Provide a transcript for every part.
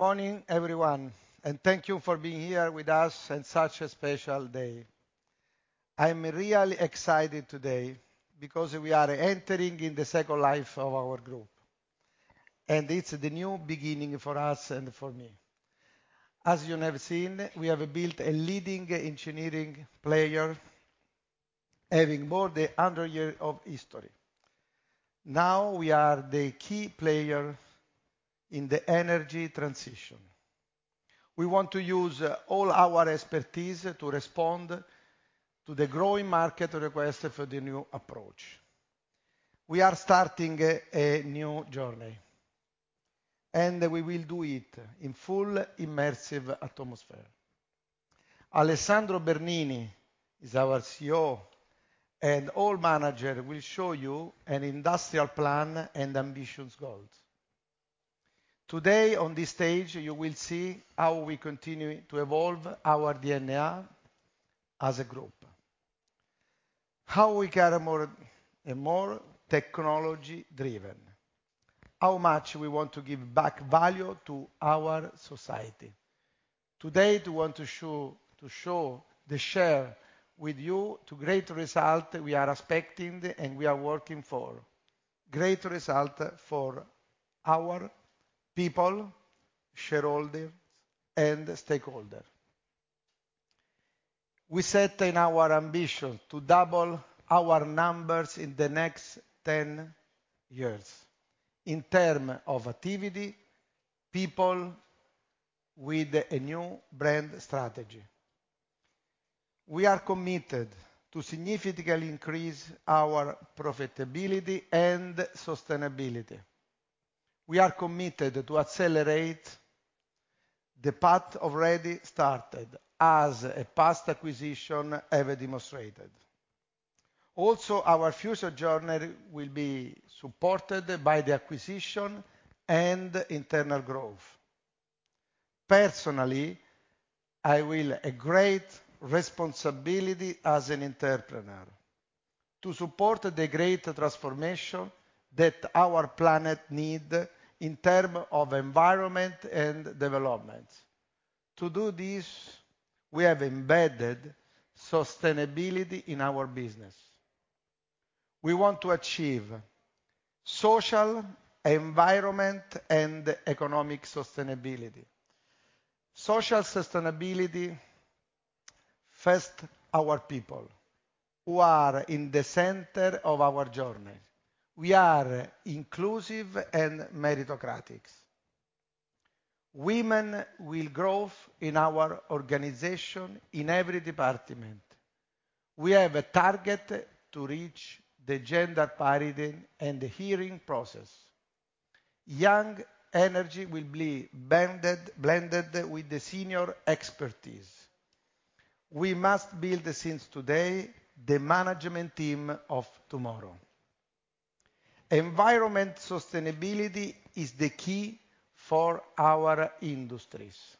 Morning, everyone, thank you for being here with us on such a special day. I'm really excited today because we are entering in the second life of our group, and it's the new beginning for us and for me. As you have seen, we have built a leading engineering player, having more than 100 years of history. We are the key player in the energy transition. We want to use all our expertise to respond to the growing market request for the new approach. We are starting a new journey, and we will do it in full immersive atmosphere. Alessandro Bernini is our CEO, and all managers will show you an industrial plan and ambitious goals. Today, on this stage, you will see how we continue to evolve our DNA as a group, how we get a more technology-driven, how much we want to give back value to our society. Today, we want to show the share with you to great result we are expecting and we are working for. Great result for our people, shareholders, and stakeholder. We set in our ambition to double our numbers in the next 10 years in term of activity, people with a new brand strategy. We are committed to significantly increase our profitability and sustainability. We are committed to accelerate the path already started as a past acquisition have demonstrated. Also, our future journey will be supported by the acquisition and internal growth. Personally, I will a great responsibility as an entrepreneur to support the great transformation that our planet need in term of environment and development. To do this, we have embedded sustainability in our business. We want to achieve social, environment, and economic sustainability. Social sustainability. First our people who are in the center of our journey. We are inclusive and meritocratic. Women will growth in our organization in every department. We have a target to reach the gender parity in the hiring process. Young energy will be blended with the senior expertise. We must build since today the management team of tomorrow. Environment sustainability is the key for our industries.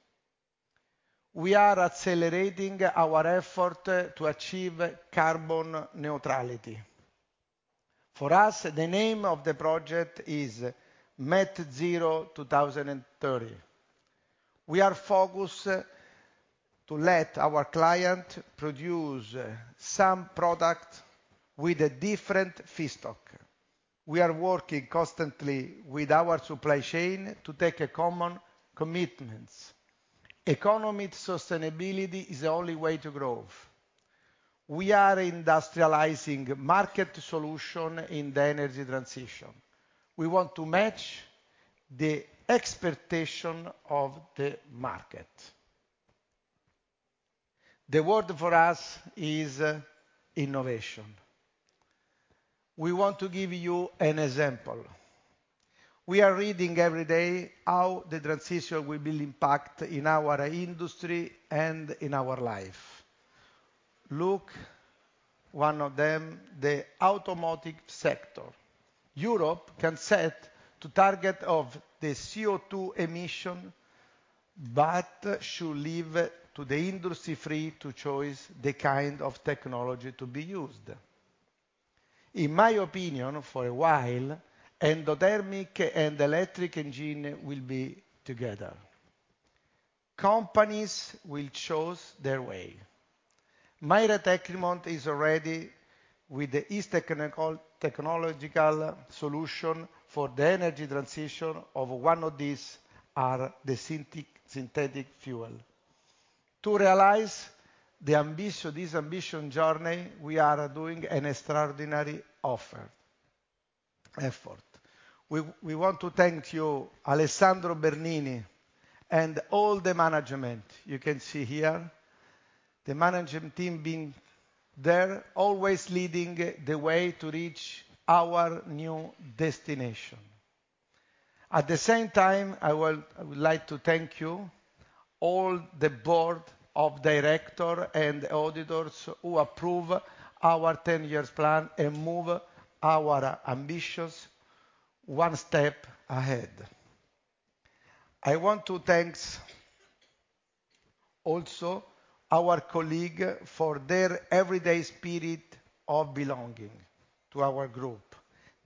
We are accelerating our effort to achieve carbon neutrality. For us, the name of the project is MET Zero 2030. We are focused to let our client produce some product with a different feedstock. We are working constantly with our supply chain to take a common commitments. Economic sustainability is the only way to growth. We are industrializing market solution in the energy transition. We want to match the expectation of the market. The word for us is innovation. We want to give you an example. We are reading every day how the transition will be impact in our industry and in our life. Look, one of them, the automotive sector. Europe can set to target of the CO2 emission, but should leave to the industry free to choose the kind of technology to be used. In my opinion, for a while, endothermic and electric engine will be together. Companies will choose their way. Maire Tecnimont is ready with its technological solution for the energy transition of one of these are the synthetic fuel. To realize this ambition journey, we are doing an extraordinary effort. We want to thank you, Alessandro Bernini and all the management. You can see here the management team being there, always leading the way to reach our new destination. At the same time, I would like to thank you all the board of directors and auditors who approve our 10 years plan and move our ambitions one step ahead. I want to thank also our colleagues for their everyday spirit of belonging to our group.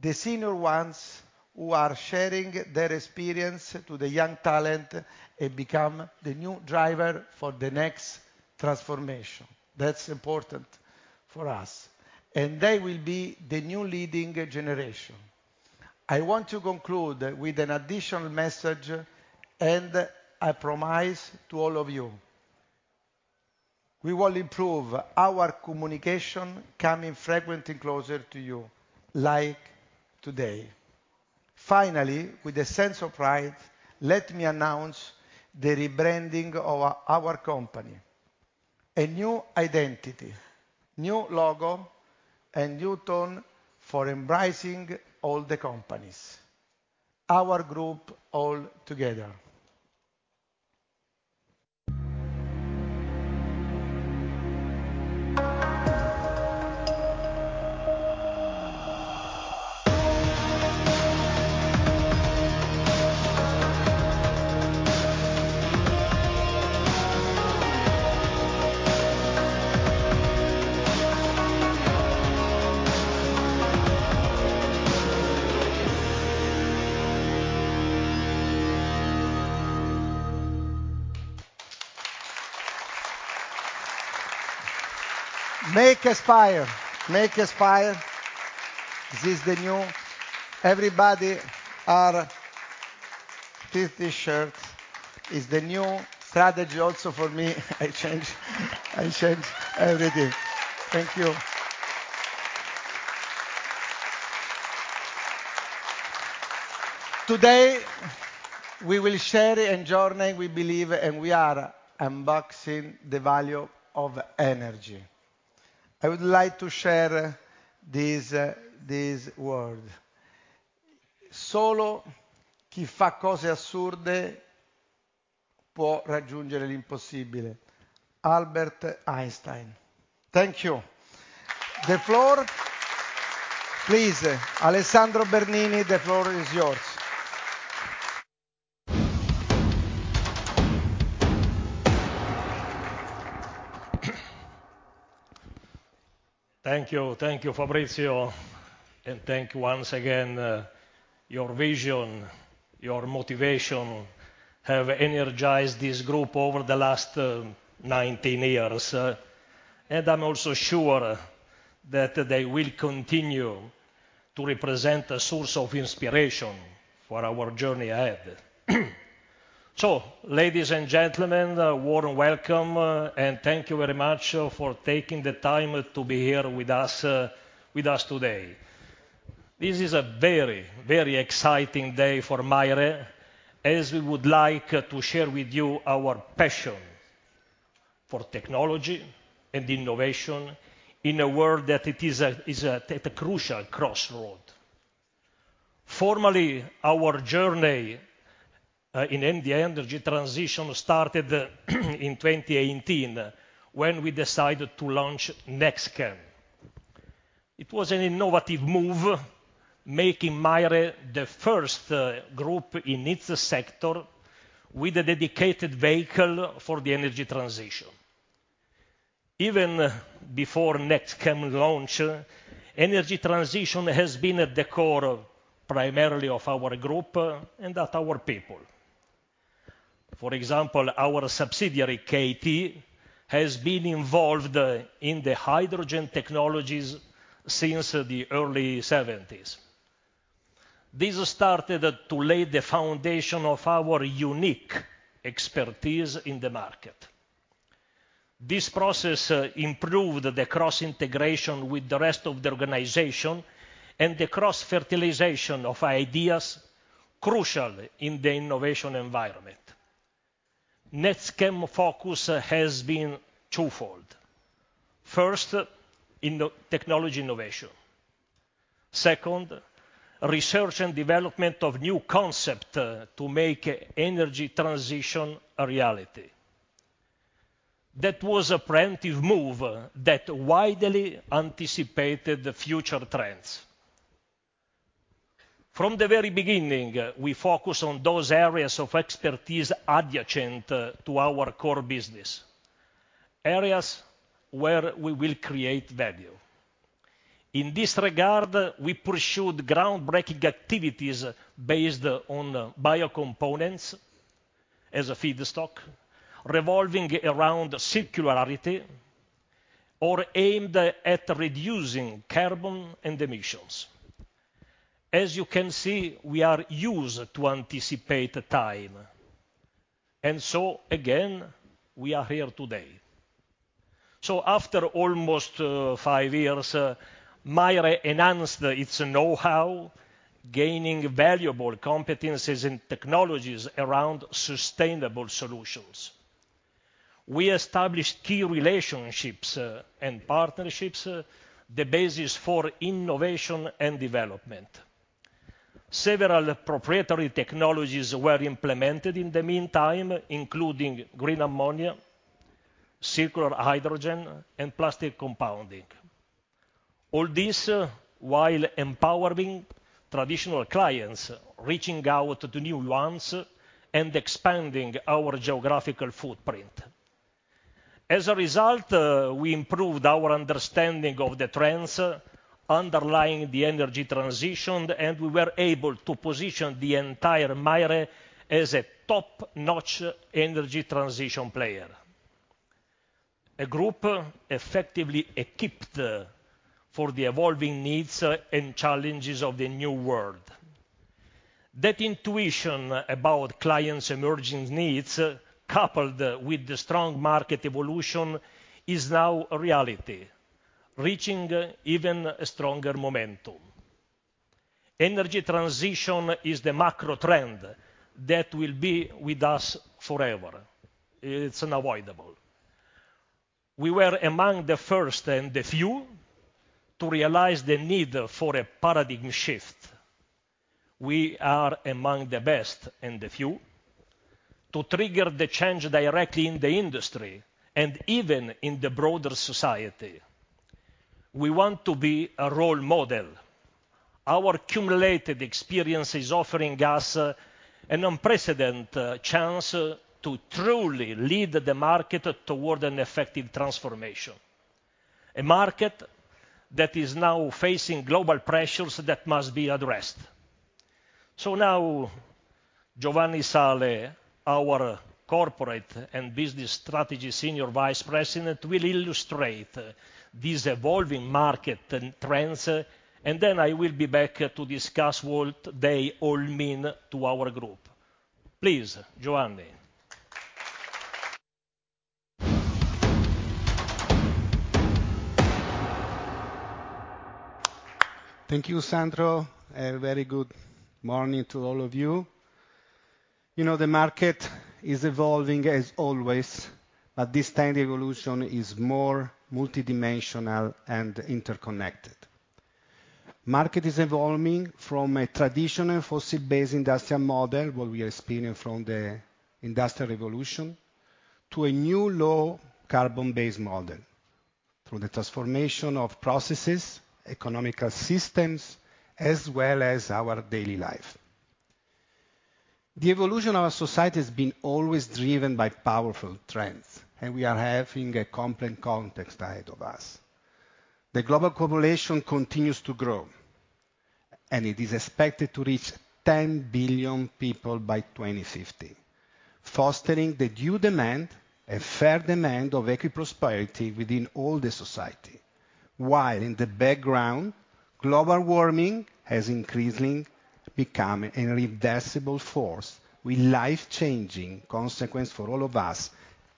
The senior ones who are sharing their experience to the young talents and become the new drivers for the next transformation. That's important for us. They will be the new leading generation. I want to conclude with an additional message, and I promise to all of you, we will improve our communication coming frequently closer to you, like today. Finally, with a sense of pride, let me announce the rebranding of our company. A new identity, new logo, and new tone for embracing all the companies. Our group all together. MAke aspire. MAke aspire. This T-shirt is the new strategy also for me. I change every day. Thank you. Today, we will share a journey we believe and we are unboxing the value of energy. I would like to share this word. Solo chi fa cose assurde può raggiungere l'impossibile", Albert Einstein. Thank you. Please, Alessandro Bernini, the floor is yours. Thank you. Thank you, Fabrizio. Thank you once again. Your vision, your motivation have energized this group over the last 19 years, and I'm also sure that they will continue to represent a source of inspiration for our journey ahead. Ladies and gentlemen, a warm welcome, and thank you very much for taking the time to be here with us today. This is a very exciting day for MAIRE, as we would like to share with you our passion for technology and innovation in a world that is a crucial crossroad. Formally, our journey in energy transition started in 2018 when we decided to launch NextChem. It was an innovative move making MAIRE the first group in its sector with a dedicated vehicle for the energy transition. Even before NextChem launch, energy transition has been at the core primarily of our group and at our people. For example, our subsidiary, KT, has been involved in the hydrogen technologies since the early 70s. This started to lay the foundation of our unique expertise in the market. This process improved the cross integration with the rest of the organization and the cross-fertilization of ideas crucial in the innovation environment. NextChem focus has been twofold. First, in the technology innovation. Second, research and development of new concept to make energy transition a reality. That was a preemptive move that widely anticipated the future trends. From the very beginning, we focus on those areas of expertise adjacent to our core business, areas where we will create value. In this regard, we pursued groundbreaking activities based on biocomponents as a feedstock revolving around circularity or aimed at reducing carbon and emissions. As you can see, we are used to anticipate time, again, we are here today. After almost, five years, MAIRE enhanced its know-how, gaining valuable competencies in technologies around sustainable solutions. We established key relationships and partnerships, the basis for innovation and development. Several proprietary technologies were implemented in the meantime, including green ammonia, circular hydrogen, and plastic compounding. All this while empowering traditional clients, reaching out to new ones, and expanding our geographical footprint. As a result, we improved our understanding of the trends underlying the energy transition, and we were able to position the entire MAIRE as a top-notch energy transition player. A group effectively equipped for the evolving needs and challenges of the new world. That intuition about clients' emerging needs, coupled with the strong market evolution, is now a reality, reaching even a stronger momentum. Energy transition is the macro trend that will be with us forever. It's unavoidable. We were among the first and the few to realize the need for a paradigm shift. We are among the best and the few to trigger the change directly in the industry and even in the broader society. We want to be a role model. Our accumulated experience is offering us an unprecedented chance to truly lead the market toward an effective transformation. A market that is now facing global pressures that must be addressed. Now, Giovanni Sale, our Corporate and Business Strategy Senior Vice President, will illustrate this evolving market and trends, and then I will be back to discuss what they all mean to our group. Please, Giovanni. Thank you, Sandro. A very good morning to all of you. You know, the market is evolving as always, but this time the evolution is more multidimensional and interconnected. Market is evolving from a traditional fossil-based industrial model, what we are experiencing from the industrial revolution, to a new low-carbon-based model through the transformation of processes, economical systems, as well as our daily life. The evolution of our society has been always driven by powerful trends, and we are having a complex context ahead of us. The global population continues to grow, and it is expected to reach 10 billion people by 2050, fostering the due demand, a fair demand of equity prosperity within all the society. While in the background, global warming has increasingly become an irreversible force with life-changing consequence for all of us,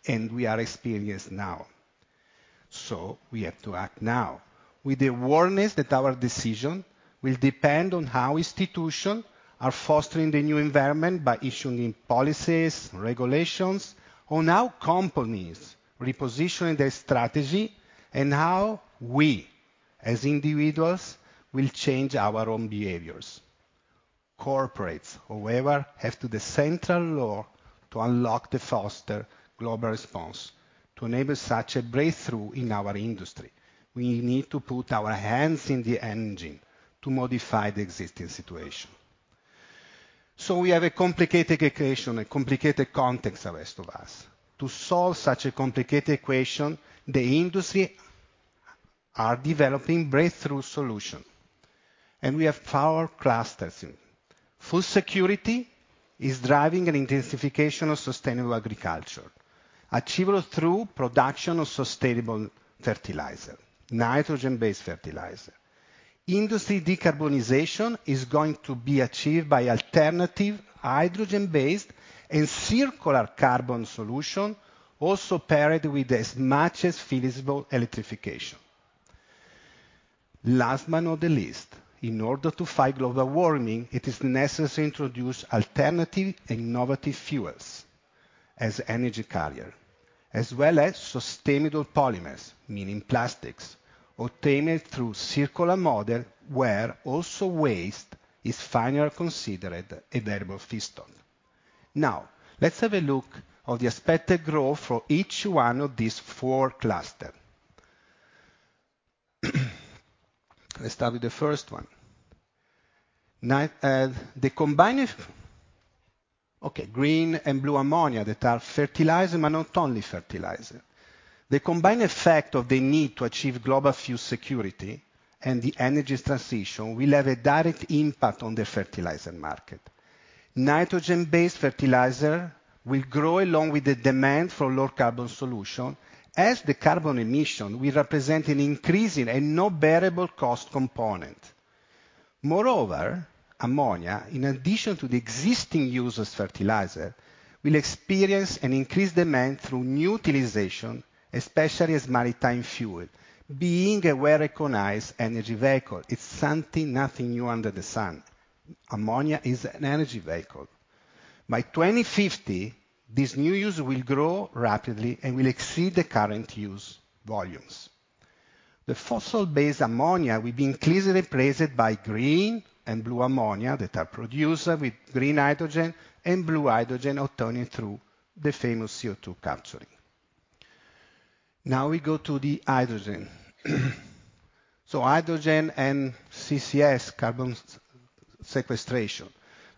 and we are experienced now. We have to act now with the awareness that our decision will depend on how institutions are fostering the new environment by issuing policies, regulations on how companies reposition their strategy and how we as individuals will change our own behaviors. Corporates, however, have to the central law to unlock the foster global response. To enable such a breakthrough in our industry, we need to put our hands in the engine to modify the existing situation. We have a complicated equation, a complicated context ahead of us. To solve such a complicated equation, the industry is developing breakthrough solutions, and we have power clusters. Food security is driving an intensification of sustainable agriculture, achievable through production of sustainable fertilizer, nitrogen-based fertilizer. Industry decarbonization is going to be achieved by alternative hydrogen-based and circular carbon solutions, also paired with as much as feasible electrification. Last but not the least, in order to fight global warming, it is necessary to introduce alternative innovative fuels as energy carrier, as well as sustainable polymers, meaning plastics, obtained through circular model where also waste is finally considered a variable system. Now, let's have a look of the expected growth for each one of these four cluster. Let's start with the first one. green and blue ammonia that are fertilizer, but not only fertilizer. The combined effect of the need to achieve global fuel security and the energy transition will have a direct impact on the fertilizer market. Nitrogen-based fertilizer will grow along with the demand for low carbon solution, as the carbon emission will represent an increase in a non-bearable cost component. Moreover, ammonia, in addition to the existing users fertilizer, will experience an increased demand through new utilization, especially as maritime fuel. Being a well-recognized energy vehicle, it's something nothing new under the sun. Ammonia is an energy vehicle. By 2050, this new use will grow rapidly and will exceed the current use volumes. The fossil-based ammonia will be increasingly replaced by green and blue ammonia that are produced with green hydrogen and blue hydrogen obtained through the famous CO2 capturing. We go to the hydrogen. Hydrogen and CCS, carbon sequestration.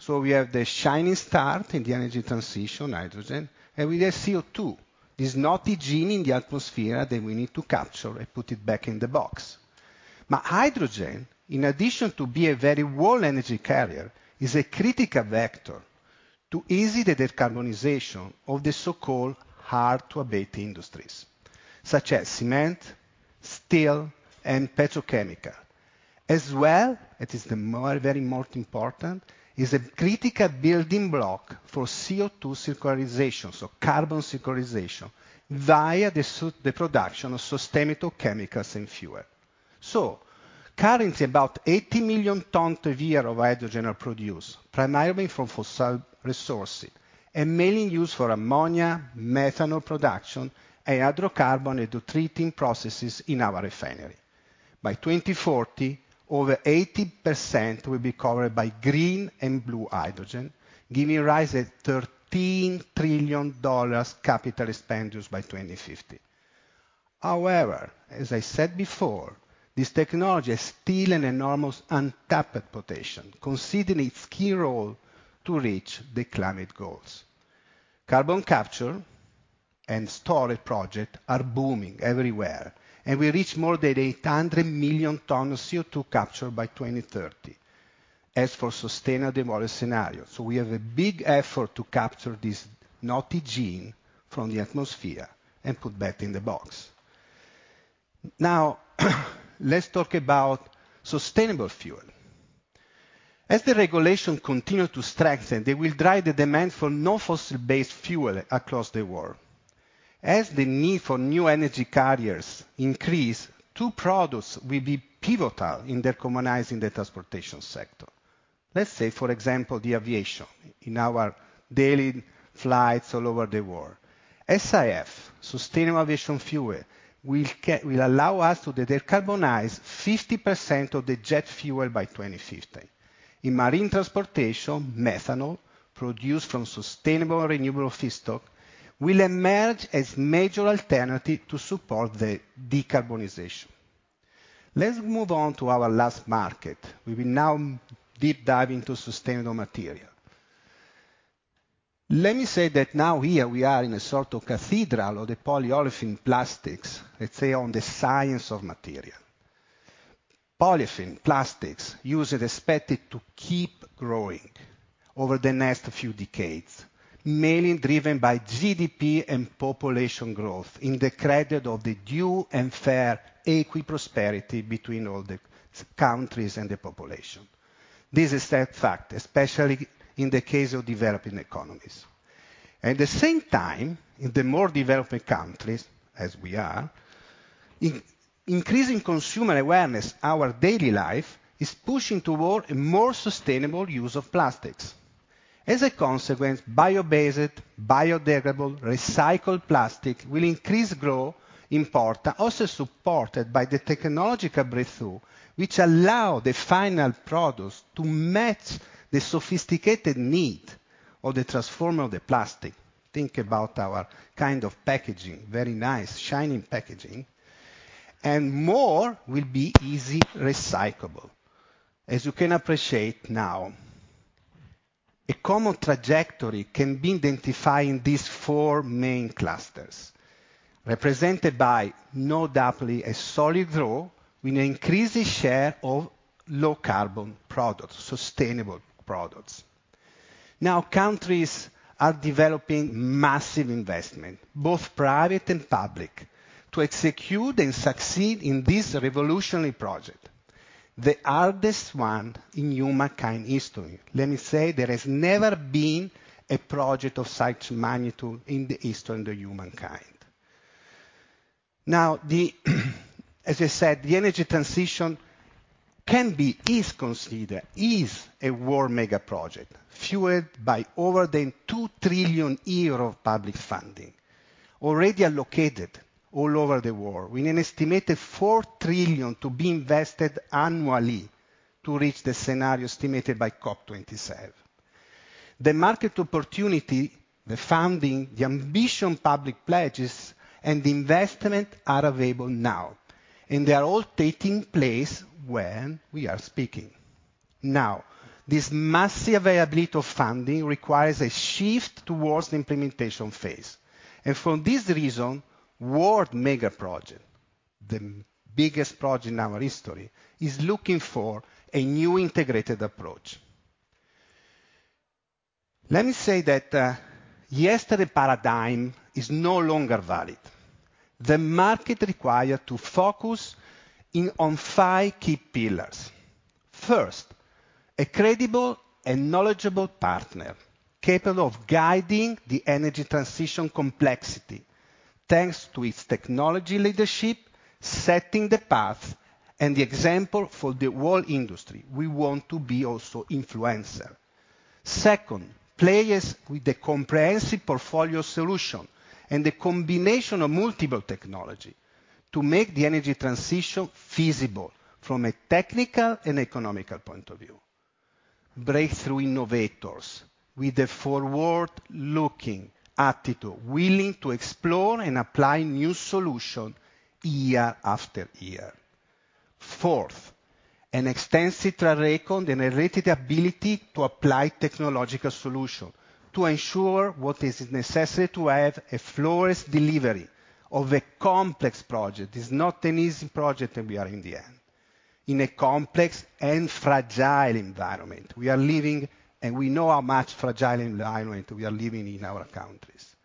We have the shining star in the energy transition, hydrogen, and we have CO2, this naughty gene in the atmosphere that we need to capture and put it back in the box. Hydrogen, in addition to be a very warm energy carrier, is a critical vector to ease the decarbonization of the so-called hard-to-abate industries, such as cement, steel, and petrochemical. It is very most important, is a critical building block for CO2 circularization, so carbon circularization, via the production of sustainable chemicals and fuel. Currently, about 80 million ton per year of hydrogen are produced, primarily from fossil resources, and mainly used for ammonia, methanol production, and hydrocarbon hydrotreating processes in our refinery. By 2040, over 80% will be covered by green and blue hydrogen, giving rise at $13 trillion capital expenditures by 2050. As I said before, this technology is still an enormous untapped potential, considering its key role to reach the climate goals. Carbon capture and storage project are booming everywhere, and will reach more than 800 million tons of CO2 capture by 2030, as for sustainable development scenario. We have a big effort to capture this naughty gene from the atmosphere and put back in the box. Now, let's talk about sustainable fuel. As the regulation continue to strengthen, they will drive the demand for no fossil-based fuel across the world. As the need for new energy carriers increase, two products will be pivotal in decarbonizing the transportation sector. Let's say, for example, the aviation in our daily flights all over the world. SAF, sustainable aviation fuel, will allow us to decarbonize 50% of the jet fuel by 2050. In marine transportation, methanol, produced from sustainable renewable feedstock, will emerge as major alternative to support the decarbonization. Let's move on to our last market. We will now deep dive into sustainable material. Let me say that now here we are in a sort of cathedral of the polyolefin plastics, let's say, on the science of material. Polyolefin plastics use is expected to keep growing over the next few decades, mainly driven by GDP and population growth in the credit of the due and fair equiprosperity between all the c-countries and the population. This is a fact, especially in the case of developing economies. At the same time, in the more developed countries, as we are, increasing consumer awareness, our daily life is pushing toward a more sustainable use of plastics. As a consequence, bio-based, biodegradable, recycled plastic will increase growth in part, also supported by the technological breakthrough, which allow the final products to match the sophisticated need of the transformer of the plastic. Think about our kind of packaging, very nice, shining packaging, more will be easy recyclable. As you can appreciate now, a common trajectory can be identified in these four main clusters, represented by, no doubtly, a solid growth with an increasing share of low-carbon products, sustainable products. Now, countries are developing massive investment, both private and public, to execute and succeed in this revolutionary project, the hardest one in humankind history. Let me say, there has never been a project of such magnitude in the history of the humankind. Now, as I said, the energy transition is considered a world megaproject fueled by over than 2 trillion euros of public funding, already allocated all over the world, with an estimated 4 trillion to be invested annually to reach the scenario estimated by COP27. The market opportunity, the funding, the ambition public pledges, and the investment are available now, and they are all taking place when we are speaking. Now, this massive availability of funding requires a shift towards the implementation phase. For this reason, world megaproject, the biggest project in our history, is looking for a new integrated approach. Let me say that yesterday paradigm is no longer valid. The market require to focus on five key pillars. First, a credible and knowledgeable partner capable of guiding the energy transition complexity thanks to its technology leadership, setting the path and the example for the whole industry. We want to be also influencer. Second, players with a comprehensive portfolio solution and a combination of multiple technology to make the energy transition feasible from a technical and economical point of view. Breakthrough innovators with a forward-looking attitude, willing to explore and apply new solution year after year. Fourth, an extensive track record and a related ability to apply technological solution to ensure what is necessary to have a flawless delivery of a complex project. It's not an easy project that we are in the end. In a complex and fragile environment we are living, and we know how much fragile environment we are living in our countries.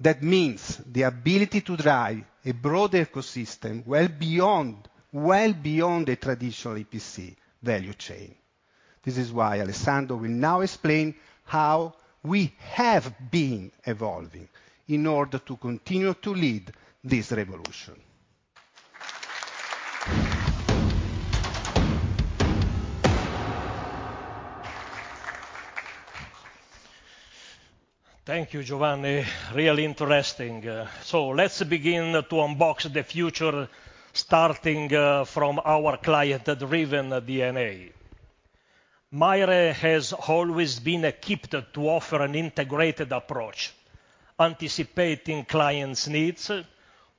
That means the ability to drive a broad ecosystem well beyond, well beyond the traditional EPC value chain. This is why Alessandro will now explain how we have been evolving in order to continue to lead this revolution. Thank you, Giovanni. Really interesting. Let's begin to unbox the future starting from our client-driven DNA. MAIRE has always been equipped to offer an integrated approach, anticipating clients' needs,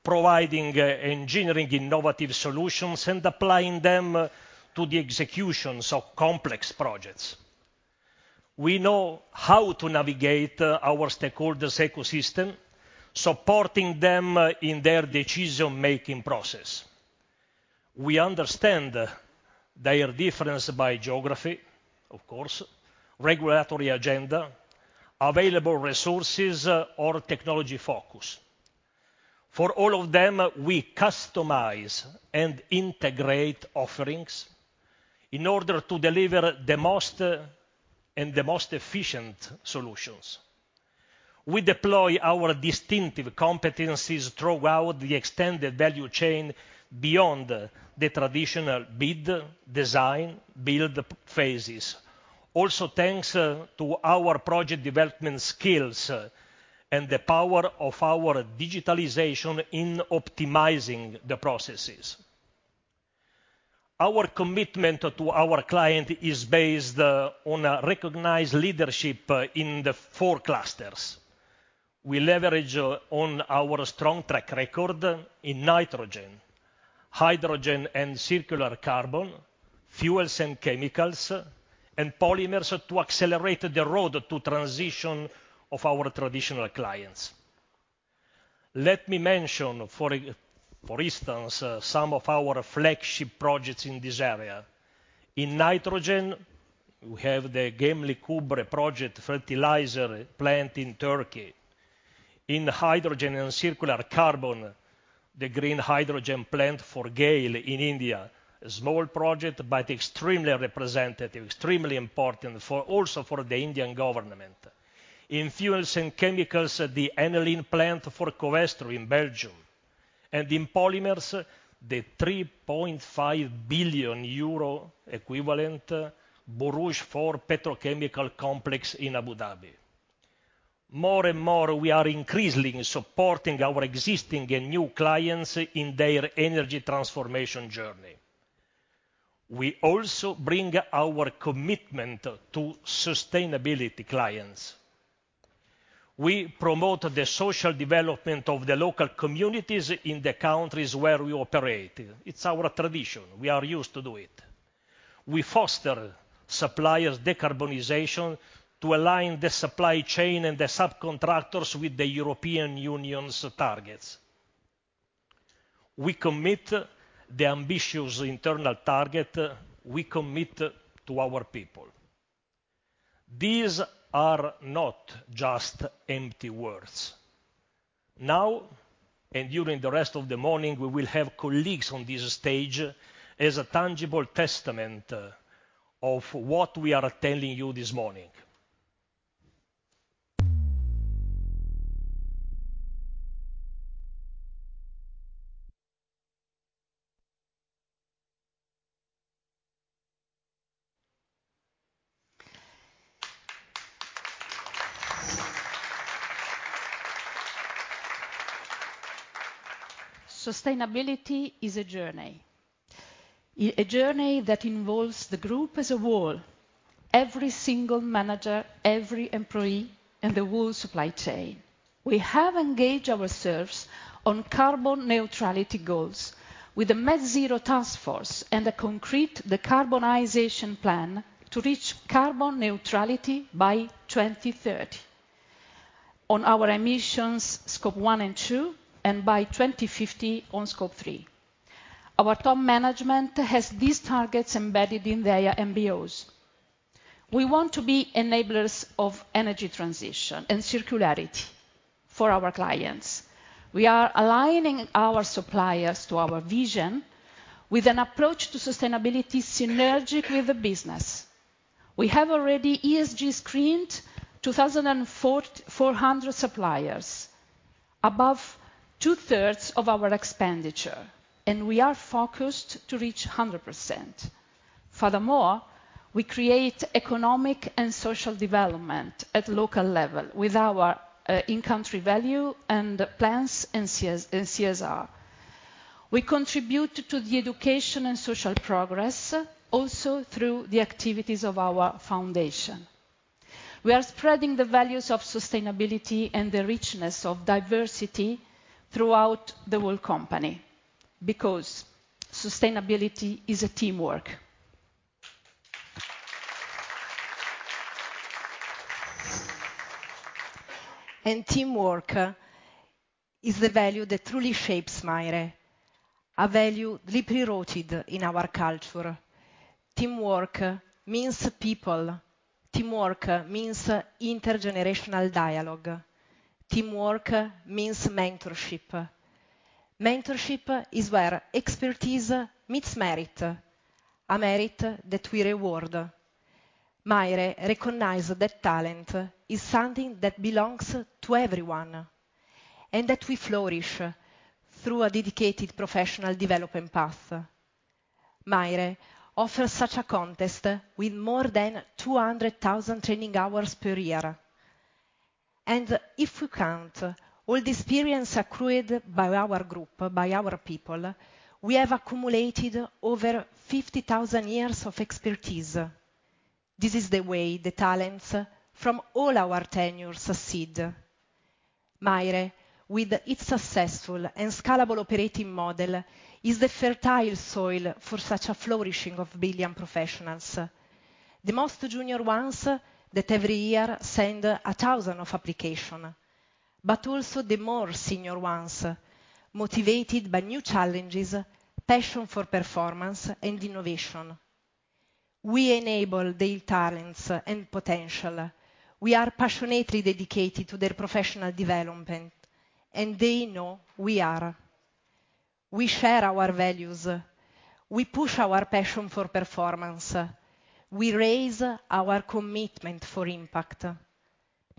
providing engineering innovative solutions, and applying them to the executions of complex projects. We know how to navigate our stakeholders' ecosystem, supporting them in their decision-making process. We understand their difference by geography, of course, regulatory agenda, available resources, or technology focus. For all of them, we customize and integrate offerings in order to deliver the most and the most efficient solutions. We deploy our distinctive competencies throughout the extended value chain beyond the traditional bid, design, build phases. Thanks to our project development skills and the power of our digitalization in optimizing the processes. Our commitment to our client is based on a recognized leadership in the four clusters. We leverage on our strong track record in nitrogen, hydrogen and circular carbon, fuels and chemicals, and polymers to accelerate the road to transition of our traditional clients. Let me mention for instance, some of our flagship projects in this area. In nitrogen, we have the Gemlik Gübre project fertilizer plant in Turkey. In hydrogen and circular carbon, the green hydrogen plant for GAIL in India. A small project, but extremely representative, extremely important also for the Indian government. In fuels and chemicals, the aniline plant for Covestro in Belgium. In polymers, the 3.5 billion euro equivalent Borouge 4 petrochemical complex in Abu Dhabi. More and more, we are increasingly supporting our existing and new clients in their energy transformation journey. We also bring our commitment to sustainability clients. We promote the social development of the local communities in the countries where we operate. It's our tradition. We are used to do it. We foster suppliers' decarbonization to align the supply chain and the subcontractors with the European Union's targets. We commit the ambitious internal target. We commit to our people. These are not just empty words. And during the rest of the morning, we will have colleagues on this stage as a tangible testament of what we are telling you this morning. Sustainability is a journey. A journey that involves the group as a whole, every single manager, every employee, and the whole supply chain. We have engaged ourselves on carbon neutrality goals with the MET Zero Task Force and a concrete decarbonization plan to reach carbon neutrality by 2030 on our emissions Scope one and two and by 2050 on Scope three. Our top management has these targets embedded in their MBOs. We want to be enablers of energy transition and circularity for our clients. We are aligning our suppliers to our vision with an approach to sustainability synergic with the business. We have already ESG-screened 2,400 suppliers, above two-thirds of our expenditure, and we are focused to reach 100%. Furthermore, we create economic and social development at local level with our in-country value and plans and CSR. We contribute to the education and social progress, also through the activities of our foundation. We are spreading the values of sustainability and the richness of diversity throughout the whole company because sustainability is a teamwork. Teamwork is the value that truly shapes MAIRE, a value deeply rooted in our culture. Teamwork means people. Teamwork means intergenerational dialogue. Teamwork means mentorship. Mentorship is where expertise meets merit, a merit that we reward. MAIRE recognize that talent is something that belongs to everyone and that we flourish through a dedicated professional development path. MAIRE offers such a contest with more than 200,000 training hours per year. If we count all the experience accrued by our group, by our people, we have accumulated over 50,000 years of expertise. This is the way the talents from all our tenure succeed. MAIRE, with its successful and scalable operating model, is the fertile soil for such a flourishing of billion professionals. The most junior ones that every year send 1,000 applications, but also the more senior ones motivated by new challenges, passion for performance and innovation. We enable their talents and potential. We are passionately dedicated to their professional development, and they know we are. We share our values. We push our passion for performance. We raise our commitment for impact.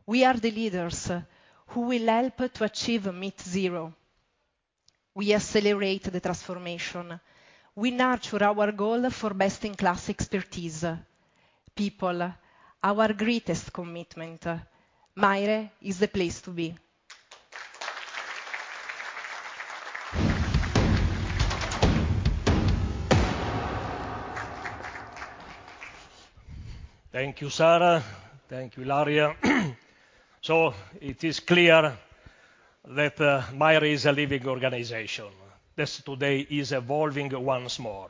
We are the leaders who will help to achieve net zero. We accelerate the transformation. We nurture our goal for best-in-class expertise. People, our greatest commitment. MAIRE is the place to be. Thank you, Sara. Thank you, Ilaria. It is clear that MAIRE is a living organization that today is evolving once more.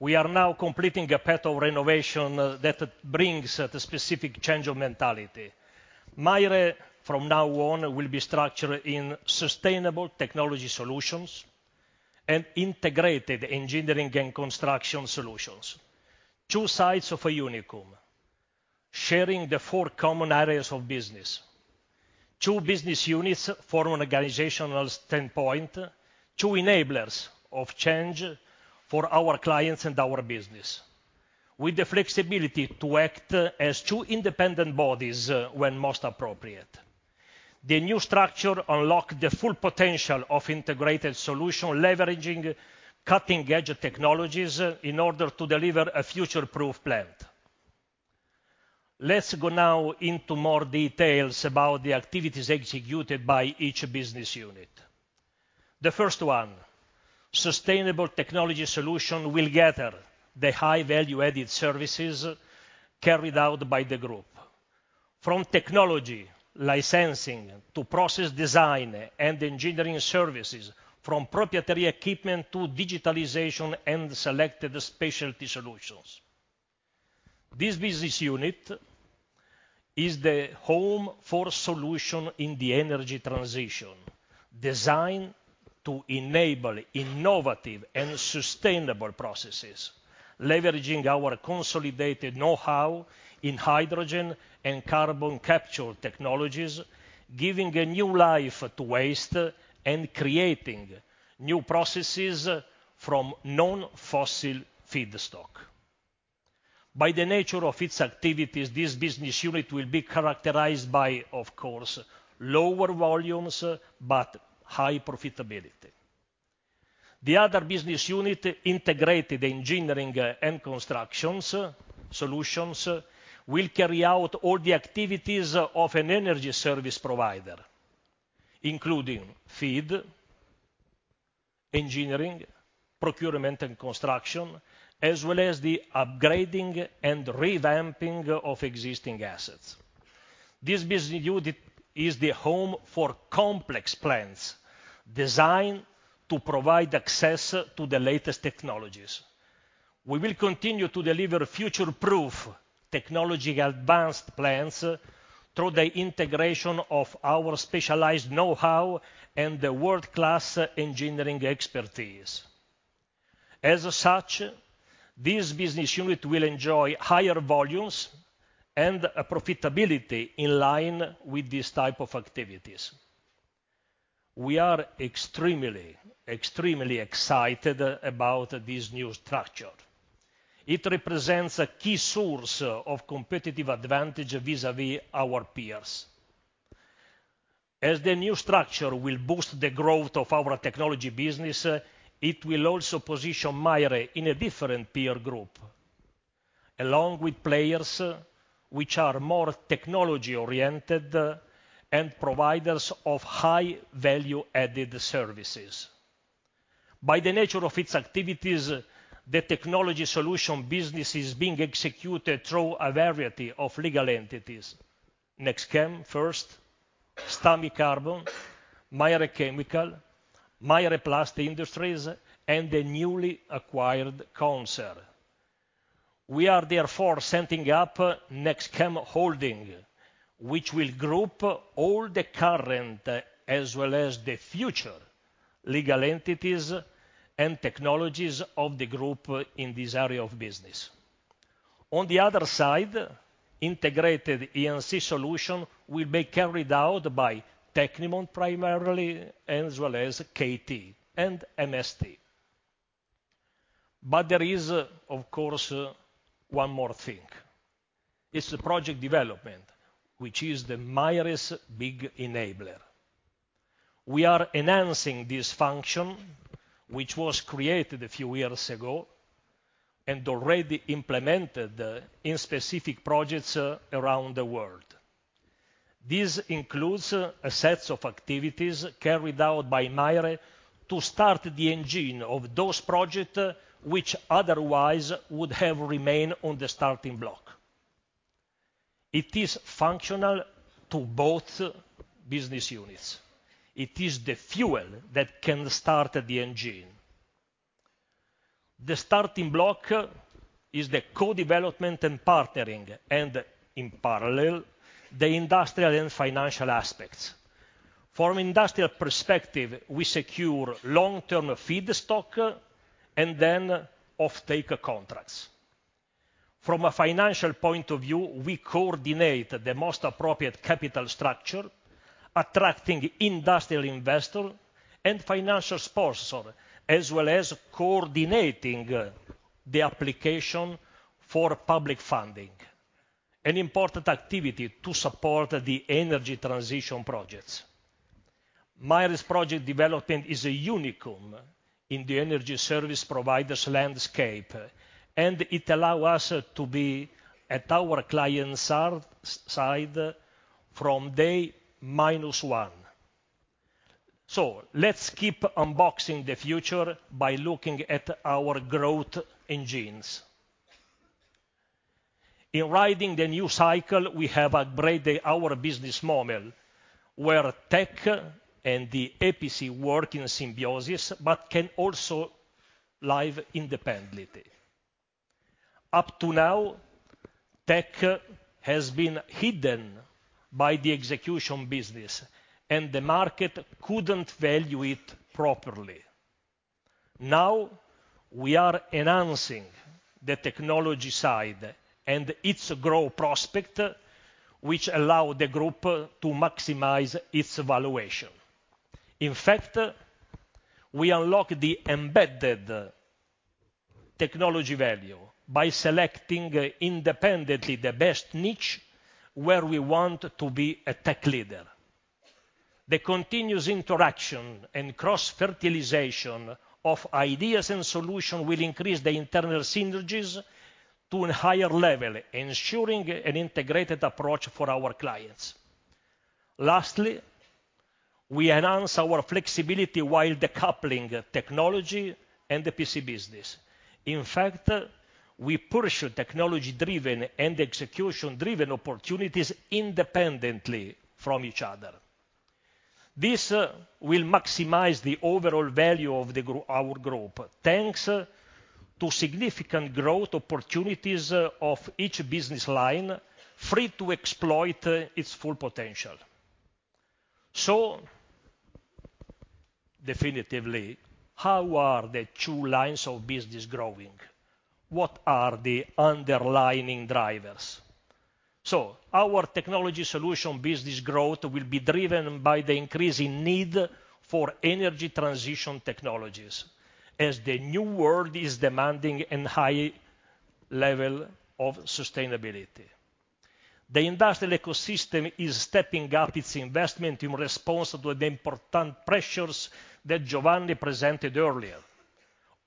We are now completing a path of renovation that brings a specific change of mentality. MAIRE, from now on, will be structured in Sustainable Technology Solutions and Integrated Engineering and Construction Solutions. Two sides of a unicorn, sharing the four common areas of business. Two business units from an organizational standpoint, two enablers of change for our clients and our business. With the flexibility to act as two independent bodies when most appropriate. The new structure unlock the full potential of integrated solution, leveraging cutting-edge technologies in order to deliver a future-proof plant. Let's go now into more details about the activities executed by each business unit. The first one, Sustainable Technology Solution, will gather the high value-added services carried out by the group, from technology licensing to process design and engineering services, from proprietary equipment to digitalization and selected specialty solutions. This business unit is the home for solution in the energy transition designed to enable innovative and sustainable processes, leveraging our consolidated know-how in hydrogen and carbon capture technologies, giving a new life to waste and creating new processes from non-fossil feedstock. By the nature of its activities, this business unit will be characterized by, of course, lower volumes but high profitability. The other business unit, Integrated Engineering and Constructions Solutions, will carry out all the activities of an energy service provider, including FEED, engineering, procurement and construction, as well as the upgrading and revamping of existing assets. This business unit is the home for complex plans designed to provide access to the latest technologies. We will continue to deliver future-proof technology advanced plans through the integration of our specialized know-how and the world-class engineering expertise. As such, this business unit will enjoy higher volumes and a profitability in line with this type of activities. We are extremely excited about this new structure. It represents a key source of competitive advantage vis-à-vis our peers. The new structure will boost the growth of our technology business, it will also position MAIRE in a different peer group along with players which are more technology-oriented and providers of high value added services. By the nature of its activities, the technology solution business is being executed through a variety of legal entities. NextChem first, Stamicarbon, MyRechemical, MyReplast Industries, and the newly acquired Conser. We are therefore setting up NextChem Holding, which will group all the current as well as the future legal entities and technologies of the group in this area of business. On the other side, integrated E&C solution will be carried out by Tecnimont primarily, as well as KT and MST. There is, of course, one more thing. It's the project development, which is the MAIRE's big enabler. We are enhancing this function, which was created a few years ago and already implemented in specific projects around the world. This includes a sets of activities carried out by MAIRE to start the engine of those project, which otherwise would have remained on the starting block. It is functional to both business units. It is the fuel that can start the engine. The starting block is the co-development and partnering, and in parallel, the industrial and financial aspects. From industrial perspective, we secure long-term feedstock and offtake contracts. From a financial point of view, we coordinate the most appropriate capital structure, attracting industrial investor and financial sponsor, as well as coordinating the application for public funding, an important activity to support the energy transition projects. MAIRE's project development is a unicum in the energy service provider's landscape, it allow us to be at our clients side from day minus one. Let's keep unboxing the future by looking at our growth engines. In riding the new cycle, we have upgraded our business model, where tech and the EPC work in symbiosis, but can also live independently. Up to now, tech has been hidden by the execution business, the market couldn't value it properly. Now, we are enhancing the technology side and its growth prospect, which allow the group to maximize its valuation. In fact, we unlock the embedded technology value by selecting independently the best niche where we want to be a tech leader. The continuous interaction and cross-fertilization of ideas and solution will increase the internal synergies to a higher level, ensuring an integrated approach for our clients. Lastly, we enhance our flexibility while decoupling technology and EPC business. In fact, we push technology-driven and execution-driven opportunities independently from each other. This will maximize the overall value of our group, thanks to significant growth opportunities of each business line, free to exploit its full potential. Definitively, how are the two lines of business growing? What are the underlying drivers? Our technology solution business growth will be driven by the increasing need for energy transition technologies, as the new world is demanding an high level of sustainability. The industrial ecosystem is stepping up its investment in response to the important pressures that Giovanni presented earlier,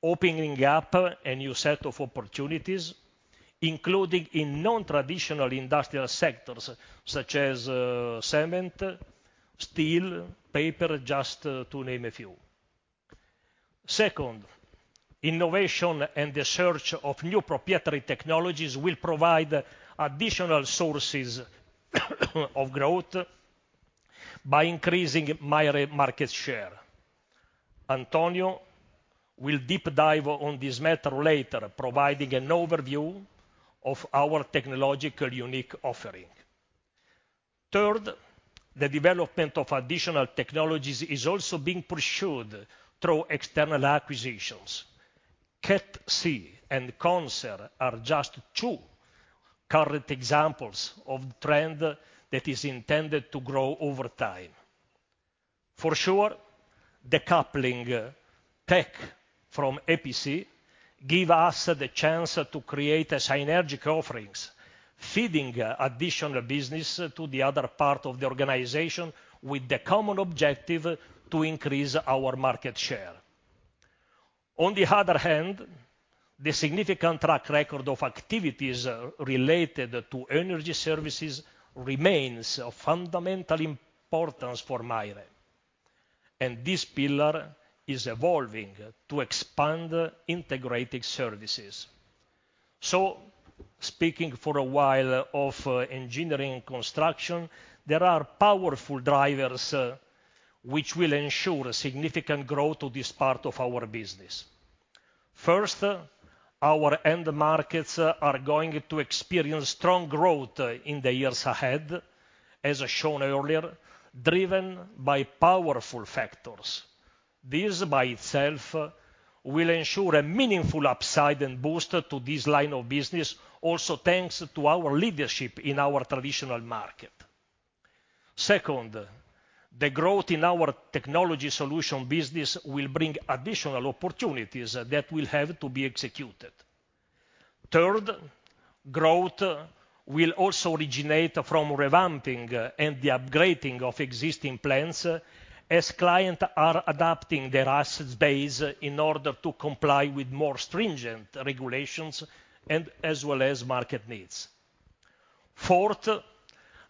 opening up a new set of opportunities, including in non-traditional industrial sectors such as cement, steel, paper, just to name a few. Innovation and the search of new proprietary technologies will provide additional sources of growth by increasing MAIRE market share. Antonio will deep dive on this matter later, providing an overview of our technological unique offering. The development of additional technologies is also being pursued through external acquisitions. CatC and Conser are just two current examples of the trend that is intended to grow over time. For sure, decoupling tech from EPC give us the chance to create a synergic offerings, feeding additional business to the other part of the organization with the common objective to increase our market share. On the other hand, the significant track record of activities related to energy services remains of fundamental importance for MAIRE. This pillar is evolving to expand integrated services. Speaking for a while of engineering and construction, there are powerful drivers which will ensure significant growth to this part of our business. First, our end markets are going to experience strong growth in the years ahead, as shown earlier, driven by powerful factors. This by itself will ensure a meaningful upside and boost to this line of business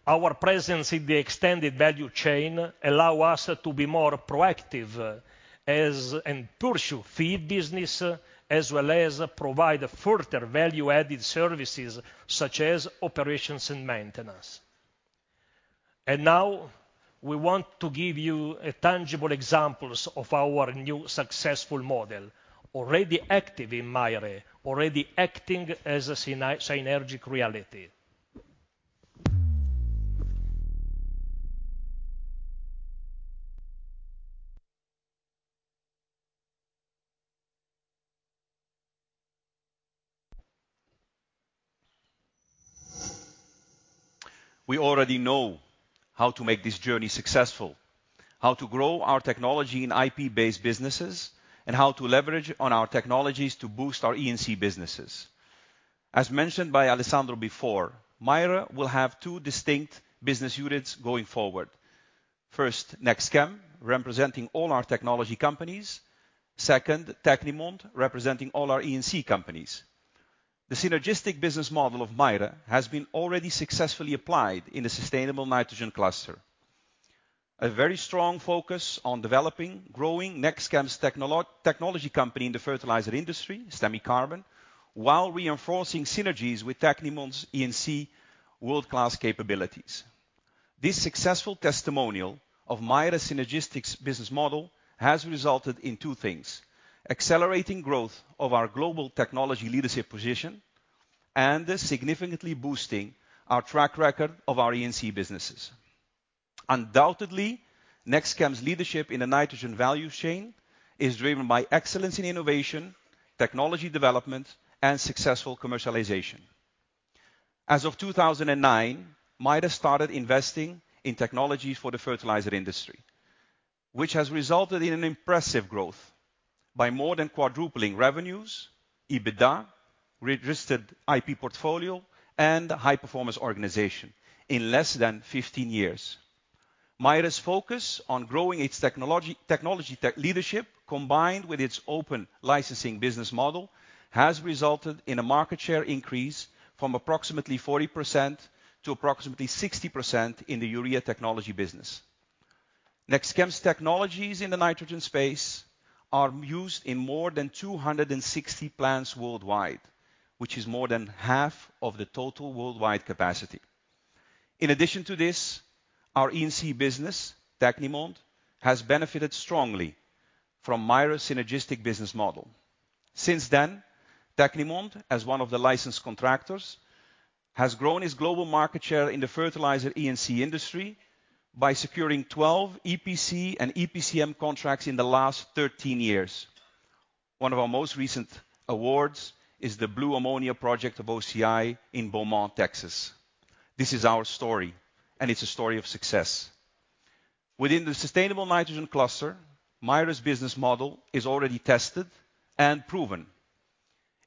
also thanks to our leadership in our traditional market. Second, the growth in our technology solution business will bring additional opportunities that will have to be executed. Third, growth will also originate from revamping and the upgrading of existing plants as clients are adapting their asset base in order to comply with more stringent regulations and as well as market needs. Fourth, our presence in the extended value chain allows us to be more proactive and pursue FEED business as well as provide further value-added services such as operations and maintenance. Now we want to give you a tangible example of our new successful model already active in MAIRE, already acting as a synergic reality. We already know how to make this journey successful, how to grow our technology in IP-based businesses, and how to leverage on our technologies to boost our EPC businesses. As mentioned by Alessandro before, MAIRE will have two distinct business units going forward. First, NextChem, representing all our technology companies. Second, Tecnimont, representing all our EPC companies. The synergistic business model of MAIRE has been already successfully applied in the sustainable nitrogen cluster. A very strong focus on developing, growing NextChem's technology company in the fertilizer industry, Stamicarbon, while reinforcing synergies with Tecnimont EPC world-class capabilities. This successful testimonial of MAIRE Synergistics business model has resulted in two things: accelerating growth of our global technology leadership position and significantly boosting our track record of our EPC businesses. Undoubtedly, NextChem's leadership in the nitrogen value chain is driven by excellence in innovation, technology development, and successful commercialization. As of 2009, MAIRE started investing in technology for the fertilizer industry, which has resulted in an impressive growth by more than quadrupling revenues, EBITDA, registered IP portfolio, and high-performance organization in less than 15 years. MAIRE's focus on growing its technology tech leadership, combined with its open licensing business model, has resulted in a market share increase from approximately 40% to approximately 60% in the urea technology business. NextChem's technologies in the nitrogen space are used in more than 260 plants worldwide, which is more than half of the total worldwide capacity. In addition to this, our E&C business, Tecnimont, has benefited strongly from MAIRE Synergistic business model. Since then, Tecnimont, as one of the licensed contractors, has grown its global market share in the fertilizer E&C industry by securing 12 EPC and EPCM contracts in the last 13 years. One of our most recent awards is the blue ammonia project of OCI in Beaumont, Texas. This is our story. It's a story of success. Within the sustainable nitrogen cluster, MAIRE's business model is already tested and proven.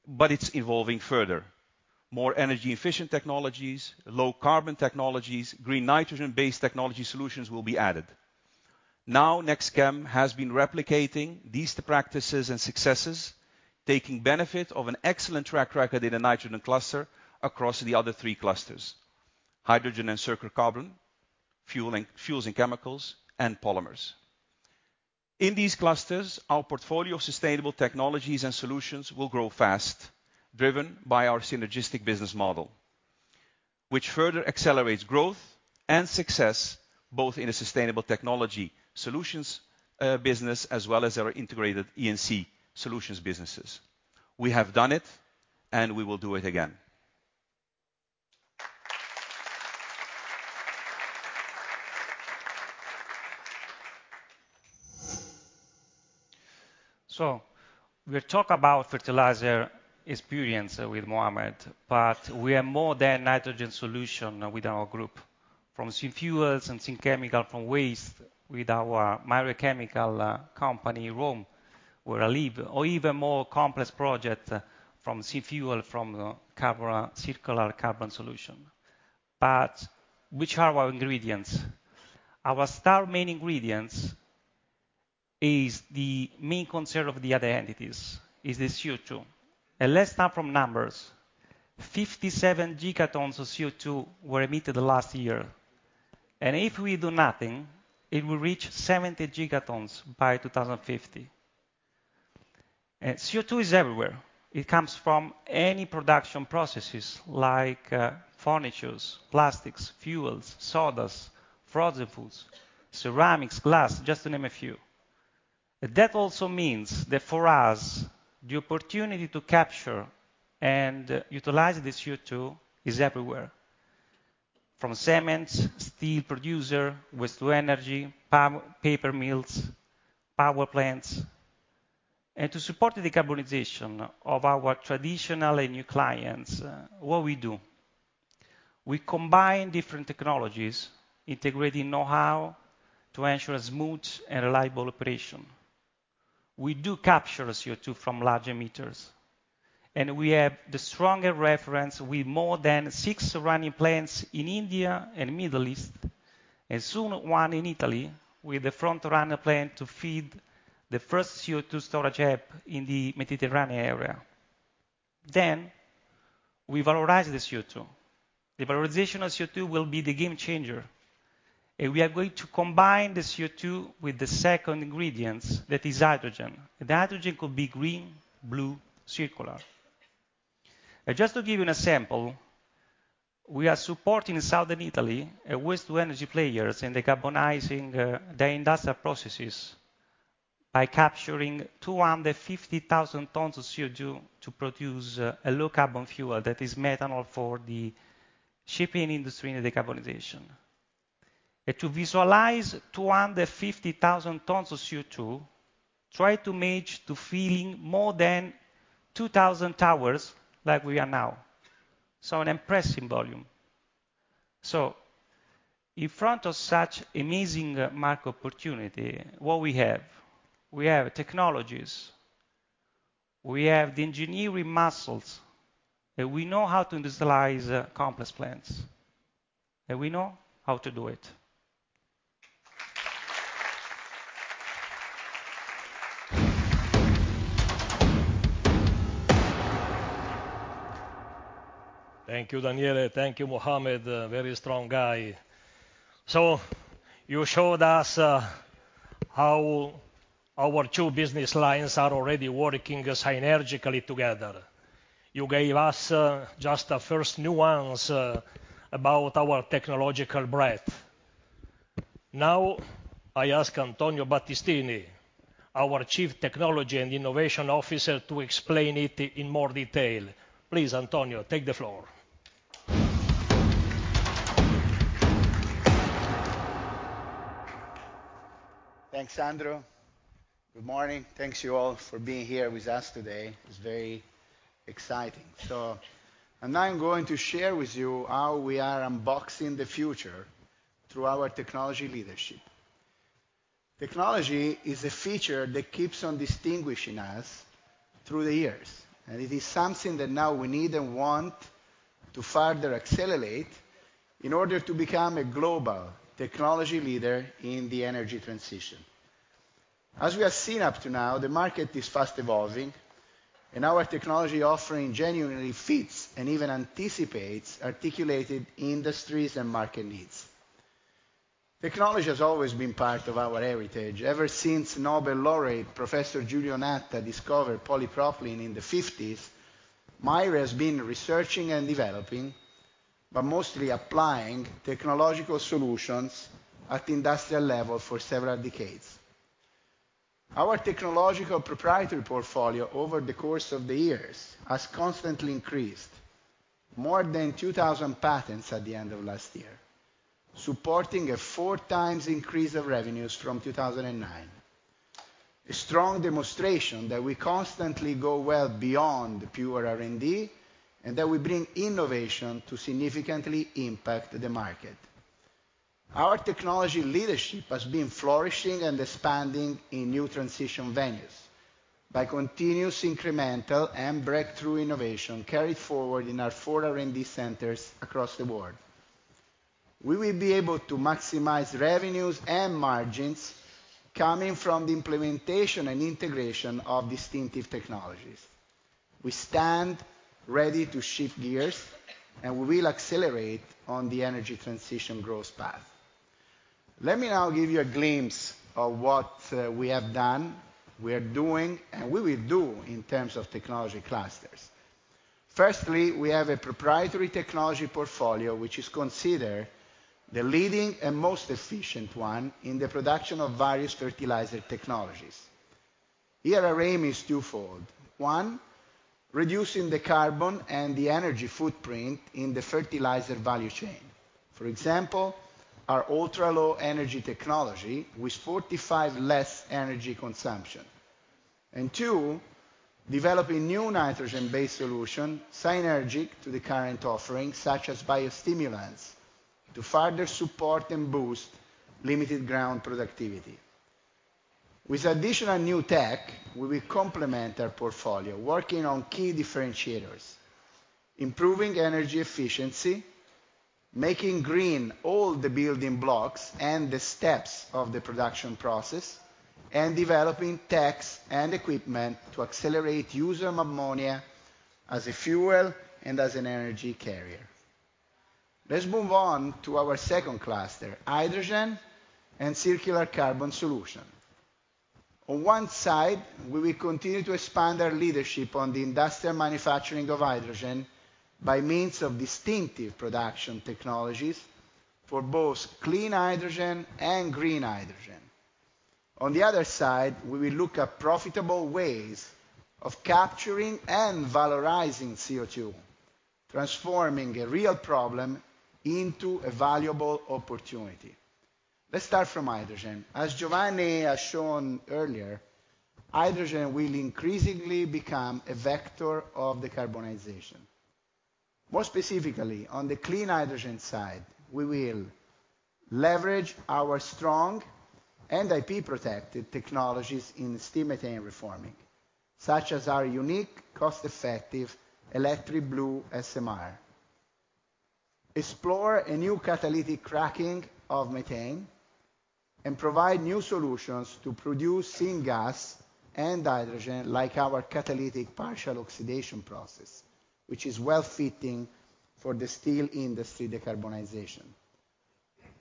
It's evolving further. More energy-efficient technologies, low-carbon technologies, green nitrogen-based technology solutions will be added. NextChem has been replicating these practices and successes, taking benefit of an excellent track record in the nitrogen cluster across the other three clusters: hydrogen and circular carbon, fuels and chemicals, and polymers. In these clusters, our portfolio of sustainable technologies and solutions will grow fast, driven by our synergistic business model, which further accelerates growth and success both in a Sustainable Technology Solutions business as well as our integrated E&C solutions businesses. We have done it. We will do it again. We talk about fertilizer experience with Mohamed. We are more than nitrogen solution within our group. From synfuels and synchemical from waste with our MyRechemical company in Rome, where I live, or even more complex project from synfuel, from carbon, circular carbon solution. Which are our ingredients? Our star main ingredients is the main concern of the other entities, is the CO2. Let's start from numbers. 57 gigatons of CO2 were emitted last year, and if we do nothing, it will reach 70 gigatons by 2050. CO2 is everywhere. It comes from any production processes like furnitures, plastics, fuels, sodas, frozen foods, ceramics, glass, just to name a few. That also means that for us, the opportunity to capture and utilize the CO2 is everywhere, from cement, steel producer, waste to energy, paper mills, power plants. To support the decarbonization of our traditional and new clients, what we do? We combine different technologies, integrating know-how to ensure smooth and reliable operation. We do capture CO2 from large emitters, and we have the stronger reference with more than six running plants in India and Middle East, and soon one in Italy with the front-runner plant to feed the first CO2 storage hub in the Mediterranean area. We valorize the CO2. The valorization of CO2 will be the game changer, and we are going to combine the CO2 with the second ingredient, that is hydrogen. The hydrogen could be green, blue, circular. Just to give you an example, we are supporting Southern Italy and waste to energy players in decarbonizing their industrial processes by capturing 250,000 tons of CO2 to produce a low-carbon fuel that is methanol for the shipping industry in the decarbonization. To visualize 250,000 tons of CO2, try to imagine to filling more than 2,000 towers like we are now. An impressive volume. In front of such amazing market opportunity, what we have? We have technologies, we have the engineering muscles, and we know how to industrialize complex plants, and we know how to do it. Thank you, Daniele. Thank you, Mohamed. A very strong guy. You showed us how our two business lines are already working synergistically together. You gave us just a first nuance about our technological breadth. I ask Antonio Battistini, our Chief Technology and Innovation Officer, to explain it in more detail. Please, Antonio, take the floor. Thanks, Sandro. Good morning. Thanks, you all for being here with us today. It's very exciting. Now I'm going to share with you how we are unboxing the future through our technology leadership. Technology is a feature that keeps on distinguishing us through the years, and it is something that now we need and want to further accelerate in order to become a global technology leader in the energy transition. As we have seen up to now, the market is fast evolving, and our technology offering genuinely fits and even anticipates articulated industries and market needs. Technology has always been part of our heritage. Ever since Nobel laureate Professor Giulio Natta discovered polypropylene in the fifties, MAIRE has been researching and developing, but mostly applying technological solutions at industrial level for several decades. Our technological proprietary portfolio over the course of the years has constantly increased. More than 2,000 patents at the end of last year, supporting a4x increase of revenues from 2009. A strong demonstration that we constantly go well beyond pure R&D and that we bring innovation to significantly impact the market. Our technology leadership has been flourishing and expanding in new transition venues by continuous incremental and breakthrough innovation carried forward in our four R&D centers across the world. We will be able to maximize revenues and margins coming from the implementation and integration of distinctive technologies. We stand ready to shift gears, and we will accelerate on the energy transition growth path. Let me now give you a glimpse of what we have done, we are doing, and we will do in terms of technology clusters. Firstly, we have a proprietary technology portfolio which is considered the leading and most efficient one in the production of various fertilizer technologies. Here our aim is twofold: One, reducing the carbon and the energy footprint in the fertilizer value chain. For example, our ultra-low energy technology, which fortifies less energy consumption. And two, developing new nitrogen-based solution synergic to the current offerings such as biostimulants to further support and boost limited ground productivity. With additional new tech, we will complement our portfolio working on key differentiators, improving energy efficiency, making green all the building blocks and the steps of the production process, and developing techs and equipment to accelerate use of ammonia as a fuel and as an energy carrier. Let's move on to our second cluster, hydrogen and circular carbon solution. On one side, we will continue to expand our leadership on the industrial manufacturing of hydrogen by means of distinctive production technologies for both clean hydrogen and green hydrogen. On the other side, we will look at profitable ways of capturing and valorizing CO2, transforming a real problem into a valuable opportunity. Let's start from hydrogen. As Giovanni has shown earlier, hydrogen will increasingly become a vector of decarbonization. More specifically, on the clean hydrogen side, we will leverage our strong and IP-protected technologies in steam methane reforming, such as our unique cost-effective Electric Blue SMR. Explore a new catalytic cracking of methane, and provide new solutions to produce syngas and hydrogen like our catalytic partial oxidation process, which is well-fitting for the steel industry decarbonization.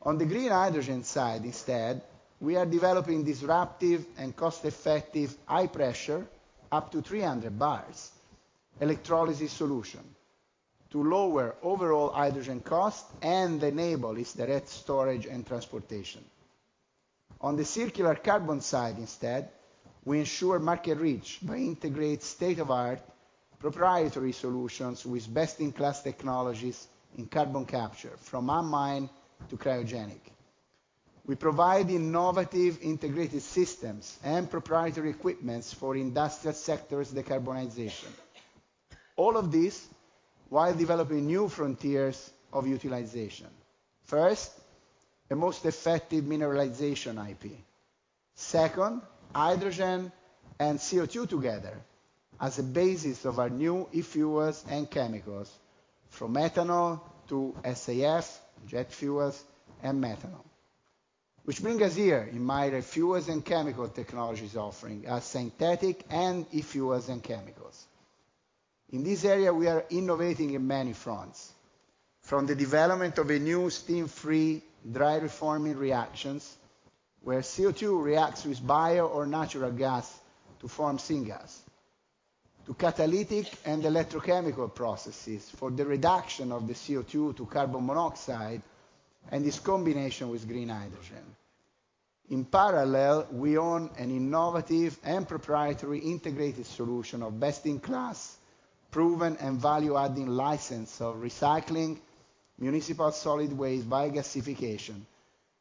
On the green hydrogen side instead, we are developing disruptive and cost-effective high pressure up to 300 bars electrolysis solution to lower overall hydrogen costs and enable its direct storage and transportation. On the circular carbon side instead, we ensure market reach by integrate state-of-art proprietary solutions with best-in-class technologies in carbon capture, from amine to cryogenic. We provide innovative integrated systems and proprietary equipments for industrial sectors decarbonization. All of this while developing new frontiers of utilization. First, a most effective mineralization IP. Second, hydrogen and CO2 together as a basis of our new e-fuels and chemicals, from methanol to SAF, jet fuels, and methanol. Which bring us here in my fuels and chemical technologies offering, our synthetic and e-fuels and chemicals. In this area, we are innovating in many fronts. From the development of a new steam-free, dry reforming reactions, where CO2 reacts with bio or natural gas to form syngas, to catalytic and electrochemical processes for the reduction of the CO2 to carbon monoxide and its combination with green hydrogen. In parallel, we own an innovative and proprietary integrated solution of best-in-class, proven, and value-adding license of recycling municipal solid waste by gasification,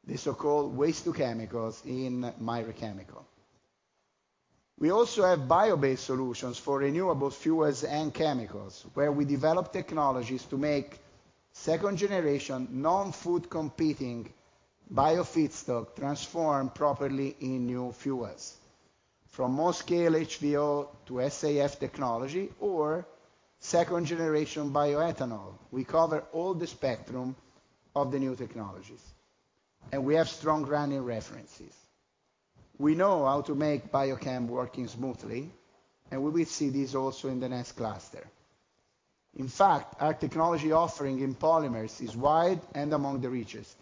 the so-called waste to chemicals in MyRechemical. We also have bio-based solutions for renewable fuels and chemicals, where we develop technologies to make second generation non-food competing bio feedstock transform properly in new fuels. From small scale HVO to SAF technology or second generation bioethanol, we cover all the spectrum of the new technologies and we have strong running references. We know how to make biochem working smoothly, and we will see this also in the next cluster. In fact, our technology offering in polymers is wide and among the richest.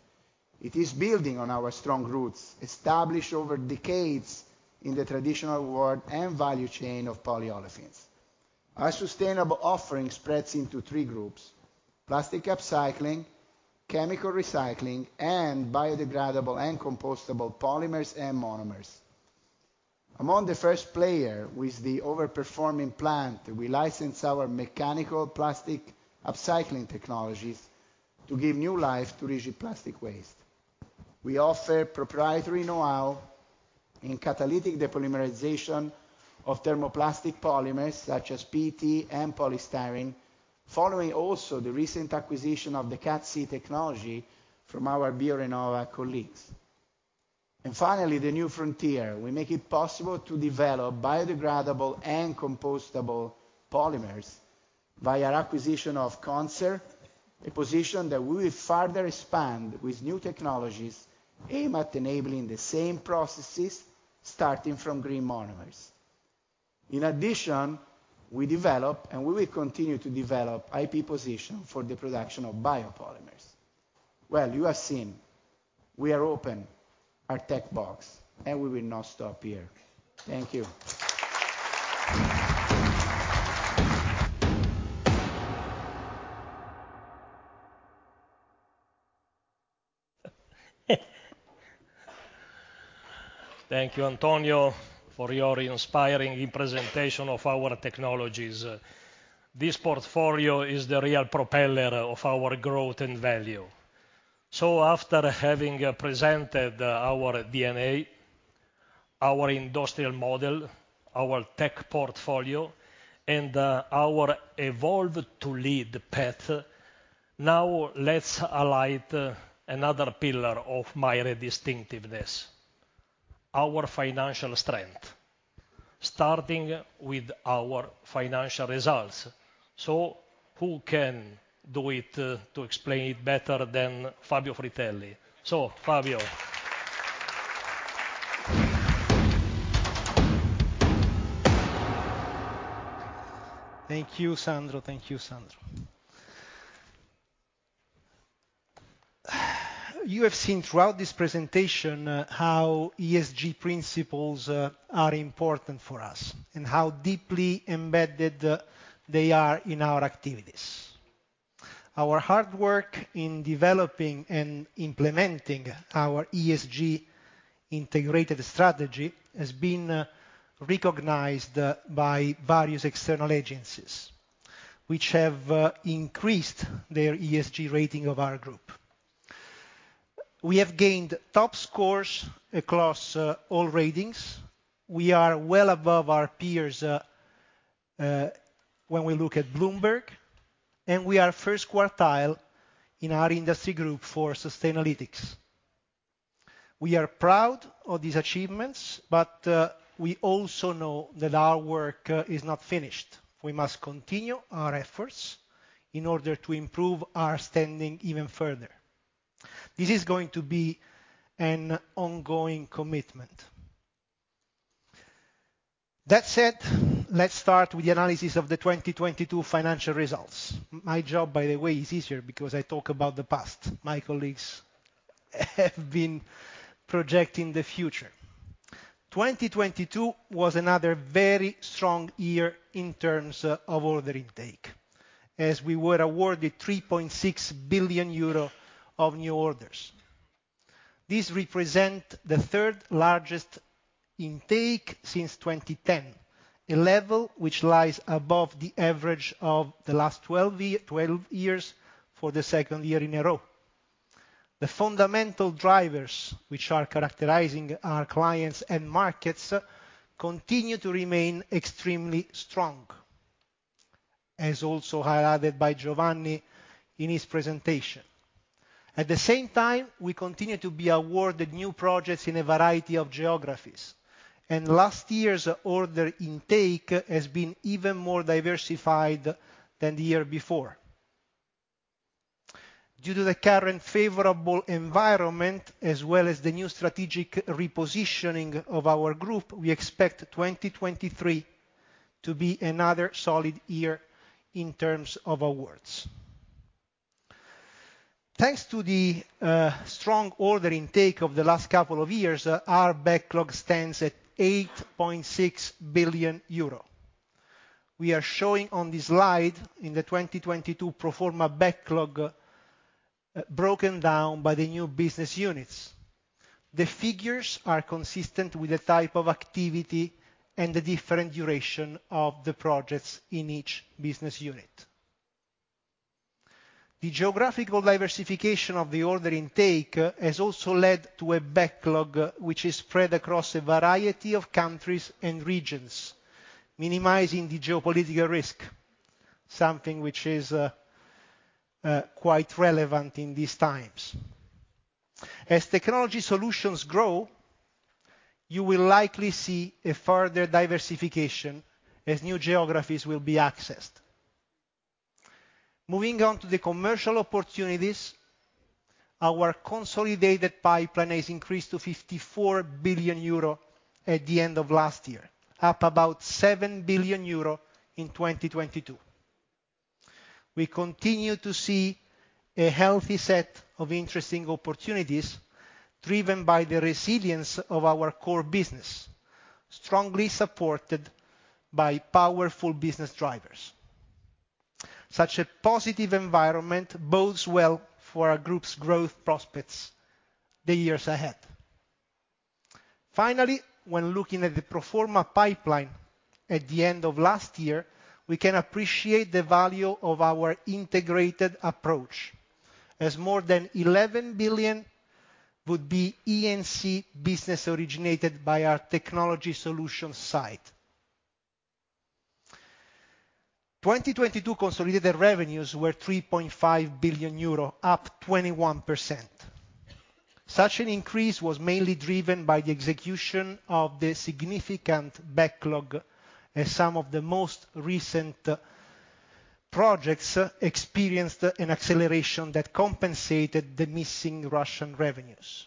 It is building on our strong roots established over decades in the traditional world and value chain of polyolefins. Our sustainable offering spreads into three groups: Plastic Upcycling, Chemical Recycling, and biodegradable and compostable polymers and monomers. Among the first player with the over-performing plant, we license our mechanical Plastic Upcycling technologies to give new life to rigid plastic waste. We offer proprietary know-how in catalytic depolymerization of thermoplastic polymers such as PET and polystyrene, following also the recent acquisition of the CatC technology from our Bio-Renova colleagues. Finally, the new frontier. We make it possible to develop biodegradable and compostable polymers via acquisition of Conser, a position that we will further expand with new technologies aimed at enabling the same processes, starting from green monomers. In addition, we develop and we will continue to develop IP position for the production of biopolymers. Well, you have seen we are open our tech box and we will not stop here. Thank you. Thank you, Antonio, for your inspiring presentation of our technologies. This portfolio is the real propeller of our growth and value. After having presented our DNA, our industrial model, our tech portfolio, and our evolve to lead path. Now let's highlight another pillar of MAIRE's distinctiveness, our financial strength, starting with our financial results. Who can do it to explain it better than Fabio Fritelli? Fabio. Thank you, Sandro. Thank you, Sandro. You have seen throughout this presentation, how ESG principles, are important for us and how deeply embedded, they are in our activities. Our hard work in developing and implementing our ESG integrated strategy has been, recognized, by various external agencies, which have, increased their ESG rating of our group. We have gained top scores across, all ratings. We are well above our peers, when we look at Bloomberg, we are first quartile in our industry group for Sustainalytics. We are proud of these achievements, we also know that our work, is not finished. We must continue our efforts in order to improve our standing even further. This is going to be an ongoing commitment. That said, let's start with the analysis of the 2022 financial results. My job, by the way, is easier because I talk about the past. My colleagues have been projecting the future. 2022 was another very strong year in terms of order intake, as we were awarded 3.6 billion euro of new orders. This represent the third largest intake since 2010, a level which lies above the average of the last 12 years for the second year in a row. The fundamental drivers which are characterizing our clients and markets continue to remain extremely strong, as also highlighted by Giovanni in his presentation. At the same time, we continue to be awarded new projects in a variety of geographies, and last year's order intake has been even more diversified than the year before. Due to the current favorable environment, as well as the new strategic repositioning of our group, we expect 2023 to be another solid year in terms of awards. Thanks to the strong order intake of the last couple of years, our backlog stands at 8.6 billion euro. We are showing on this slide in the 2022 pro forma backlog, broken down by the new business units. The figures are consistent with the type of activity and the different duration of the projects in each business unit. The geographical diversification of the order intake has also led to a backlog which is spread across a variety of countries and regions, minimizing the geopolitical risk, something which is quite relevant in these times. As technology solutions grow, you will likely see a further diversification as new geographies will be accessed. Moving on to the commercial opportunities, our consolidated pipeline has increased to 54 billion euro at the end of last year, up about 7 billion euro in 2022. We continue to see a healthy set of interesting opportunities driven by the resilience of our core business, strongly supported by powerful business drivers. Such a positive environment bodes well for our group's growth prospects the years ahead. Finally, when looking at the pro forma pipeline at the end of last year, we can appreciate the value of our integrated approach, as more than 11 billion would be E&C business originated by our technology solution side. 2022 consolidated revenues were 3.5 billion euro, up 21%. Such an increase was mainly driven by the execution of the significant backlog as some of the most recent projects experienced an acceleration that compensated the missing Russian revenues.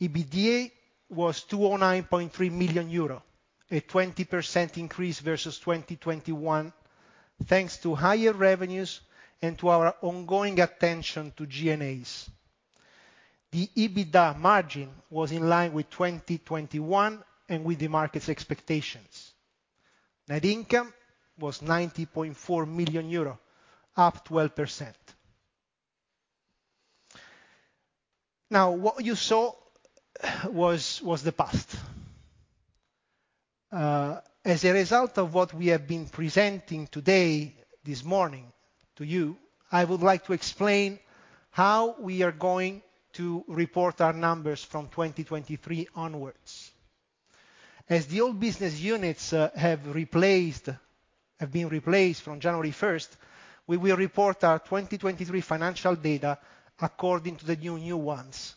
EBITDA was 209.3 million euro, a 20% increase versus 2021, thanks to higher revenues and to our ongoing attention to G&As. The EBITDA margin was in line with 2021 and with the market's expectations. Net income was 90.4 million euro, up 12%. What you saw was the past. As a result of what we have been presenting today, this morning to you, I would like to explain how we are going to report our numbers from 2023 onwards. The old business units have been replaced from January 1st, we will report our 2023 financial data according to the new ones: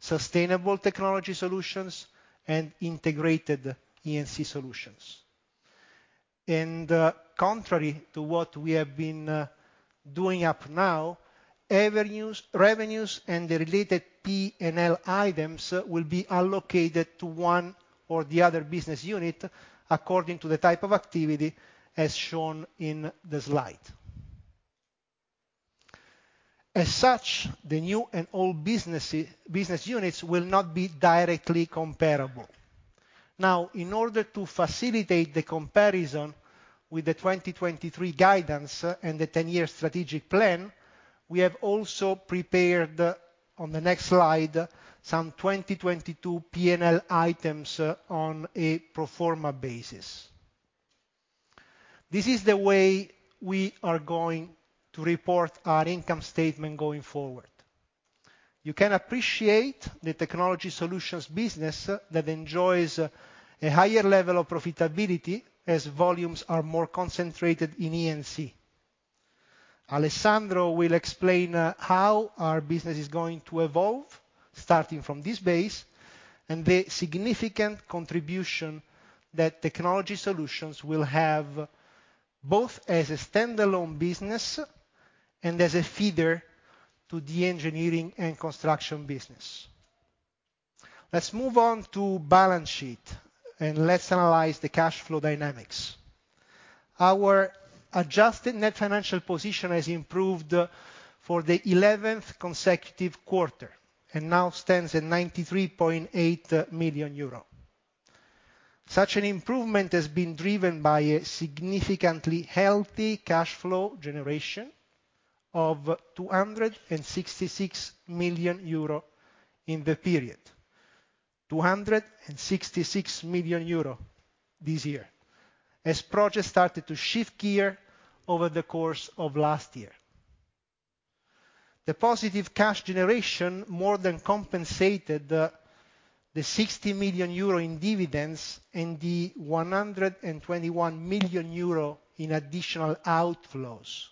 Sustainable Technology Solutions and Integrated E&C Solutions. Contrary to what we have been doing up now, avenues, revenues, and the related P&L items will be allocated to one or the other business unit according to the type of activity as shown in the slide. As such, the new and old business units will not be directly comparable. In order to facilitate the comparison with the 2023 guidance and the 10-year strategic plan, we have also prepared on the next slide, some 2022 P&L items on a pro forma basis. This is the way we are going to report our income statement going forward. You can appreciate the technology solutions business that enjoys a higher level of profitability as volumes are more concentrated in E&C. Alessandro will explain how our business is going to evolve starting from this base, and the significant contribution that technology solutions will have, both as a standalone business and as a feeder to the engineering and construction business. Let's move on to balance sheet, and let's analyze the cash flow dynamics. Our adjusted net financial position has improved for the eleventh consecutive quarter, and now stands at 93.8 million euro. Such an improvement has been driven by a significantly healthy cash flow generation of 266 million euro in the period. 266 million euro this year, as projects started to shift gear over the course of last year. The positive cash generation more than compensated, the 60 million euro in dividends and the 121 million euro in additional outflows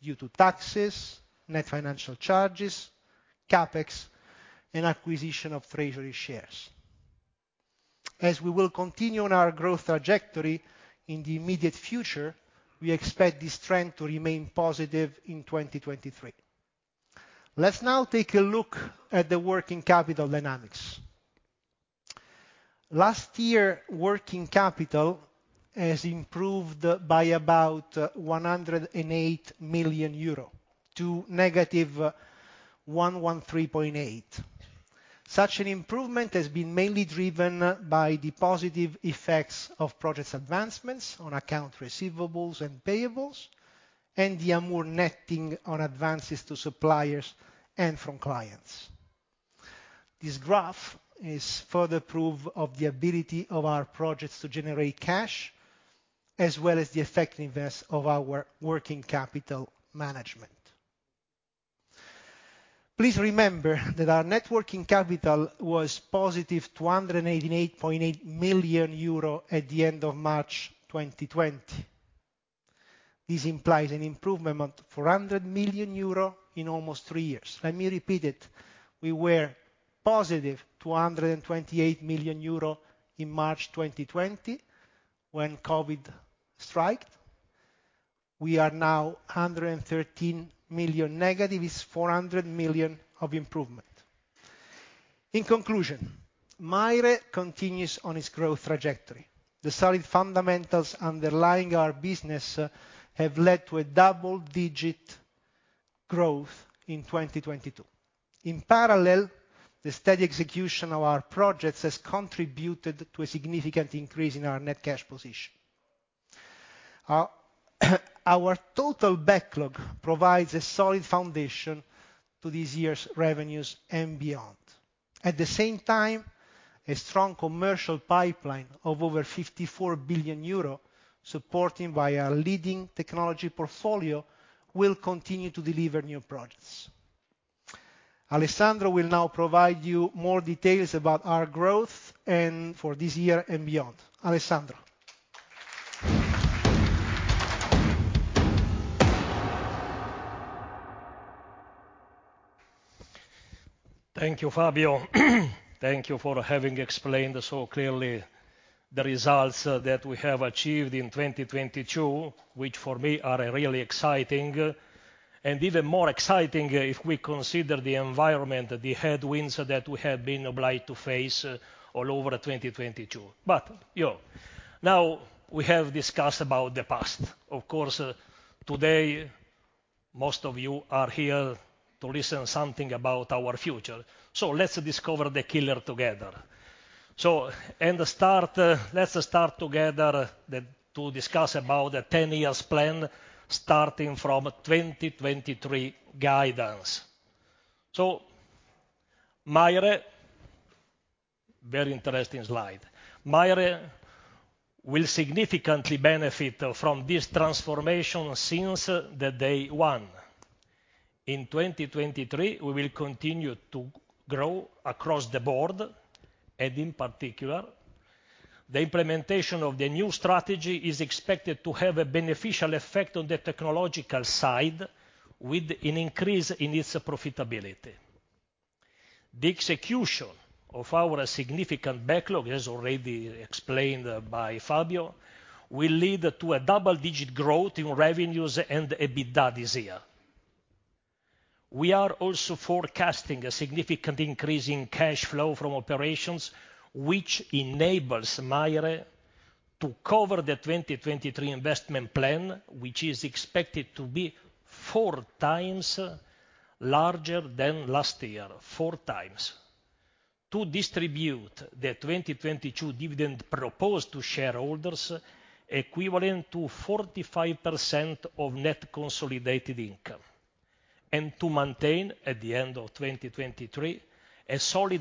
due to taxes, net financial charges, CapEx, and acquisition of treasury shares. As we will continue on our growth trajectory in the immediate future, we expect this trend to remain positive in 2023. Let's now take a look at the working capital dynamics. Last year, working capital has improved by about 108 million euro to -113.8 million. Such an improvement has been mainly driven by the positive effects of projects advancements on account receivables and payables, and the Amur netting on advances to suppliers and from clients. This graph is further proof of the ability of our projects to generate cash, as well as the effectiveness of our working capital management. Please remember that our net working capital was positive 288.8 million euro at the end of March 2020. This implies an improvement of 400 million euro in almost three years. Let me repeat it. We were positive 228 million euro in March 2020 when COVID struck. We are now 113 million negative. It's 400 million of improvement. In conclusion, MAIRE continues on its growth trajectory. The solid fundamentals underlying our business have led to a double-digit growth in 2022. In parallel, the steady execution of our projects has contributed to a significant increase in our net cash position. Our total backlog provides a solid foundation to this year's revenues and beyond. At the same time, a strong commercial pipeline of over 54 billion euro, supported by our leading technology portfolio, will continue to deliver new projects. Alessandro will now provide you more details about our growth for this year and beyond. Alessandro. Thank you, Fabio. Thank you for having explained so clearly the results that we have achieved in 2022, which for me are really exciting, and even more exciting if we consider the environment, the headwinds that we have been obliged to face all over 2022. You know, now we have discussed about the past. Of course, today, most of you are here to listen something about our future. Let's discover the killer together. Let's start together to discuss about the 10 years plan starting from 2023 guidance. MAIRE, very interesting slide. MAIRE will significantly benefit from this transformation since the day one. In 2023, we will continue to grow across the board, and in particular, the implementation of the new strategy is expected to have a beneficial effect on the technological side with an increase in its profitability. The execution of our significant backlog, as already explained by Fabio, will lead to a double-digit growth in revenues and EBITDA this year. We are also forecasting a significant increase in cash flow from operations, which enables MAIRE to cover the 2023 investment plan, which is expected to be four times larger than last year. To distribute the 2022 dividend proposed to shareholders equivalent to 45% of net consolidated income. To maintain, at the end of 2023, a solid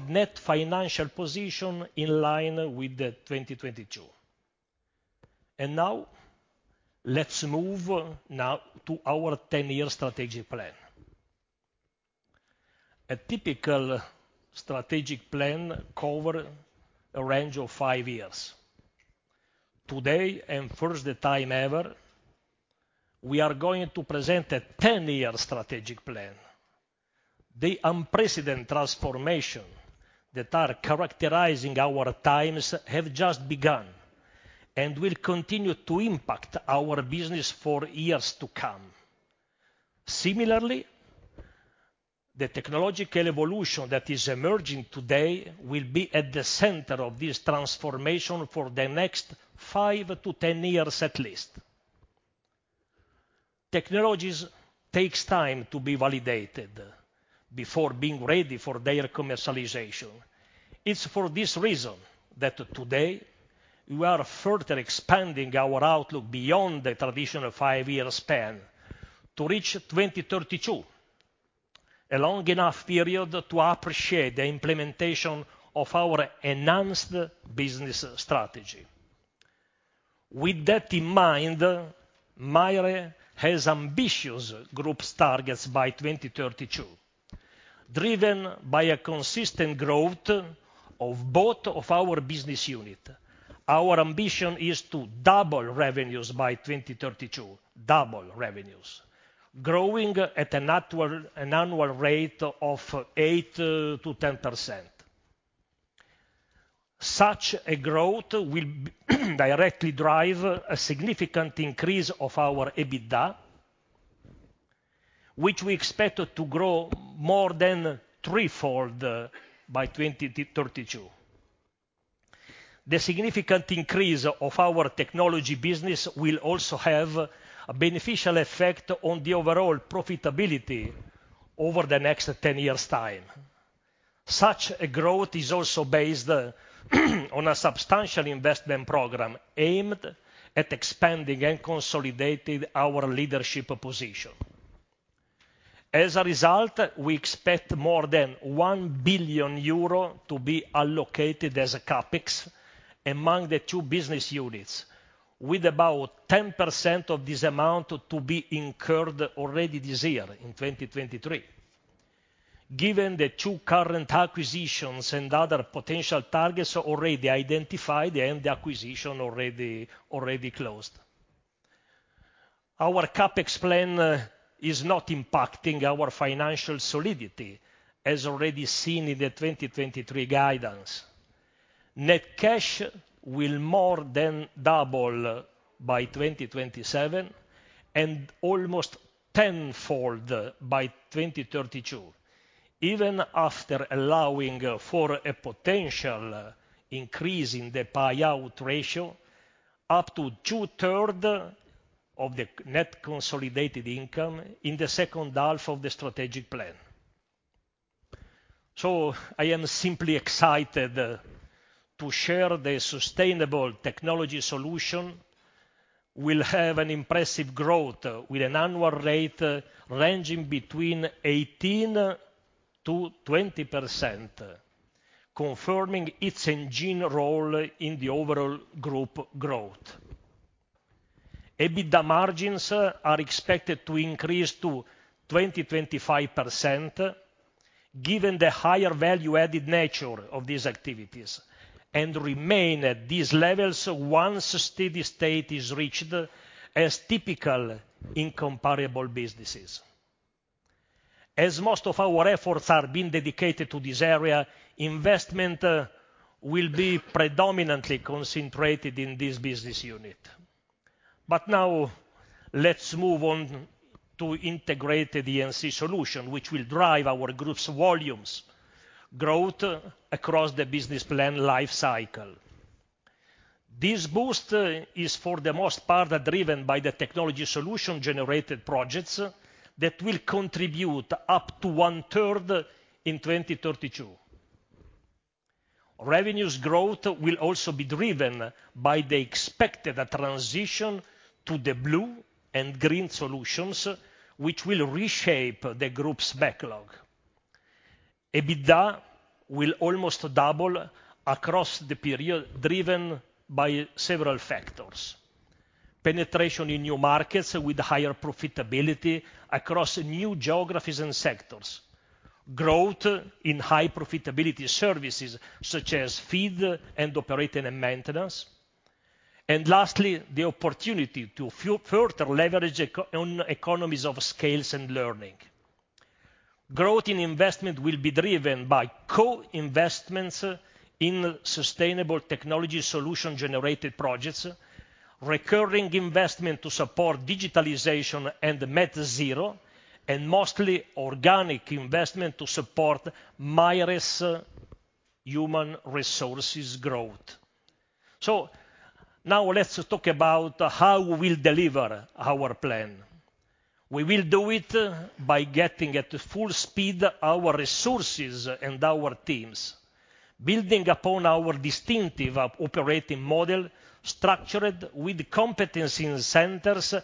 net financial position in line with the 2022. Now, let's move now to our ten-year strategic plan. A typical strategic plan cover a range of five years. Today, and first the time ever, we are going to present a ten-year strategic plan. The unprecedented transformation that are characterizing our times have just begun and will continue to impact our business for years to come. Similarly, the technological evolution that is emerging today will be at the center of this transformation for the next five-10 years at least. Technologies takes time to be validated before being ready for their commercialization. It's for this reason that today we are further expanding our outlook beyond the traditional five-year span to reach 2032, a long enough period to appreciate the implementation of our enhanced business strategy. With that in mind, MAIRE has ambitious group's targets by 2032. Driven by a consistent growth of both of our business unit, our ambition is to double revenues by 2032, double revenues, growing at an annual rate of 8%-10%. Such a growth will directly drive a significant increase of our EBITDA, which we expect to grow more than threefold by 2032. The significant increase of our technology business will also have a beneficial effect on the overall profitability over the next 10 years' time. Such a growth is also based on a substantial investment program aimed at expanding and consolidated our leadership position. As a result, we expect more than EUR 1 billion to be allocated as a CapEx among the two business units, with about 10% of this amount to be incurred already this year, in 2023. Given the two current acquisitions and other potential targets already identified and the acquisition already closed. Our CapEx plan is not impacting our financial solidity, as already seen in the 2023 guidance. Net cash will more than double by 2027 and almost tenfold by 2032, even after allowing for a potential increase in the payout ratio up to two-third of the net consolidated income in the second half of the strategic plan. I am simply excited to share the Sustainable Technology Solutions will have an impressive growth with an annual rate ranging between 18%-20%, confirming its engine role in the overall group growth. EBITDA margins are expected to increase to 20%-25% given the higher value-added nature of these activities and remain at these levels once steady state is reached as typical in comparable businesses. As most of our efforts are being dedicated to this area, investment will be predominantly concentrated in this business unit. Now, let's move on to integrated E&C solution, which will drive our group's volumes growth across the business plan life cycle. This boost is for the most part driven by the technology solution generated projects that will contribute up to one-third in 2032. Revenues growth will also be driven by the expected transition to the blue and green solutions, which will reshape the group's backlog. EBITDA will almost double across the period driven by several factors. Penetration in new markets with higher profitability across new geographies and sectors, growth in high profitability services such as FEED and operating and maintenance, and lastly, the opportunity to further leverage on economies of scale and learning. Growth in investment will be driven by co-investments in sustainable technology solution-generated projects, recurring investment to support digitalization and net zero, and mostly organic investment to support MAIRE's human resources growth. Now let's talk about how we'll deliver our plan. We will do it by getting at full speed our resources and our teams, building upon our distinctive operating model structured with competency in centers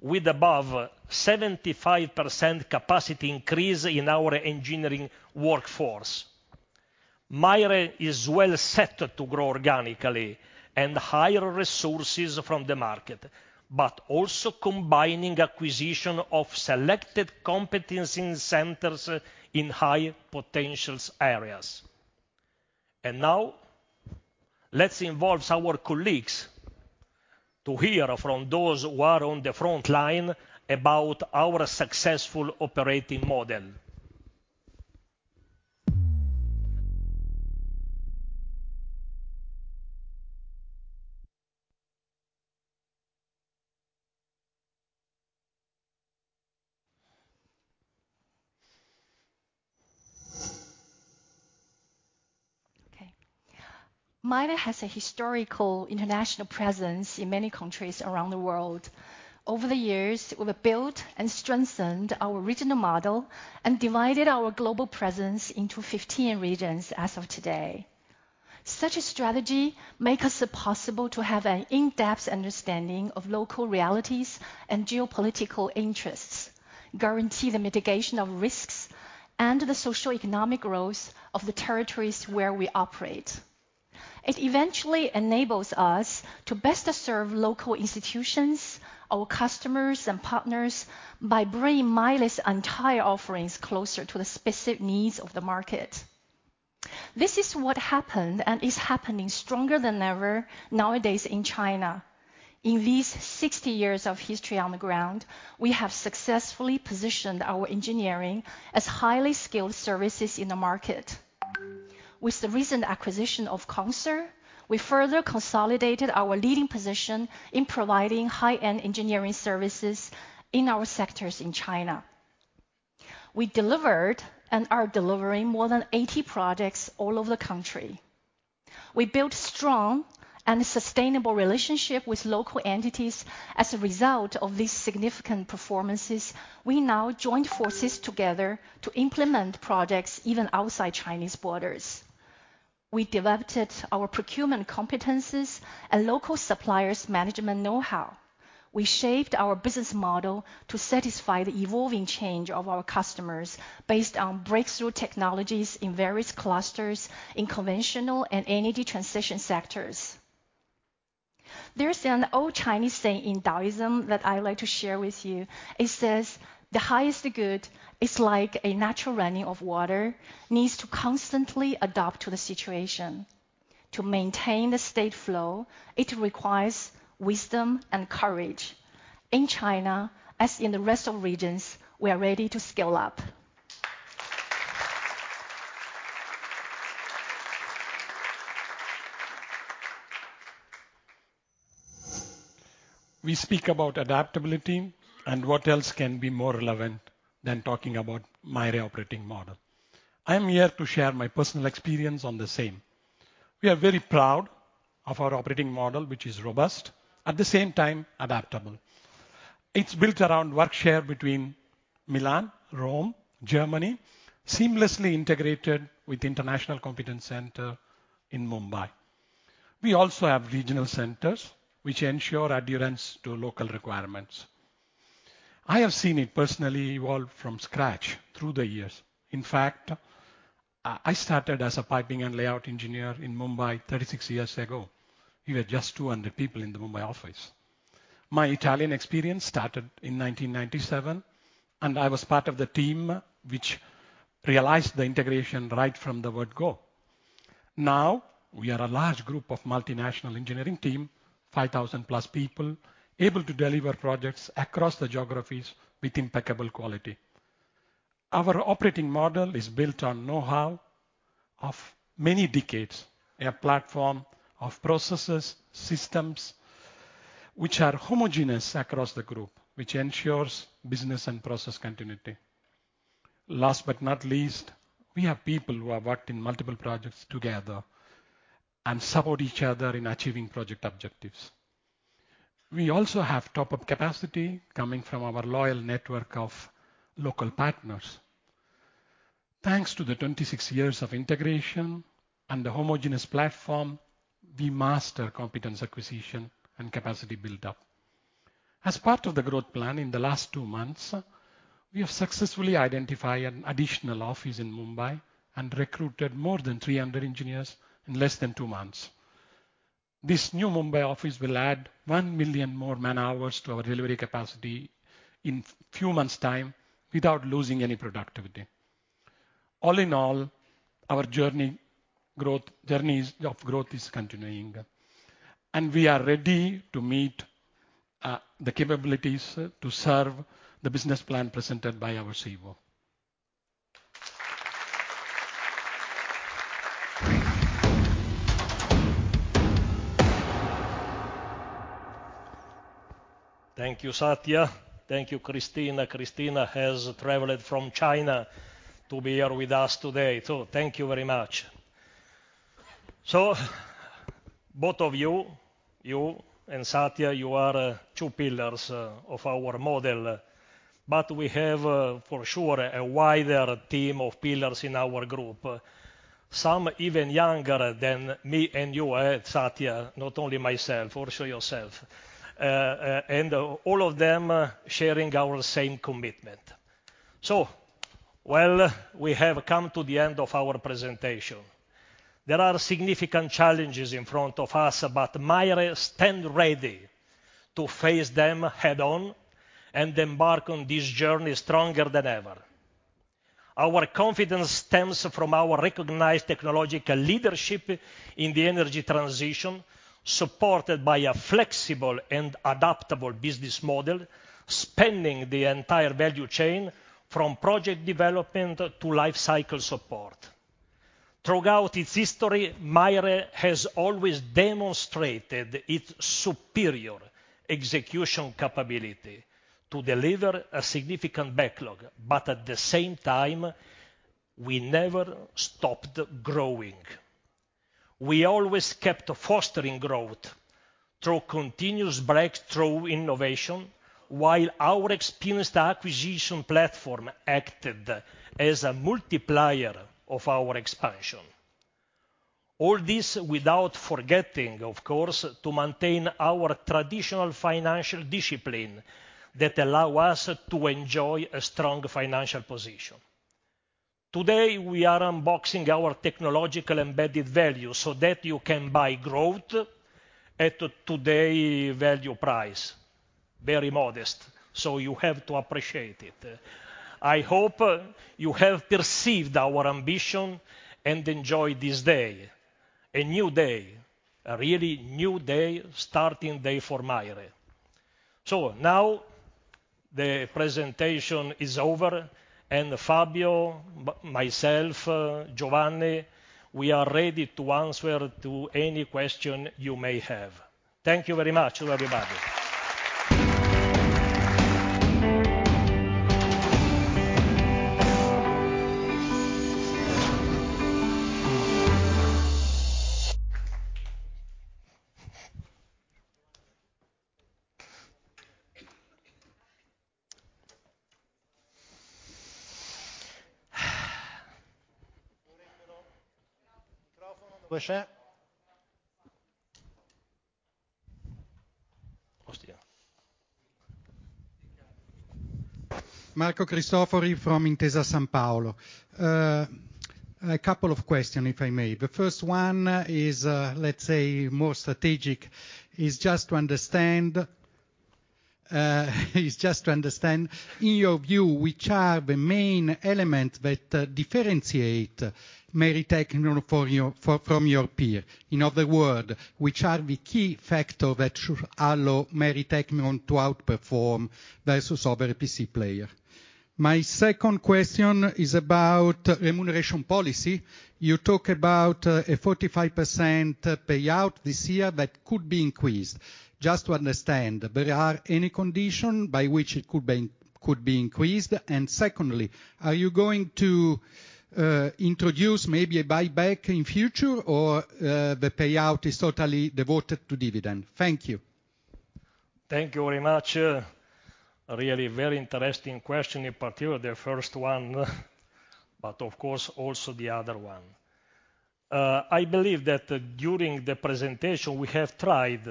and regional centers. We will integrate resources and capabilities with a planned growth of more than 30% by 2027, and by more than 70% by 2032. The most significant add-on will happen in our core function with above 75% capacity increase in our engineering workforce. MAIRE is well set to grow organically and hire resources from the market, but also combining acquisition of selected competency centers in high potentials areas. Let's involve our colleagues to hear from those who are on the front line about our successful operating model. Okay. MAIRE has a historical international presence in many countries around the world. Over the years, we have built and strengthened our regional model and divided our global presence into 15 regions as of today. Such a strategy make us possible to have an in-depth understanding of local realities and geopolitical interests, guarantee the mitigation of risks, and the socioeconomic growth of the territories where we operate. It eventually enables us to best serve local institutions, our customers and partners by bringing MAIRE's entire offerings closer to the specific needs of the market. This is what happened and is happening stronger than ever nowadays in China. In these 60 years of history on the ground, we have successfully positioned our engineering as highly skilled services in the market. With the recent acquisition of Conser, we further consolidated our leading position in providing high-end engineering services in our sectors in China. We delivered and are delivering more than 80 projects all over the country. We built strong and sustainable relationship with local entities. As a result of these significant performances, we now join forces together to implement projects even outside Chinese borders. We developed our procurement competencies and local suppliers management know-how. We shaped our business model to satisfy the evolving change of our customers based on breakthrough technologies in various clusters in conventional and energy transition sectors. There's an old Chinese saying in Taoism that I like to share with you. It says, "The highest good is like a natural running of water, needs to constantly adapt to the situation. To maintain the state flow, it requires wisdom and courage." In China, as in the rest of regions, we are ready to scale up. We speak about adaptability what else can be more relevant than talking about MAIRE operating model. I'm here to share my personal experience on the same. We are very proud of our operating model, which is robust, at the same time adaptable. It's built around work share between Milan, Rome, Germany, seamlessly integrated with international competence center in Mumbai. We also have regional centers which ensure adherence to local requirements. I have seen it personally evolve from scratch through the years. In fact, I started as a piping and layout engineer in Mumbai 36 years ago. We were just 200 people in the Mumbai office. My Italian experience started in 1997, and I was part of the team which realized the integration right from the word go. We are a large group of multinational engineering team, 5,000 plus people, able to deliver projects across the geographies with impeccable quality. Our operating model is built on know-how of many decades, a platform of processes, systems which are homogeneous across the group, which ensures business and process continuity. Last but not least, we have people who have worked in multiple projects together and support each other in achieving project objectives. We also have top of capacity coming from our loyal network of local partners. Thanks to the 26 years of integration and the homogeneous platform, we master competence acquisition and capacity build-up. As part of the growth plan in the last two months, we have successfully identified an additional office in Mumbai and recruited more than 300 engineers in less than two months. This new Mumbai office will add 1 million more man-hours to our delivery capacity in few months' time without losing any productivity. All in all, our journeys of growth is continuing, and we are ready to meet the capabilities to serve the business plan presented by our CEO. Thank you, Sathia. Thank you, Christina. Christina has traveled from China to be here with us today, thank you very much. Both of you and Sathia, you are two pillars of our model. We have for sure a wider team of pillars in our group, some even younger than me and you, Sathia, not only myself, for sure yourself. And all of them sharing our same commitment. Well, we have come to the end of our presentation. There are significant challenges in front of us, MAIRE stand ready to face them head on and embark on this journey stronger than ever. Our confidence stems from our recognized technological leadership in the energy transition, supported by a flexible and adaptable business model, spanning the entire value chain from project development to life cycle support. Throughout its history, MAIRE has always demonstrated its superior execution capability to deliver a significant backlog. At the same time, we never stopped growing. We always kept fostering growth through continuous breakthrough innovation while our experienced acquisition platform acted as a multiplier of our expansion. All this without forgetting, of course, to maintain our traditional financial discipline that allow us to enjoy a strong financial position. Today, we are unboxing our technological embedded value so that you can buy growth at today value price. Very modest. You have to appreciate it. I hope you have perceived our ambition and enjoyed this day, a new day, a really new day, starting day for MAIRE. Now the presentation is over and Fabio, myself, Giovanni, we are ready to answer to any question you may have. Thank you very much, everybody. Marco Cristofori from Intesa Sanpaolo. A couple of question, if I may. The first one is, let's say more strategic, is just to understand, in your view, which are the main elements that differentiate Maire Tecnimont from your peer? In other word, which are the key factor that should allow Maire Tecnimont to outperform versus other EPC player? My second question is about remuneration policy. You talk about a 45% payout this year that could be increased. Just to understand, there are any condition by which it could be increased? Secondly, are you going to introduce maybe a buyback in future or the payout is totally devoted to dividend? Thank you. Thank you very much. Really very interesting question, in particular the first one, but of course also the other one. I believe that during the presentation, we have tried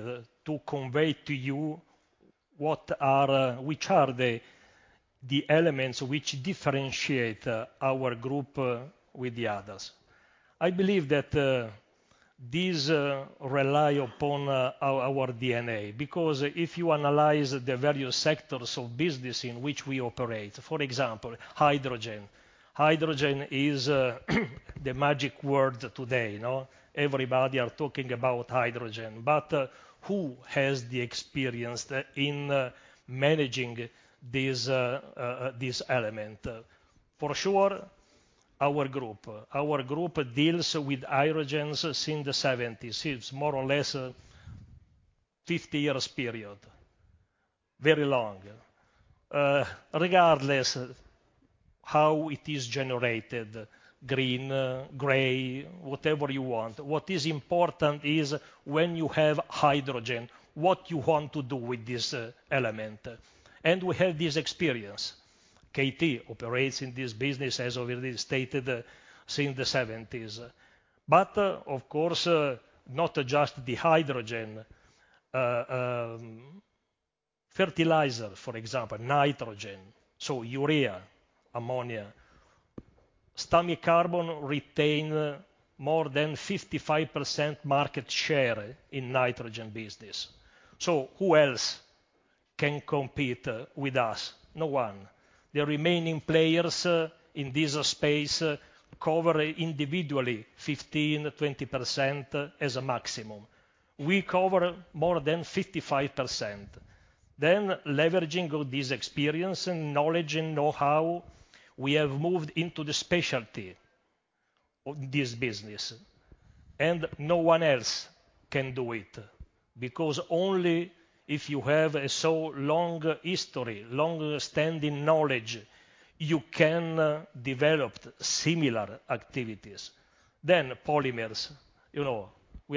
to convey to you which are the elements which differentiate our group with the others. I believe that these rely upon our DNA because if you analyze the various sectors of business in which we operate, for example, hydrogen. Hydrogen is the magic word today, you know? Everybody are talking about hydrogen, but who has the experience in managing this element? For sure our group. Our group deals with hydrogens since the 1970s. It's more or less 50 years period. Very long. Regardless how it is generated, green, gray, whatever you want, what is important is when you have hydrogen, what you want to do with this element. We have this experience. KT operates in this business, as already stated, since the 1970s. Of course, not just the hydrogen. Fertilizer, for example, nitrogen, so urea, ammonia. Stamicarbon retain more than 55% market share in nitrogen business. Who else can compete with us? No one. The remaining players in this space cover individually 15%, 20% as a maximum. We cover more than 55%. Leveraging of this experience and knowledge and know-how, we have moved into the specialty of this business and no one else can do it, because only if you have a so long history, long-standing knowledge, you can develop similar activities. Polymers, you know, we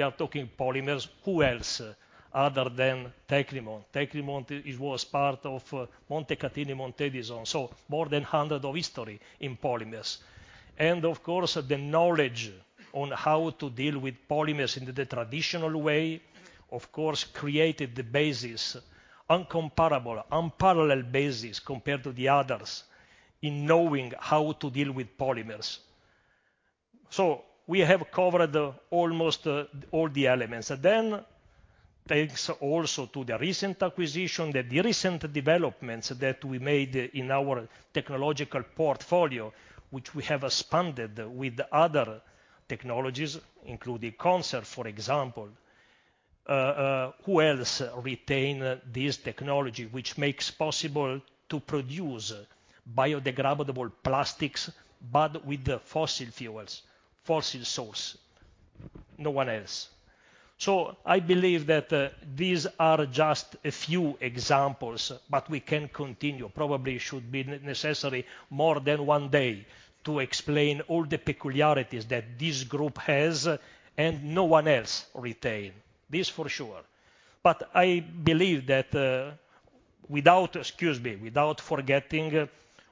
are talking polymers. Who else other than Tecnimont? Tecnimont, it was part of Montecatini-Montedison, more than 100 of history in polymers. Of course, the knowledge on how to deal with polymers in the traditional way, of course, created the basis, incomparable, unparalleled basis, compared to the others, in knowing how to deal with polymers. We have covered almost all the elements. Thanks also to the recent acquisition, the recent developments that we made in our technological portfolio, which we have expanded with other technologies, including Conser, for example. Who else retain this technology, which makes possible to produce biodegradable plastics with the fossil fuels, fossil source? No one else. I believe that these are just a few examples, we can continue. Probably should be necessary more than one day to explain all the peculiarities that this group has and no one else retain. This, for sure. I believe that, without forgetting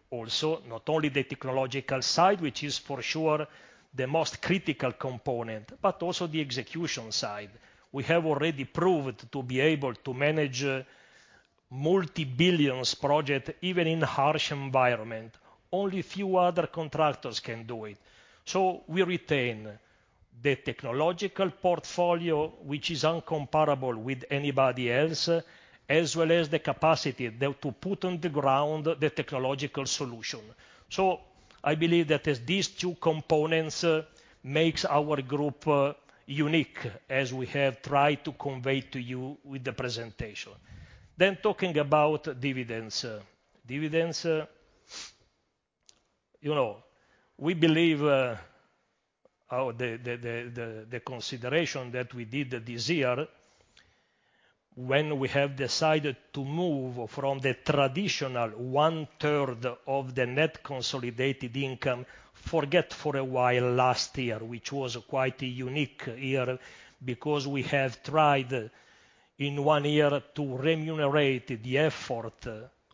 also not only the technological side, which is for sure the most critical component, but also the execution side. We have already proved to be able to manage multi-billions project even in harsh environment. Only few other contractors can do it. We retain the technological portfolio, which is incomparable with anybody else, as well as the capacity there to put on the ground the technological solution. I believe that these two components makes our group unique, as we have tried to convey to you with the presentation. Talking about dividends. Dividends, you know, we believe the consideration that we did this year when we have decided to move from the traditional one third of the net consolidated income, forget for a while last year, which was quite a unique year because we have tried in one year to remunerate the effort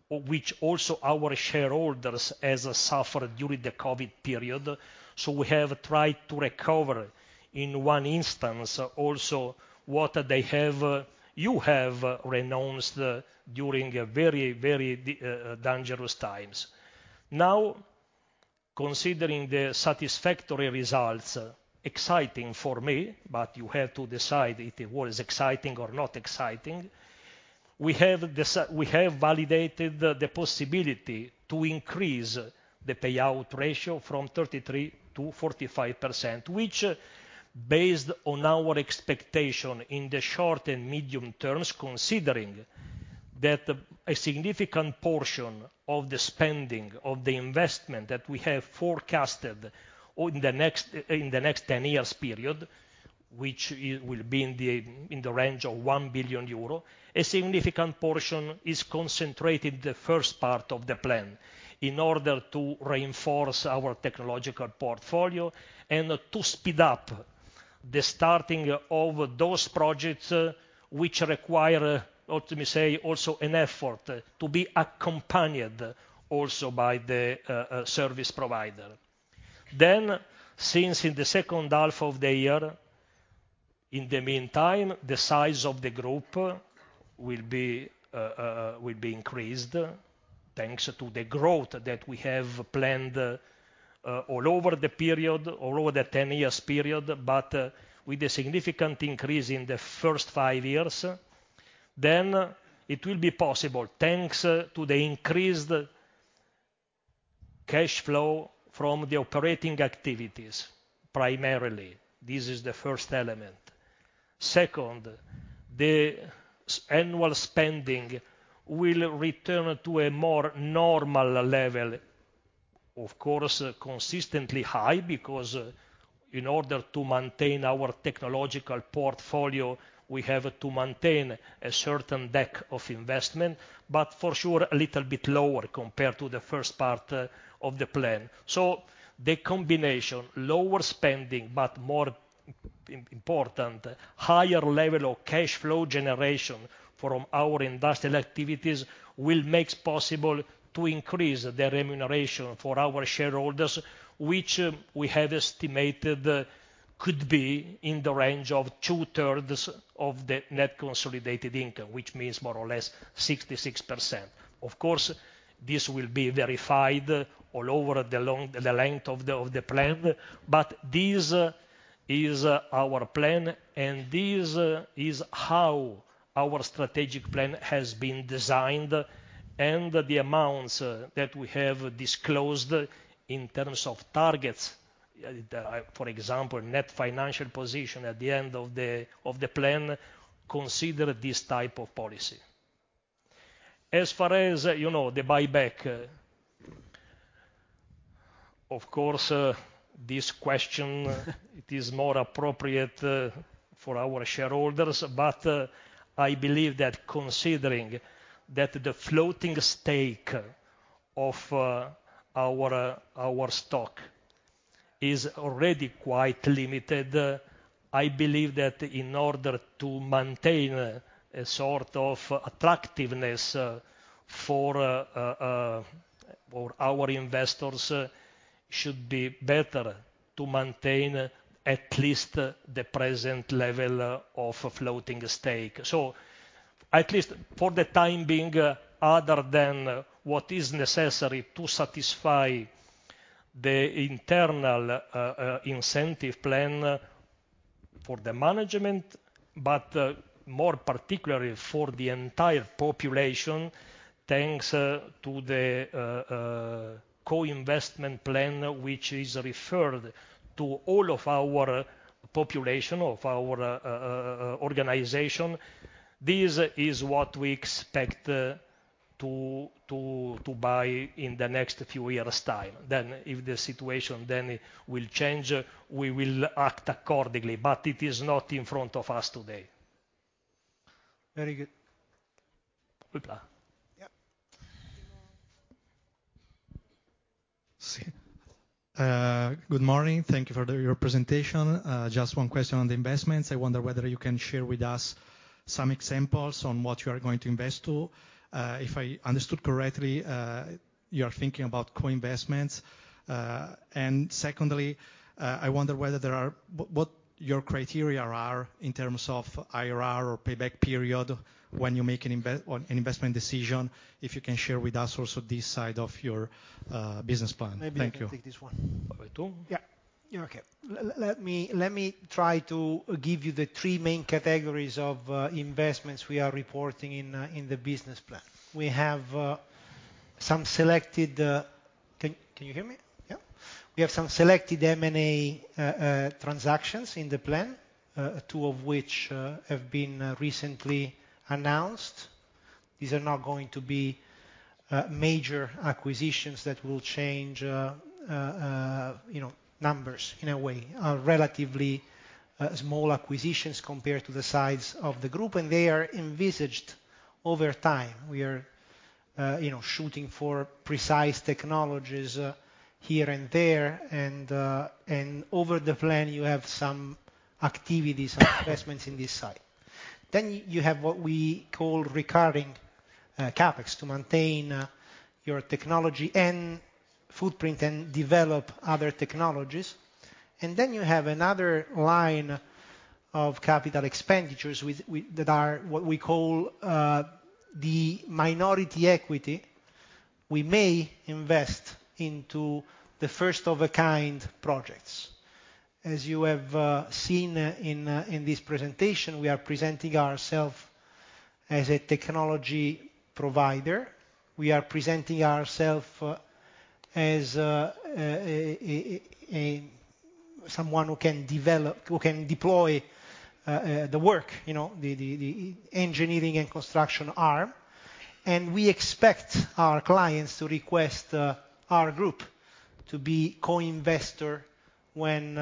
which also our shareholders has suffered during the COVID period. We have tried to recover in one instance also what you have renounced during a very, very dangerous times. Considering the satisfactory results, exciting for me, but you have to decide if it was exciting or not exciting, we have validated the possibility to increase the payout ratio from 33%-45%, which based on our expectation in the short and medium terms, considering that a significant portion of the spending, of the investment that we have forecasted in the next 10 years period, which it will be in the range of 1 billion euro, a significant portion is concentrated the first part of the plan in order to reinforce our technological portfolio and to speed up the starting of those projects, which require, let me say, also an effort to be accompanied also by the service provider. Since in the second half of the year, in the meantime, the size of the group will be increased, thanks to the growth that we have planned all over the period, all over the 10 years period, but with a significant increase in the first five years, it will be possible, thanks to the increased cash flow from the operating activities, primarily. This is the first element. Second, the annual spending will return to a more normal level. Of course, consistently high because in order to maintain our technological portfolio, we have to maintain a certain deck of investment, but for sure a little bit lower compared to the first part of the plan. The combination, lower spending, but more important, higher level of cash flow generation from our industrial activities will makes possible to increase the remuneration for our shareholders, which we have estimated could be in the range of two-thirds of the net consolidated income, which means more or less 66%. Of course, this will be verified all over the length of the plan. This is our plan, and this is how our strategic plan has been designed and the amounts that we have disclosed in terms of targets, for example, net financial position at the end of the plan, consider this type of policy. As far as, you know, the buyback, of course, this question it is more appropriate for our shareholders, but I believe that considering that the floating stake of our stock is already quite limited, I believe that in order to maintain a sort of attractiveness for our investors should be better to maintain at least the present level of floating stake. At least for the time being, other than what is necessary to satisfy the internal incentive plan for the management, but more particularly for the entire population, thanks to the co-investment plan which is referred to all of our population, of our organization. This is what we expect to buy in the next few years' time. If the situation then will change, we will act accordingly. It is not in front of us today. Very good. Luca. Yep. Good morning. Thank you for your presentation. Just one question on the investments. I wonder whether you can share with us some examples on what you are going to invest to. If I understood correctly, you're thinking about co-investments. Secondly, what your criteria are in terms of IRR or payback period when you make an investment decision, if you can share with us also this side of your business plan. Thank you. Maybe I can take this one. To? Yeah. You're okay. Let me try to give you the three main categories of investments we are reporting in the business plan. We have some selected... Can you hear me? Yeah. We have some selected M&A transactions in the plan, two of which have been recently announced. These are not going to be major acquisitions that will change, you know, numbers in a way. Relatively small acquisitions compared to the size of the group, and they are envisaged over time. We are, you know, shooting for precise technologies here and there. Over the plan, you have some activities, investments in this site. Then you have what we call recurring CapEx to maintain your technology and footprint and develop other technologies. Then you have another line of capital expenditures with that are what we call the minority equity. We may invest into the first-of-a-kind projects. As you have seen in this presentation, we are presenting ourselves as a technology provider. We are presenting ourselves as a someone who can deploy the work, you know, the engineering and construction arm. We expect our clients to request our group to be co-investor when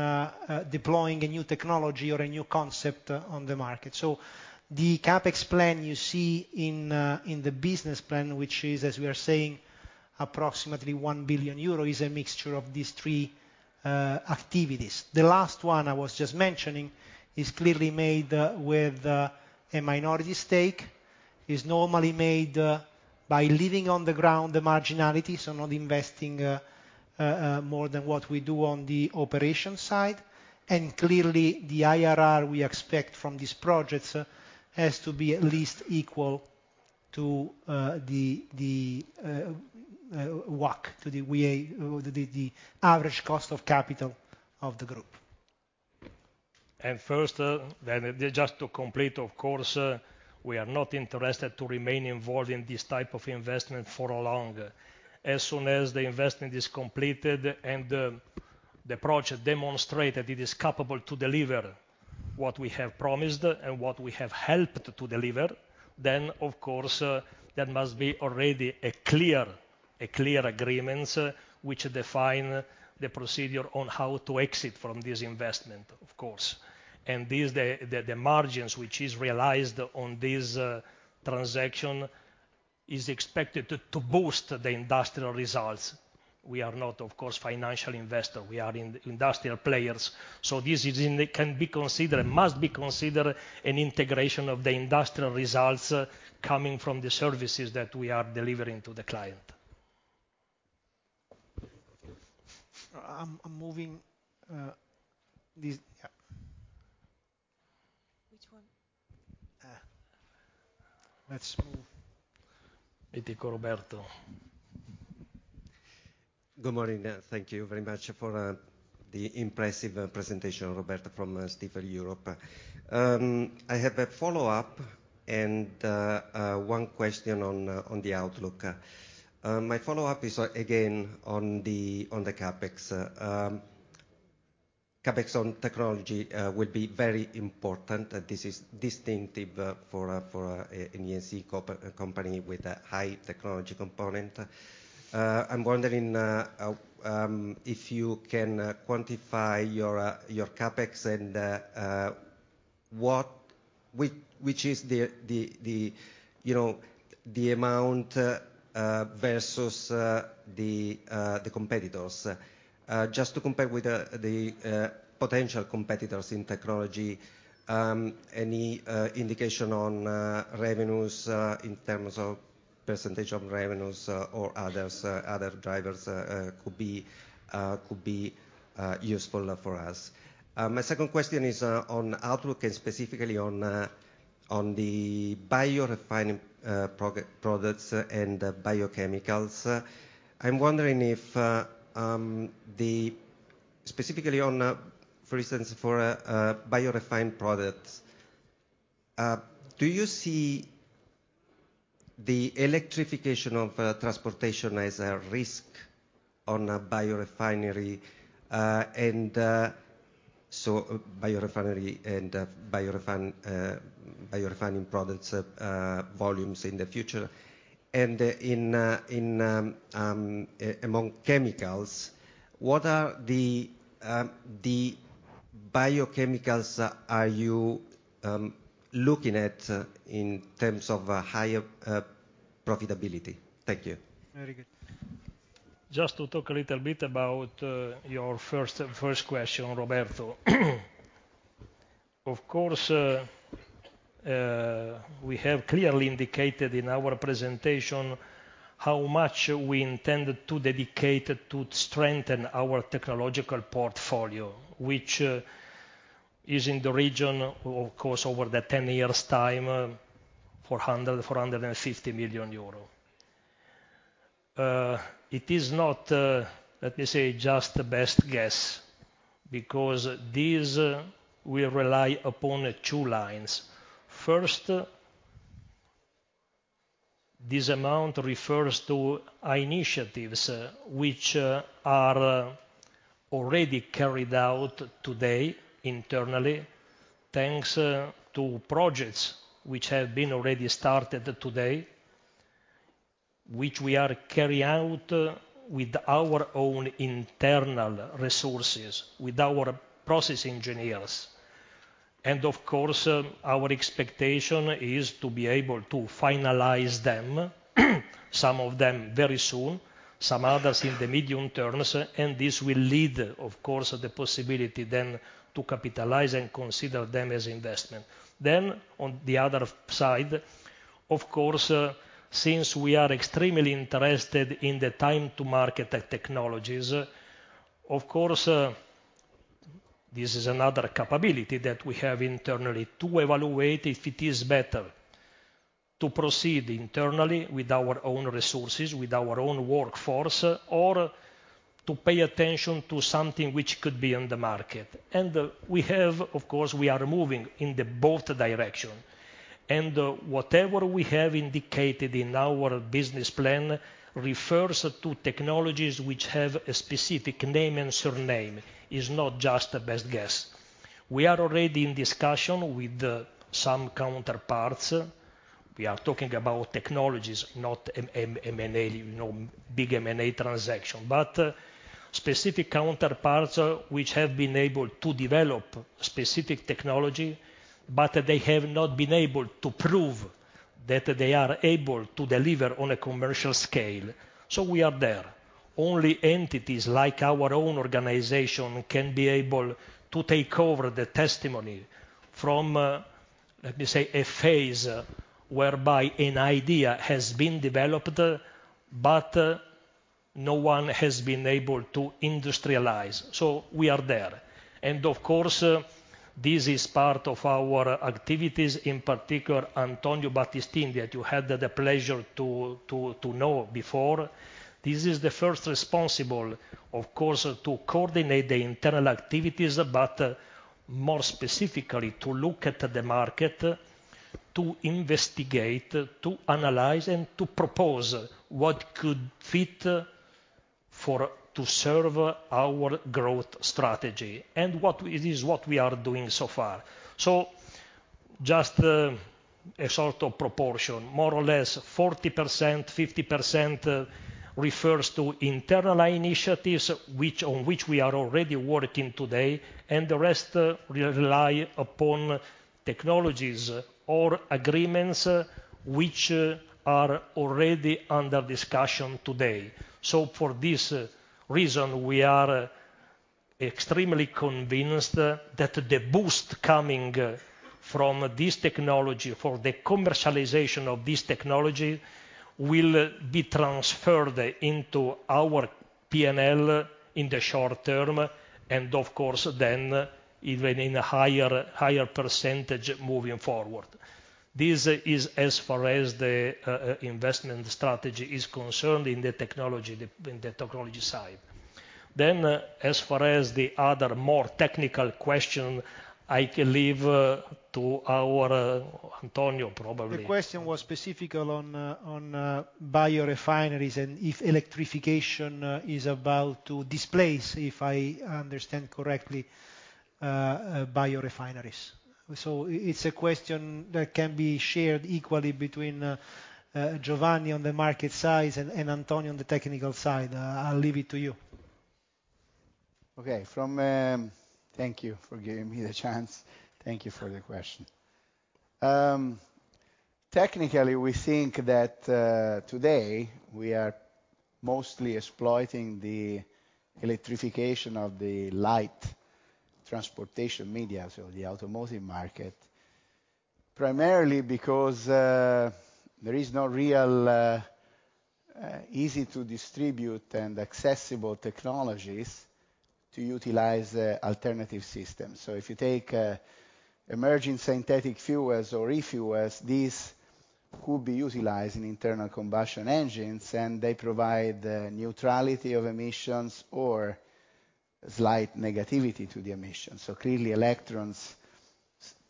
deploying a new technology or a new concept on the market. The CapEx plan you see in the business plan, which is, as we are saying, approximately 1 billion euro, is a mixture of these three activities. The last one I was just mentioning is clearly made with a minority stake, is normally made by leaving on the ground the marginality, so not investing more than what we do on the operation side. Clearly, the IRR we expect from these projects has to be at least equal to the WACC, to the average cost of capital of the group. First, just to complete, of course, we are not interested to remain involved in this type of investment for long. As soon as the investment is completed and the project demonstrate that it is capable to deliver what we have promised and what we have helped to deliver, then of course, there must be already a clear agreements which define the procedure on how to exit from this investment, of course. This, the margins which is realized on this transaction is expected to boost the industrial results. We are not, of course, financial investor. We are industrial players, so this is It can be considered, must be considered an integration of the industrial results coming from the services that we are delivering to the client. I'm moving this. Yeah. Which one? Let's move. Itico Roberto. Good morning. Thank you very much for the impressive presentation, Roberto, from Stifel Europe. I have a follow-up and one question on the outlook. My follow-up is again on the CapEx. CapEx on technology will be very important. This is distinctive for an E&C company with a high technology component. I'm wondering if you can quantify your CapEx and Which is the, you know, the amount versus the competitors. Just to compare with the potential competitors in technology, any indication on revenues in terms of percentage of revenues or others other drivers could be useful for us. My second question is on outlook and specifically on the biorefinery products and biochemicals. I'm wondering if, specifically on, for instance, for biorefinery products, do you see the electrification of transportation as a risk on a biorefinery, and so biorefinery and biorefinery products, volumes in the future? In among chemicals, what are the biochemicals are you looking at in terms of higher profitability? Thank you. Very good. Just to talk a little bit about, your first question, Roberto. Of course, we have clearly indicated in our presentation how much we intend to dedicate to strengthen our technological portfolio, which is in the region, of course, over the 10 years' time, 450 million euro. It is not, let me say, just best guess, because this will rely upon two lines. First, this amount refers to initiatives which are already carried out today internally, thanks to projects which have been already started today, which we are carry out with our own internal resources, with our process engineers. Of course, our expectation is to be able to finalize them, some of them very soon, some others in the medium terms, and this will lead, of course, the possibility then to capitalize and consider them as investment. On the other side, of course, since we are extremely interested in the time to market technologies, of course, this is another capability that we have internally to evaluate if it is better to proceed internally with our own resources, with our own workforce, or to pay attention to something which could be on the market. We have, of course, we are moving in the both direction. Whatever we have indicated in our business plan refers to technologies which have a specific name and surname, is not just a best guess. We are already in discussion with some counterparts. We are talking about technologies, not M&A, you know, big M&A transaction, but specific counterparts which have been able to develop specific technology, but they have not been able to prove that they are able to deliver on a commercial scale. We are there. Only entities like our own organization can be able to take over the testimony from, let me say, a phase whereby an idea has been developed, but no one has been able to industrialize. We are there. Of course, this is part of our activities. In particular, Antonio Battistini, that you had the pleasure to know before, this is the first responsible, of course, to coordinate the internal activities, but more specifically, to look at the market, to investigate, to analyze, and to propose what could fit for to serve our growth strategy and what is, it is what we are doing so far. Just a sort of proportion, more or less 40%, 50% refers to internal initiatives which on which we are already working today, and the rest rely upon technologies or agreements which are already under discussion today. For this reason, we are extremely convinced that the boost coming from this technology, for the commercialization of this technology, will be transferred into our P&L in the short term and of course then even in a higher percentage moving forward. This is as far as the investment strategy is concerned in the technology, in the technology side. As far as the other more technical question, I can leave to our Antonio, probably. The question was specifically on on biorefineries and if electrification is about to displace, if I understand correctly, biorefineries. It's a question that can be shared equally between Giovanni on the market side and Antonio on the technical side. I'll leave it to you. Thank you for giving me the chance. Thank you for the question. Technically, we think that today we are mostly exploiting the electrification of the light transportation media, so the automotive market. Primarily because there is no real easy to distribute and accessible technologies to utilize alternative systems. If you take emerging synthetic fuels or e-fuels, these could be utilized in internal combustion engines, and they provide neutrality of emissions or slight negativity to the emissions. Clearly, electrons,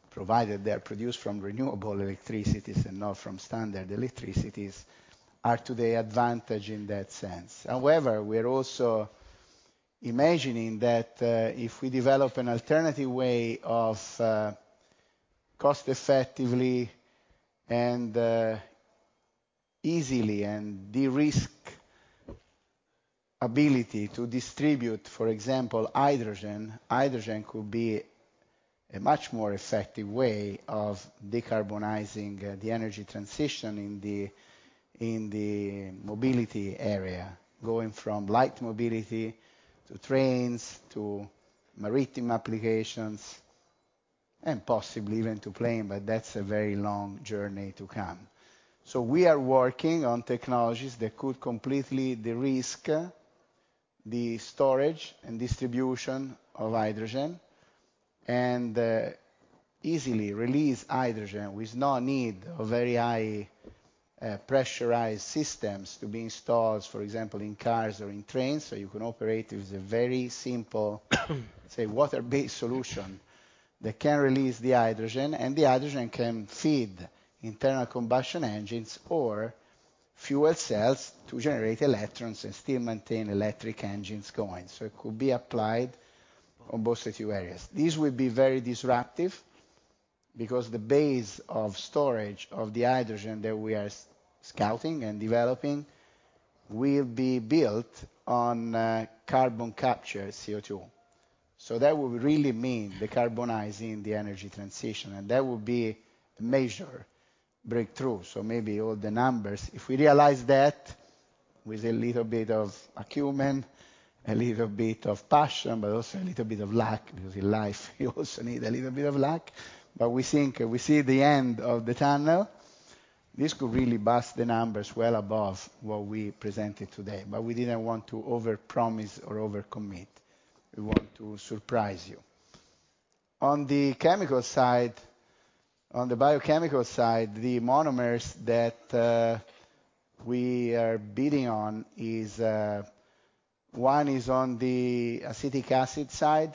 provided they are produced from renewable electricities and not from standard electricities, are to the advantage in that sense. However, we are also imagining that if we develop an alternative way of cost effectively and easily and de-risk ability to distribute, for example, hydrogen. Hydrogen could be a much more effective way of decarbonizing the energy transition in the mobility area, going from light mobility to trains to maritime applications and possibly even to plane, but that's a very long journey to come. We are working on technologies that could completely de-risk the storage and distribution of hydrogen and easily release hydrogen with no need of very high pressurized systems to be installed, for example, in cars or in trains. You can operate with a very simple say, water-based solution that can release the hydrogen, and the hydrogen can feed internal combustion engines or fuel cells to generate electrons and still maintain electric engines going. It could be applied on both situations. This will be very disruptive because the base of storage of the hydrogen that we are scouting and developing will be built on carbon capture CO2. That would really mean decarbonizing the energy transition, and that would be a major breakthrough. Maybe all the numbers. If we realize that with a little bit of acumen, a little bit of passion, but also a little bit of luck, because in life you also need a little bit of luck. We think we see the end of the tunnel. This could really bust the numbers well above what we presented today. We didn't want to overpromise or overcommit. We want to surprise you. On the chemical side, on the biochemical side, the monomers that we are bidding on is one is on the acetic acid side.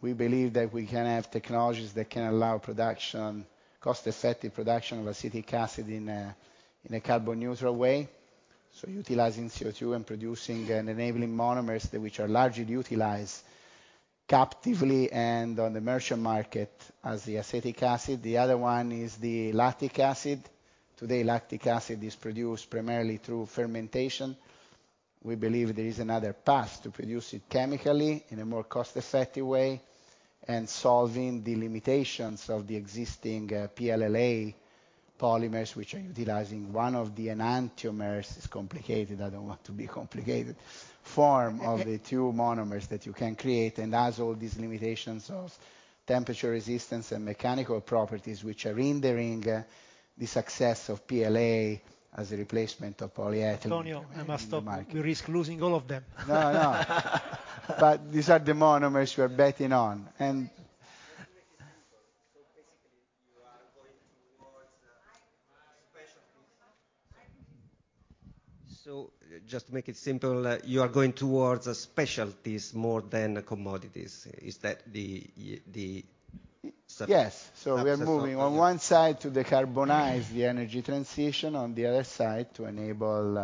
We believe that we can have technologies that can allow production, cost-effective production of acetic acid in a carbon neutral way. Utilizing CO2 and producing and enabling monomers which are largely utilized captively and on the merchant market as the acetic acid. The other one is the lactic acid. Today, lactic acid is produced primarily through fermentation. We believe there is another path to produce it chemically in a more cost-effective way and solving the limitations of the existing PLLA polymers, which are utilizing one of the enantiomers. It's complicated. I don't want to be complicated. Form of the two monomers that you can create, has all these limitations of temperature resistance and mechanical properties, which are hindering the success of PLA as a replacement of polyethyl. Antonio, I must stop you. We risk losing all of them. No, no. These are the monomers we are betting on. To make it simple, so basically you are going towards specialties. Just to make it simple, you are going towards specialties more than commodities. Is that the? Yes. We are moving on one side to decarbonize the energy transition, on the other side to enable.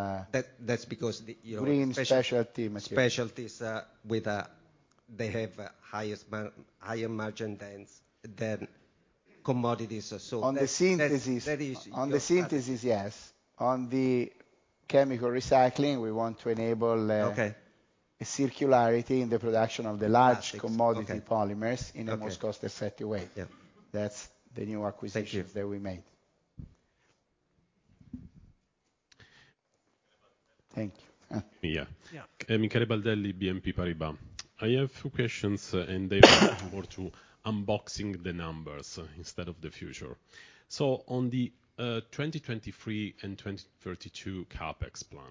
That's because. Green specialty materials. Specialties, with... they have highest higher margin than commodities. That is. On the synthesis, yes. On the chemical recycling, we want to enable. Okay. Circularity in the production of the large commodity polymers in a most cost-effective way. Okay. Yeah. That's the new acquisitions that we made. Thank you. Yeah. Yeah. I'm Michele Baldelli, BNP Paribas. I have two questions. They are more to unboxing the numbers instead of the future. On the 2023 and 2032 CapEx plan,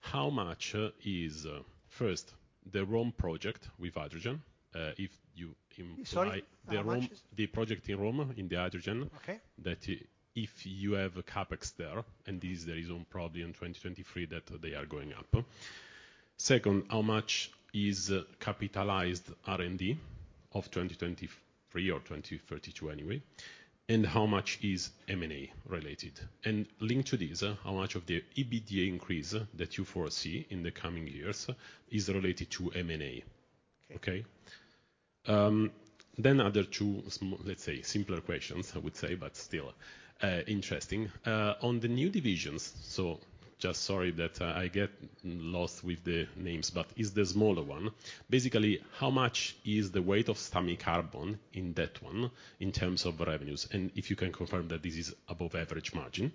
how much is, first, the Rome project with hydrogen, if you can provide? Sorry, how much is? The Rome, the project in Rome in the hydrogen. Okay. That if you have a CapEx there, and this is the reason probably in 2023 that they are going up. Second, how much is capitalized R&D of 2023 or 2032 anyway, and how much is M&A related? Linked to this, how much of the EBITDA increase that you foresee in the coming years is related to M&A? Okay. Okay. Other two let's say simpler questions, I would say, but still interesting. On the new divisions, just sorry that I get lost with the names, but is the smaller one. Basically, how much is the weight of Stamicarbon in that one in terms of revenues? If you can confirm that this is above average margin.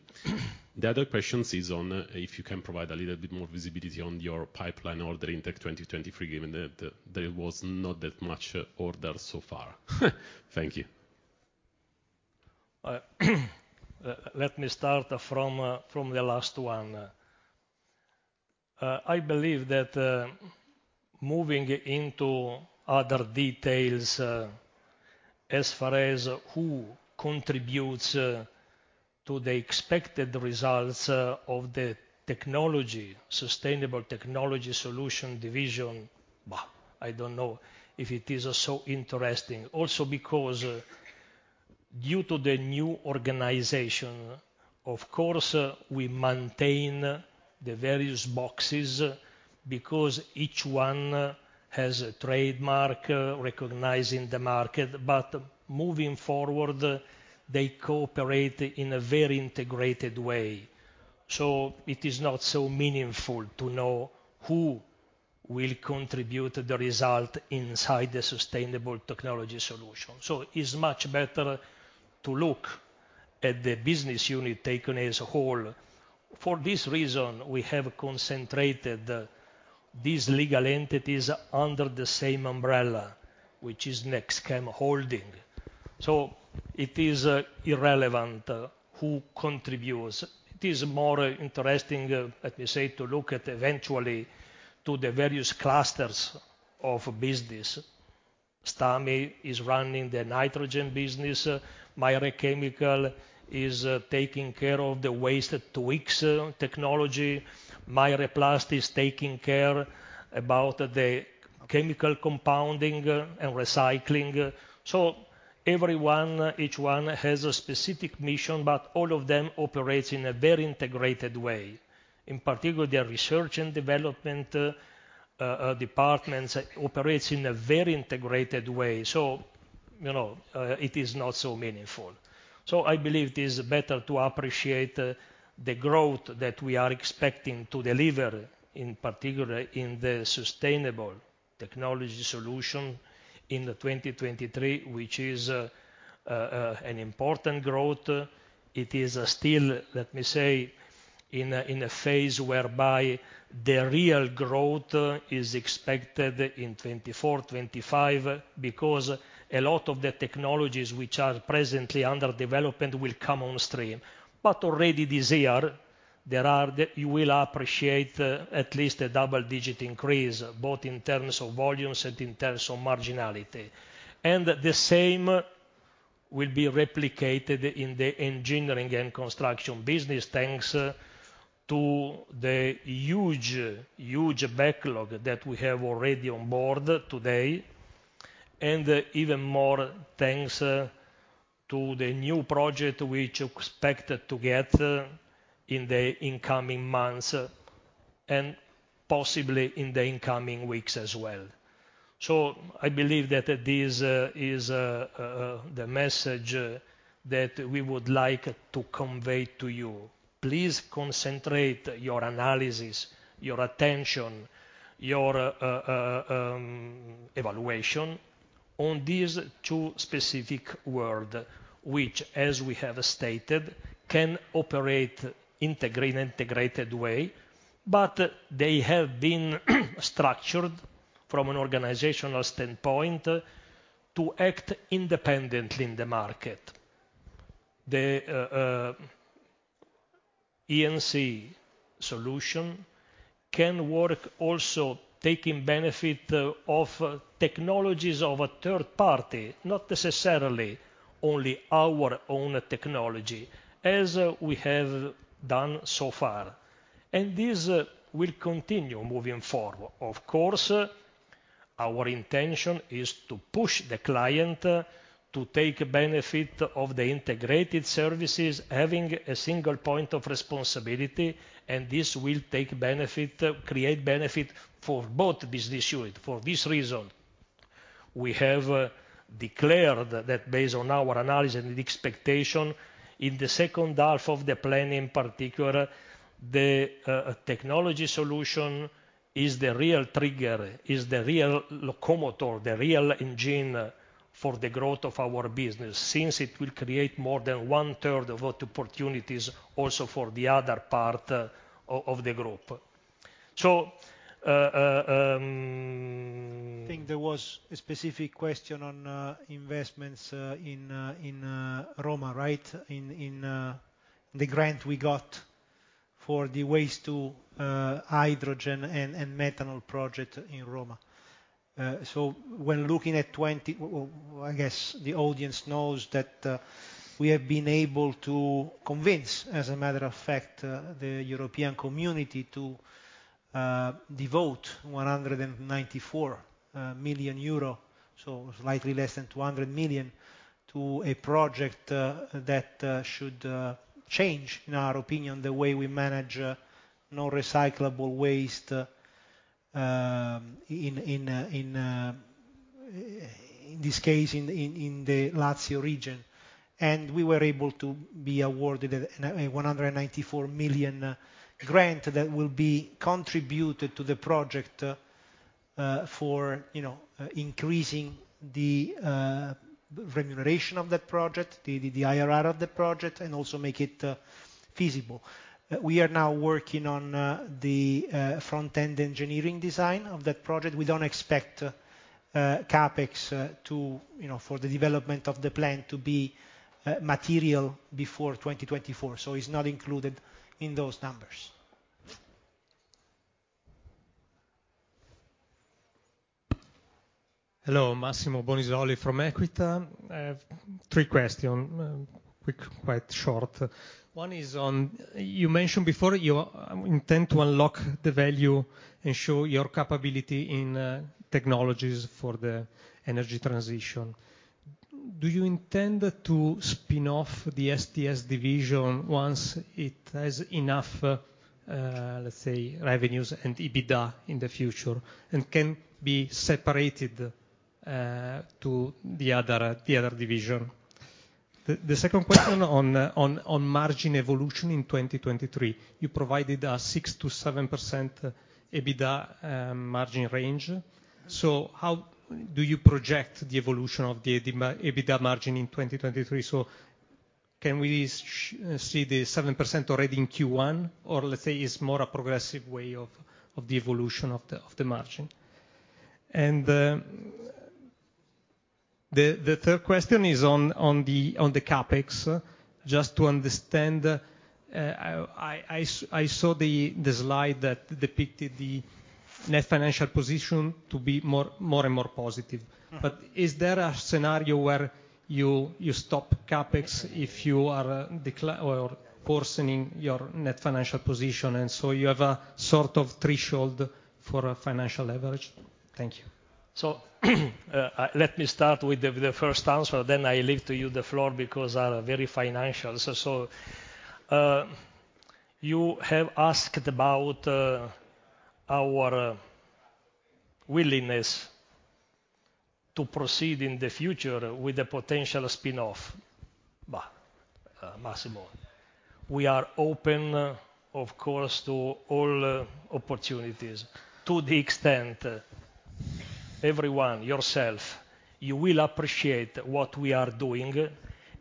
The other questions is on if you can provide a little bit more visibility on your pipeline order intake 2023, given that there was not that much order so far. Thank you. Let me start from the last one. I believe that, moving into other details, as far as who contributes to the expected results of the Sustainable Technology Solutions division, I don't know if it is so interesting. Because due to the new organization, of course, we maintain the various boxes because each one has a trademark recognizing the market, but moving forward, they cooperate in a very integrated way. It is not so meaningful to know who will contribute the result inside the Sustainable Technology Solutions. It's much better to look at the business unit taken as a whole. For this reason, we have concentrated these legal entities under the same umbrella, which is NextChem Holding. It is irrelevant who contributes. It is more interesting, let me say, to look at eventually to the various clusters of business. Stami is running the nitrogen business. MyRechemical is taking care of the Waste to X technology. MyReplast is taking care about the chemical compounding and recycling. Everyone, each one has a specific mission, but all of them operates in a very integrated way. In particular, their research and development departments operates in a very integrated way. You know, it is not so meaningful. I believe it is better to appreciate the growth that we are expecting to deliver, in particular in the Sustainable Technology Solutions in 2023, which is an important growth. It is still, let me say, in a phase whereby the real growth is expected in 2024, 2025 because a lot of the technologies which are presently under development will come on stream. Already this year, you will appreciate at least a double-digit increase, both in terms of volumes and in terms of marginality. The same will be replicated in the engineering and construction business, thanks to the huge backlog that we have already on board today, and even more thanks to the new project which expect to get in the incoming months, and possibly in the incoming weeks as well. I believe that this is the message that we would like to convey to you. Please concentrate your analysis, your attention, your evaluation on these two specific world, which, as we have stated, can operate integrated way, but they have been structured from an organizational standpoint to act independently in the market. The E&C solution can work also taking benefit of technologies of a third party, not necessarily only our own technology, as we have done so far. This will continue moving forward. Of course, our intention is to push the client to take benefit of the integrated services, having a single point of responsibility, and this will take benefit, create benefit for both business unit. For this reason, we have declared that based on our analysis and expectation, in the second half of the plan, in particular, the technology solution is the real trigger, is the real locomotor, the real engine for the growth of our business, since it will create more than one-third of opportunities also for the other part of the group. I think there was a specific question on investments in Roma, right? The grant we got for the waste to hydrogen and methanol project in Roma. When looking at 20... Well, I guess the audience knows that we have been able to convince, as a matter of fact, the European community to devote 194 million euro, so slightly less than 200 million, to a project that should change, in our opinion, the way we manage non-recyclable waste in this case, in the Lazio region. We were able to be awarded a 194 million grant that will be contributed to the project, for, you know, increasing the remuneration of that project, the IRR of the project, and also make it feasible. We are now working on the front-end engineering design of that project. We don't expect CapEx to, you know, for the development of the plan to be material before 2024. It's not included in those numbers. Hello. Massimo Bonisoli from EQUITA. I have three question. quick, quite short. One is on, you mentioned before you intend to unlock the value and show your capability in technologies for the energy transition. Do you intend to spin off the STS division once it has enough, let's say, revenues and EBITDA in the future and can be separated to the other division? The second question on margin evolution in 2023. You provided a 6%-7% EBITDA margin range. How do you project the evolution of the EBITDA margin in 2023? Can we see the 7% already in Q1 or let's say it's more a progressive way of the evolution of the margin? The third question is on the CapEx. Just to understand, I saw the slide that depicted the net financial position to be more and more positive. Mm-hmm. Is there a scenario where you stop CapEx if you are or worsening your net financial position, you have a sort of threshold for a financial leverage? Thank you. Let me start with the first answer, then I leave to you the floor because I am very financial. You have asked about our willingness to proceed in the future with a potential spin-off. Bah. Massimo, we are open, of course, to all opportunities. To the extent everyone, yourself, you will appreciate what we are doing,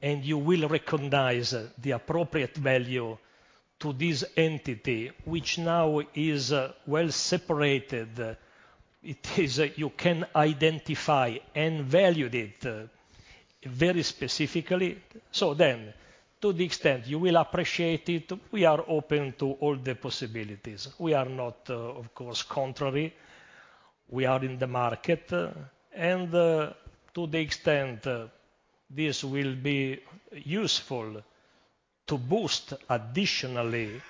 and you will recognize the appropriate value to this entity, which now is well separated. It is, you can identify and value it very specifically. To the extent you will appreciate it, we are open to all the possibilities. We are not, of course, contrary. We are in the market. To the extent this will be useful to boost additionally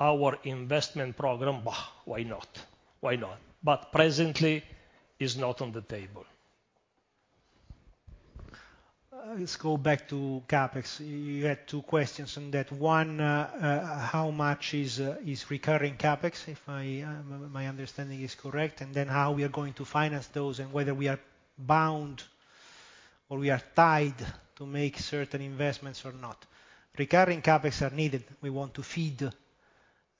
our investment program, bah, why not? Why not? Presently is not on the table. Let's go back to CapEx. You had two questions on that. One, how much is recurring CapEx, if my understanding is correct, and then how we are going to finance those and whether we are bound or we are tied to make certain investments or not. Recurring CapEx are needed. We want to feed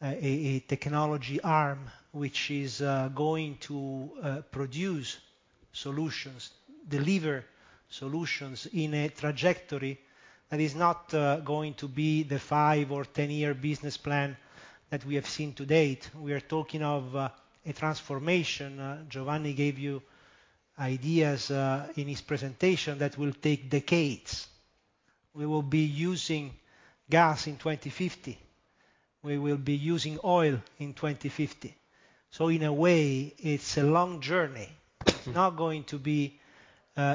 a technology arm which is going to produce solutions, deliver solutions in a trajectory that is not going to be the five- or 10-year business plan that we have seen to date. We are talking of a transformation, Giovanni gave you ideas in his presentation, that will take decades. We will be using gas in 2050. We will be using oil in 2050. In a way, it's a long journey. It's not going to be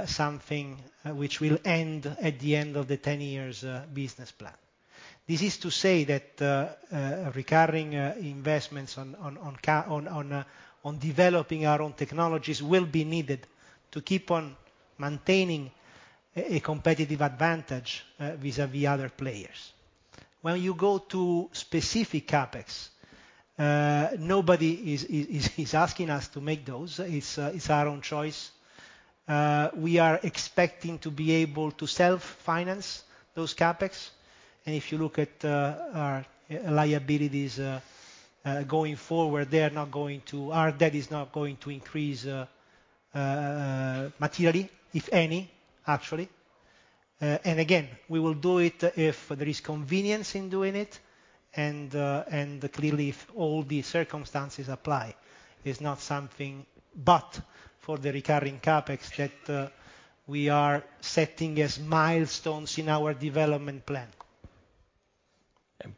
something which will end at the end of the 10 years business plan. This is to say that recurring investments on developing our own technologies will be needed to keep on maintaining a competitive advantage vis-à-vis other players. When you go to specific CapEx, nobody is asking us to make those. It's our own choice. We are expecting to be able to self-finance those CapEx. If you look at our liabilities going forward, Our debt is not going to increase materially, if any, actually. Again, we will do it if there is convenience in doing it and clearly if all the circumstances apply. It's not something but for the recurring CapEx that we are setting as milestones in our development plan.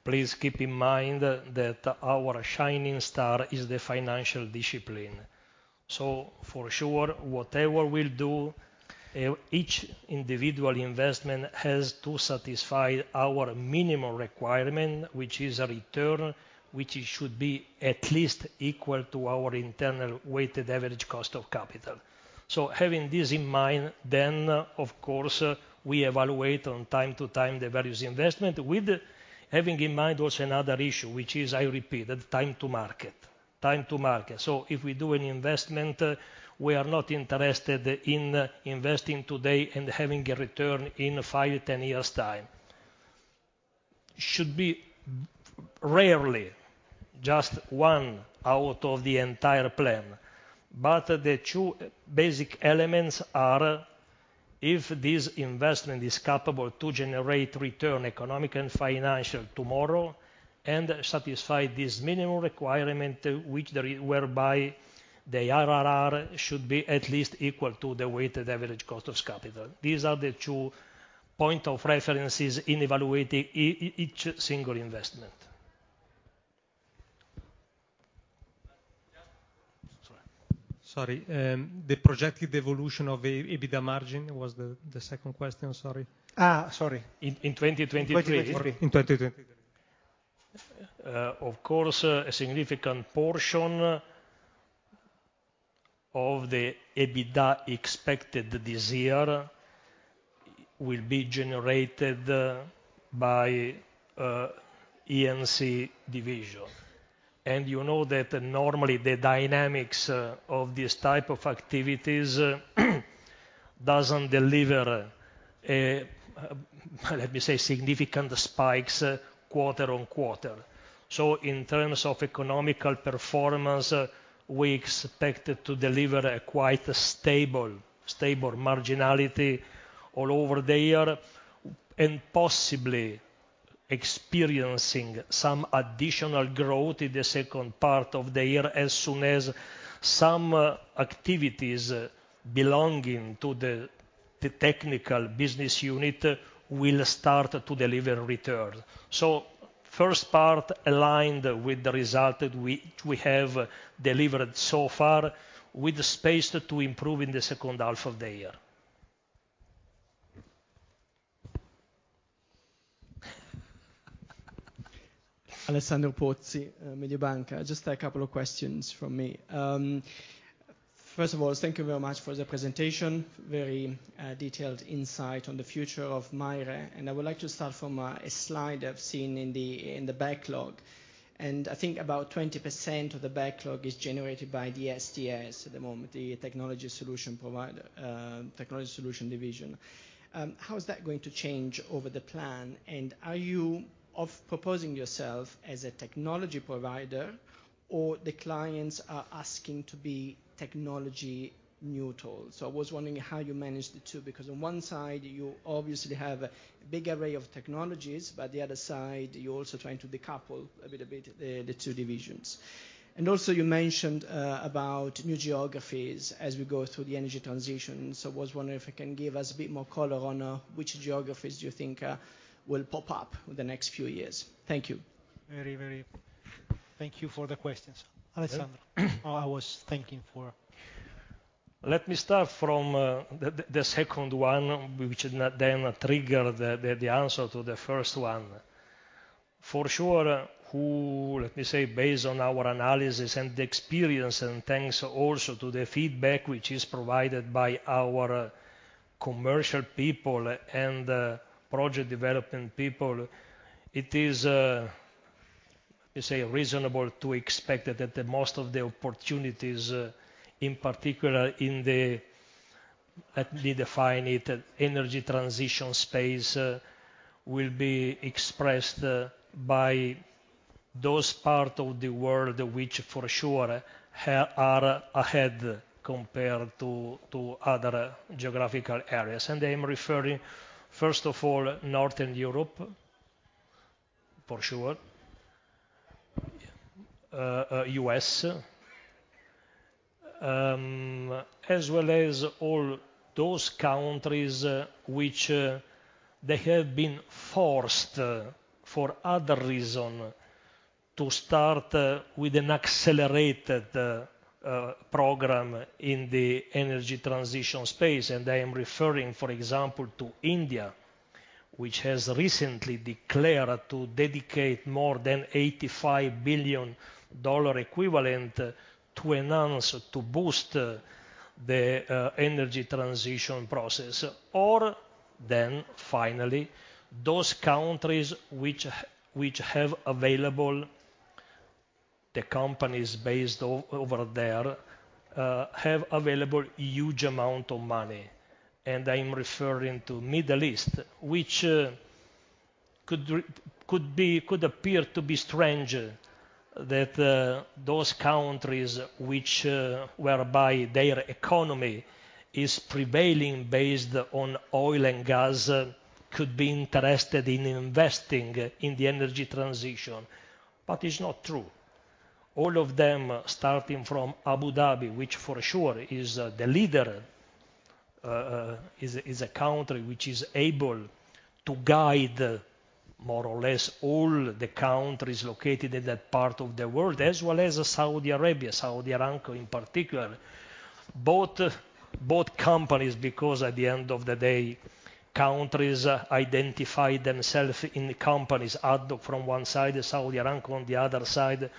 Please keep in mind that our shining star is the financial discipline. For sure, whatever we'll do, each individual investment has to satisfy our minimum requirement, which is a return, which should be at least equal to our internal weighted average cost of capital. Having this in mind, of course, we evaluate on time to time the various investment with having in mind also another issue, which is, I repeat, the time to market. If we do an investment, we are not interested in investing today and having a return in five, 10 years' time. Should be rarely just one out of the entire plan. The two basic elements are if this investment is capable to generate return, economic and financial, tomorrow, and satisfy this minimum requirement, whereby the IRR should be at least equal to the weighted average cost of capital. These are the two point of references in evaluating each single investment. Sorry. The projected evolution of EBITDA margin was the second question. Sorry. Sorry. In 2023. 2023. In 2023. Of course, a significant portion of the EBITDA expected this year will be generated by E&C division. You know that normally the dynamics of these type of activities doesn't deliver, let me say, significant spikes quarter-on-quarter. In terms of economical performance, we expect to deliver a quite stable marginality all over the year, and possibly experiencing some additional growth in the second part of the year as soon as some activities belonging to the technical business unit will start to deliver return. First part aligned with the result we have delivered so far, with space to improve in the second half of the year. Just a couple of questions from me. First of all, thank you very much for the presentation. Very detailed insight on the future of MAIRE. I would like to start from a slide I've seen in the backlog. I think about 20% of the backlog is generated by the STS at the moment, the technology solution provider, technology solution division. How is that going to change over the plan? Are you proposing yourself as a technology provider or the clients are asking to be technology neutral? I was wondering how you manage the two, because on one side you obviously have a big array of technologies, but the other side, you're also trying to decouple a little bit the two divisions. You mentioned about new geographies as we go through the energy transition. I was wondering if you can give us a bit more color on which geographies do you think will pop up in the next few years. Thank you. Very. Thank you for the questions. Alessandro. Oh, I was thanking for... Let me start from the second one, which trigger the answer to the first one. For sure, who, let me say, based on our analysis and the experience and thanks also to the feedback which is provided by our commercial people and project development people, it is, let me say, reasonable to expect that the most of the opportunities, in particular in the, let me define it, energy transition space, will be expressed by those part of the world which for sure are ahead compared to other geographical areas. I'm referring, first of all, Northern Europe, for sure. U.S., as well as all those countries which they have been forced for other reason to start with an accelerated program in the energy transition space. I am referring, for example, to India, which has recently declared to dedicate more than $85 billion equivalent to enhance, to boost the energy transition process. Finally, those countries which have available the companies based over there, have available huge amount of money, and I'm referring to Middle East, which could be, could appear to be strange that those countries whereby their economy is prevailing based on oil and gas could be interested in investing in the energy transition, but it's not true. All of them, starting from Abu Dhabi, which for sure is the leader, is a country which is able to guide more or less all the countries located in that part of the world, as well as Saudi Arabia, Saudi Aramco in particular. Both companies, because at the end of the day, countries identify themselves in companies. ADNOC from one side, Saudi Aramco on the other side,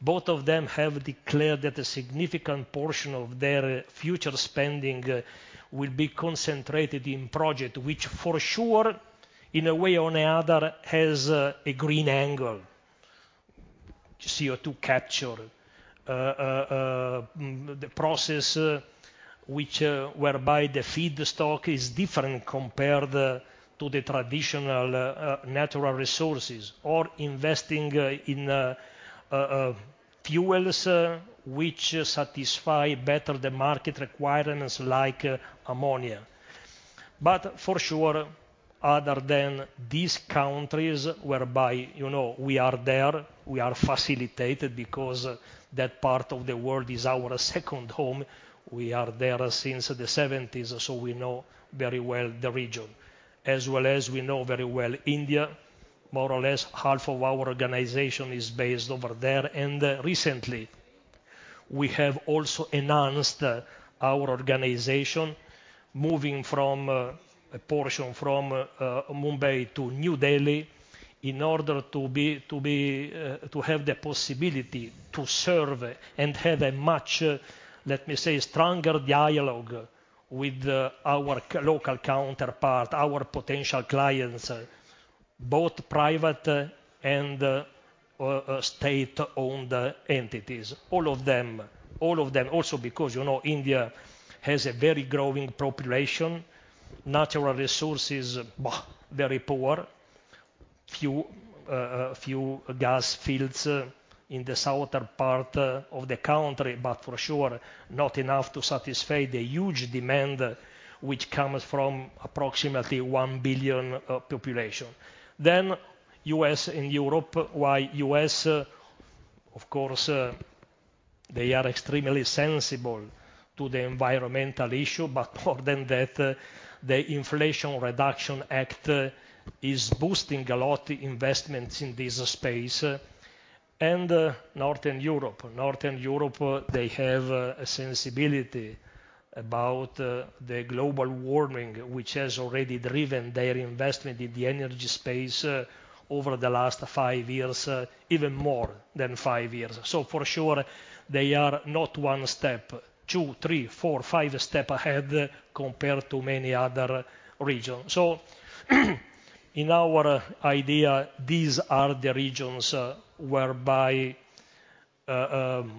both of them have declared that a significant portion of their future spending will be concentrated in project which for sure, in a way or another, has a green angle. CO2 capture, the process which whereby the feedstock is different compared to the traditional natural resources, or investing in fuels which satisfy better the market requirements like ammonia. For sure, other than these countries whereby, you know, we are there, we are facilitated because that part of the world is our second home. We are there since the 70s, so we know very well the region. As well as we know very well India, more or less half of our organization is based over there. Recently we have also enhanced our organization, moving from, a portion from, Mumbai to New Delhi in order to be, to have the possibility to serve and have a much, let me say, stronger dialogue with, our local counterpart, our potential clients, both private and, state-owned entities. All of them. All of them. Because, you know, India has a very growing population, natural resources, very poor. Few gas fields, in the southern part, of the country, but for sure not enough to satisfy the huge demand which comes from approximately one billion, population. US and Europe. Why US? Of course, they are extremely sensible to the environmental issue, but more than that, the Inflation Reduction Act is boosting a lot investments in this space. Northern Europe, they have a sensibility about the global warming, which has already driven their investment in the energy space over the last five years, even more than five years. For sure, they are not one step, two, three, four, five step ahead compared to many other regions. In our idea, these are the regions whereby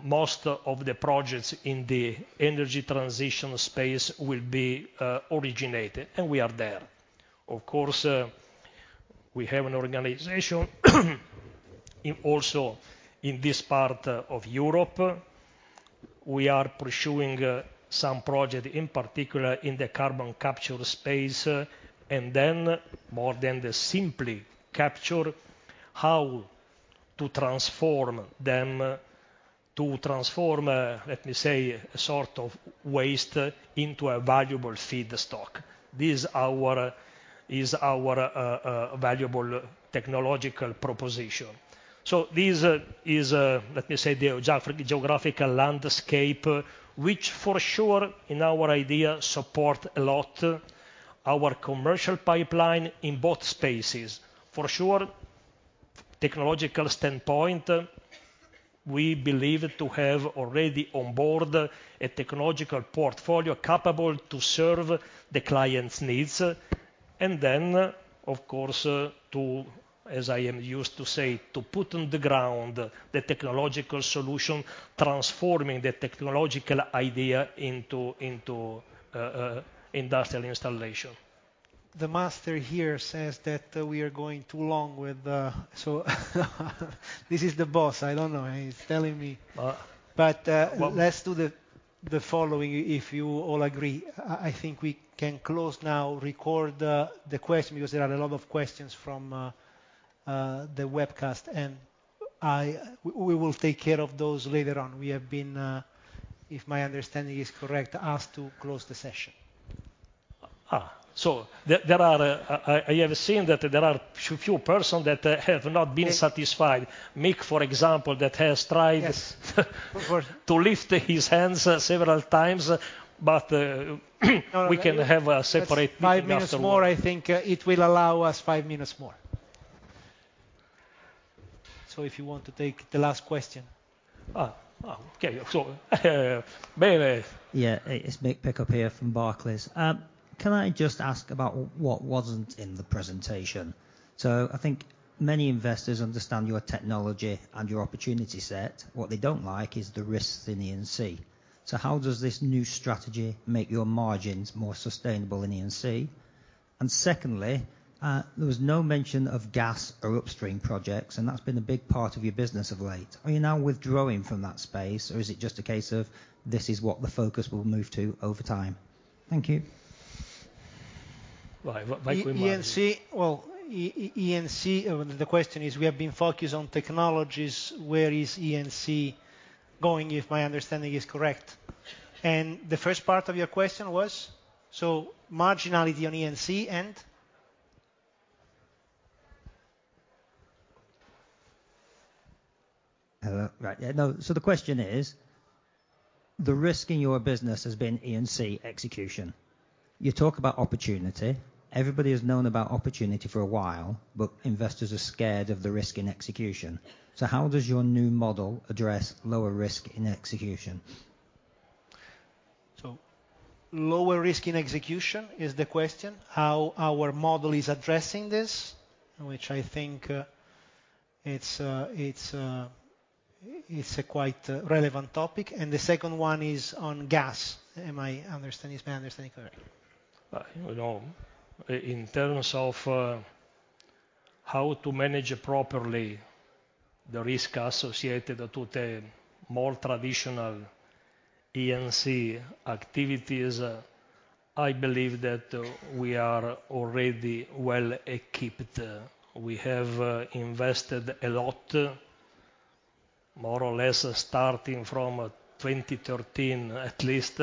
most of the projects in the energy transition space will be originated, and we are there. Of course, we have an organization in also in this part of Europe. We are pursuing some project, in particular in the carbon capture space. More than the simply capture, how to transform them, to transform, let me say, a sort of waste into a valuable feedstock. This is our valuable technological proposition. This is, let me say, the geo-geographical landscape, which for sure in our idea support a lot our commercial pipeline in both spaces. Technological standpoint, we believe to have already on board a technological portfolio capable to serve the clients' needs. Of course, to, as I am used to say, to put on the ground the technological solution, transforming the technological idea into industrial installation. The master here says that we are going too long with. This is the boss. I don't know. He's telling me. Uh. Let's do the following, if you all agree. I think we can close now, record the question because there are a lot of questions from the webcast and we will take care of those later on. We have been, if my understanding is correct, asked to close the session. There are I have seen that there are few person that have not been satisfied. Mick, for example, that has tried. Yes. To lift his hands several times, but, we can have a separate meeting afterwards. Five minutes more. I think it will allow us five minutes more. If you want to take the last question. Okay. Maybe. Yeah. It's Mick Pickup here from Barclays. Can I just ask about what wasn't in the presentation? I think many investors understand your technology and your opportunity set. What they don't like is the risks in E&C. How does this new strategy make your margins more sustainable in E&C? Secondly, there was no mention of gas or upstream projects, and that's been a big part of your business of late. Are you now withdrawing from that space, or is it just a case of this is what the focus will move to over time? Thank you. Well, if I could imagine. E&C, the question is, we have been focused on technologies, where is E&C going, if my understanding is correct. The first part of your question was? Marginality on E&C and? Hello. Right. Yeah, no. The question is: The risk in your business has been E&C execution. You talk about opportunity. Everybody has known about opportunity for a while, but investors are scared of the risk in execution. How does your new model address lower risk in execution? Lower risk in execution is the question. How our model is addressing this, which I think it's a quite relevant topic. The second one is on gas, is my understanding correct? Well, in terms of how to manage properly the risk associated to the more traditional E&C activities, I believe that we are already well equipped. We have invested a lot, more or less starting from 2013, at least.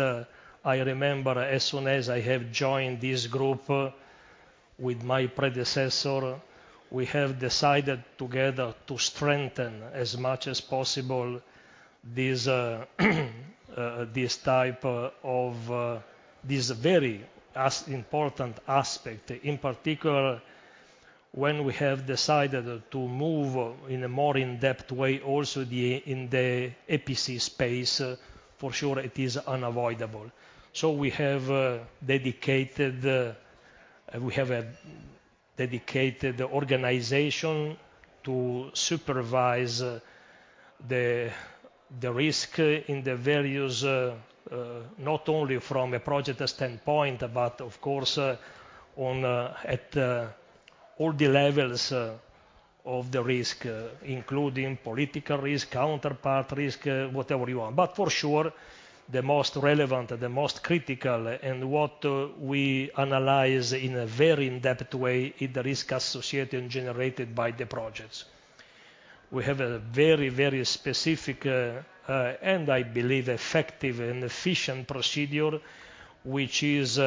I remember as soon as I have joined this group with my predecessor, we have decided together to strengthen as much as possible these, this type of, this very important aspect. In particular, when we have decided to move in a more in-depth way also the, in the EPC space, for sure it is unavoidable. We have dedicated, we have a dedicated organization to supervise the risk in the various, not only from a project standpoint, but of course, on, at, all the levels of the risk, including political risk, counterpart risk, whatever you want. For sure, the most relevant, the most critical, and what we analyze in a very in-depth way is the risk associated and generated by the projects. We have a very specific, and I believe effective and efficient procedure, which is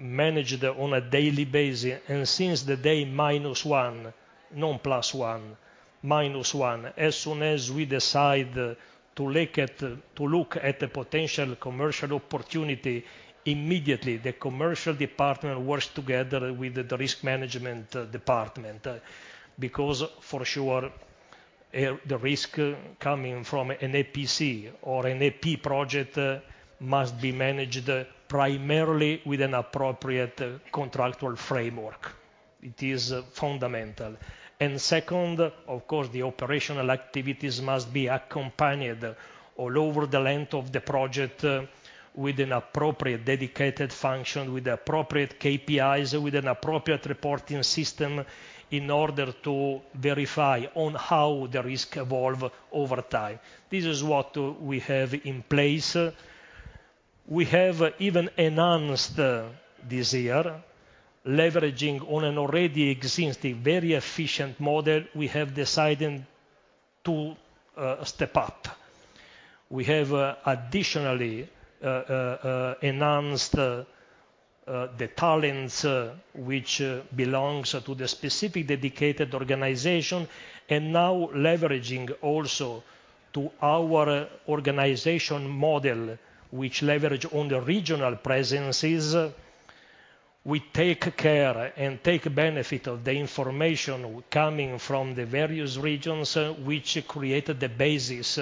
managed on a daily basis. Since the day minus one, not plus one, minus one, as soon as we decide to look at the potential commercial opportunity, immediately the commercial department works together with the risk management department. For sure, the risk coming from an APC or an AP project must be managed primarily with an appropriate contractual framework. It is fundamental. Second, of course, the operational activities must be accompanied all over the length of the project, with an appropriate dedicated function, with appropriate KPIs, with an appropriate reporting system, in order to verify on how the risk evolve over time. This is what we have in place. We have even enhanced this year, leveraging on an already existing very efficient model, we have decided to step up. We have additionally enhanced the talents which belongs to the specific dedicated organization, and now leveraging also to our organization model, which leverage on the regional presences. We take care and take benefit of the information coming from the various regions, which created the basis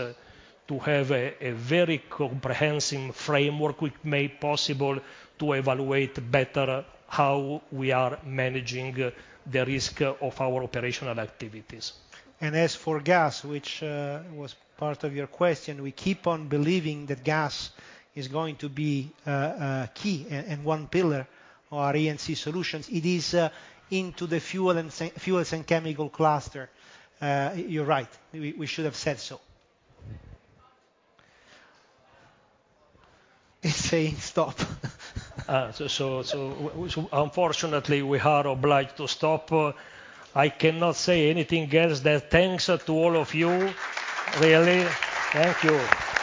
to have a very comprehensive framework which made possible to evaluate better how we are managing the risk of our operational activities. As for gas, which was part of your question, we keep on believing that gas is going to be key and one pillar of our E&C solutions. It is into the fuels and chemical cluster. You're right. We should have said so. He's saying stop. Unfortunately, we are obliged to stop. I cannot say anything else than thanks to all of you. Really. Thank you.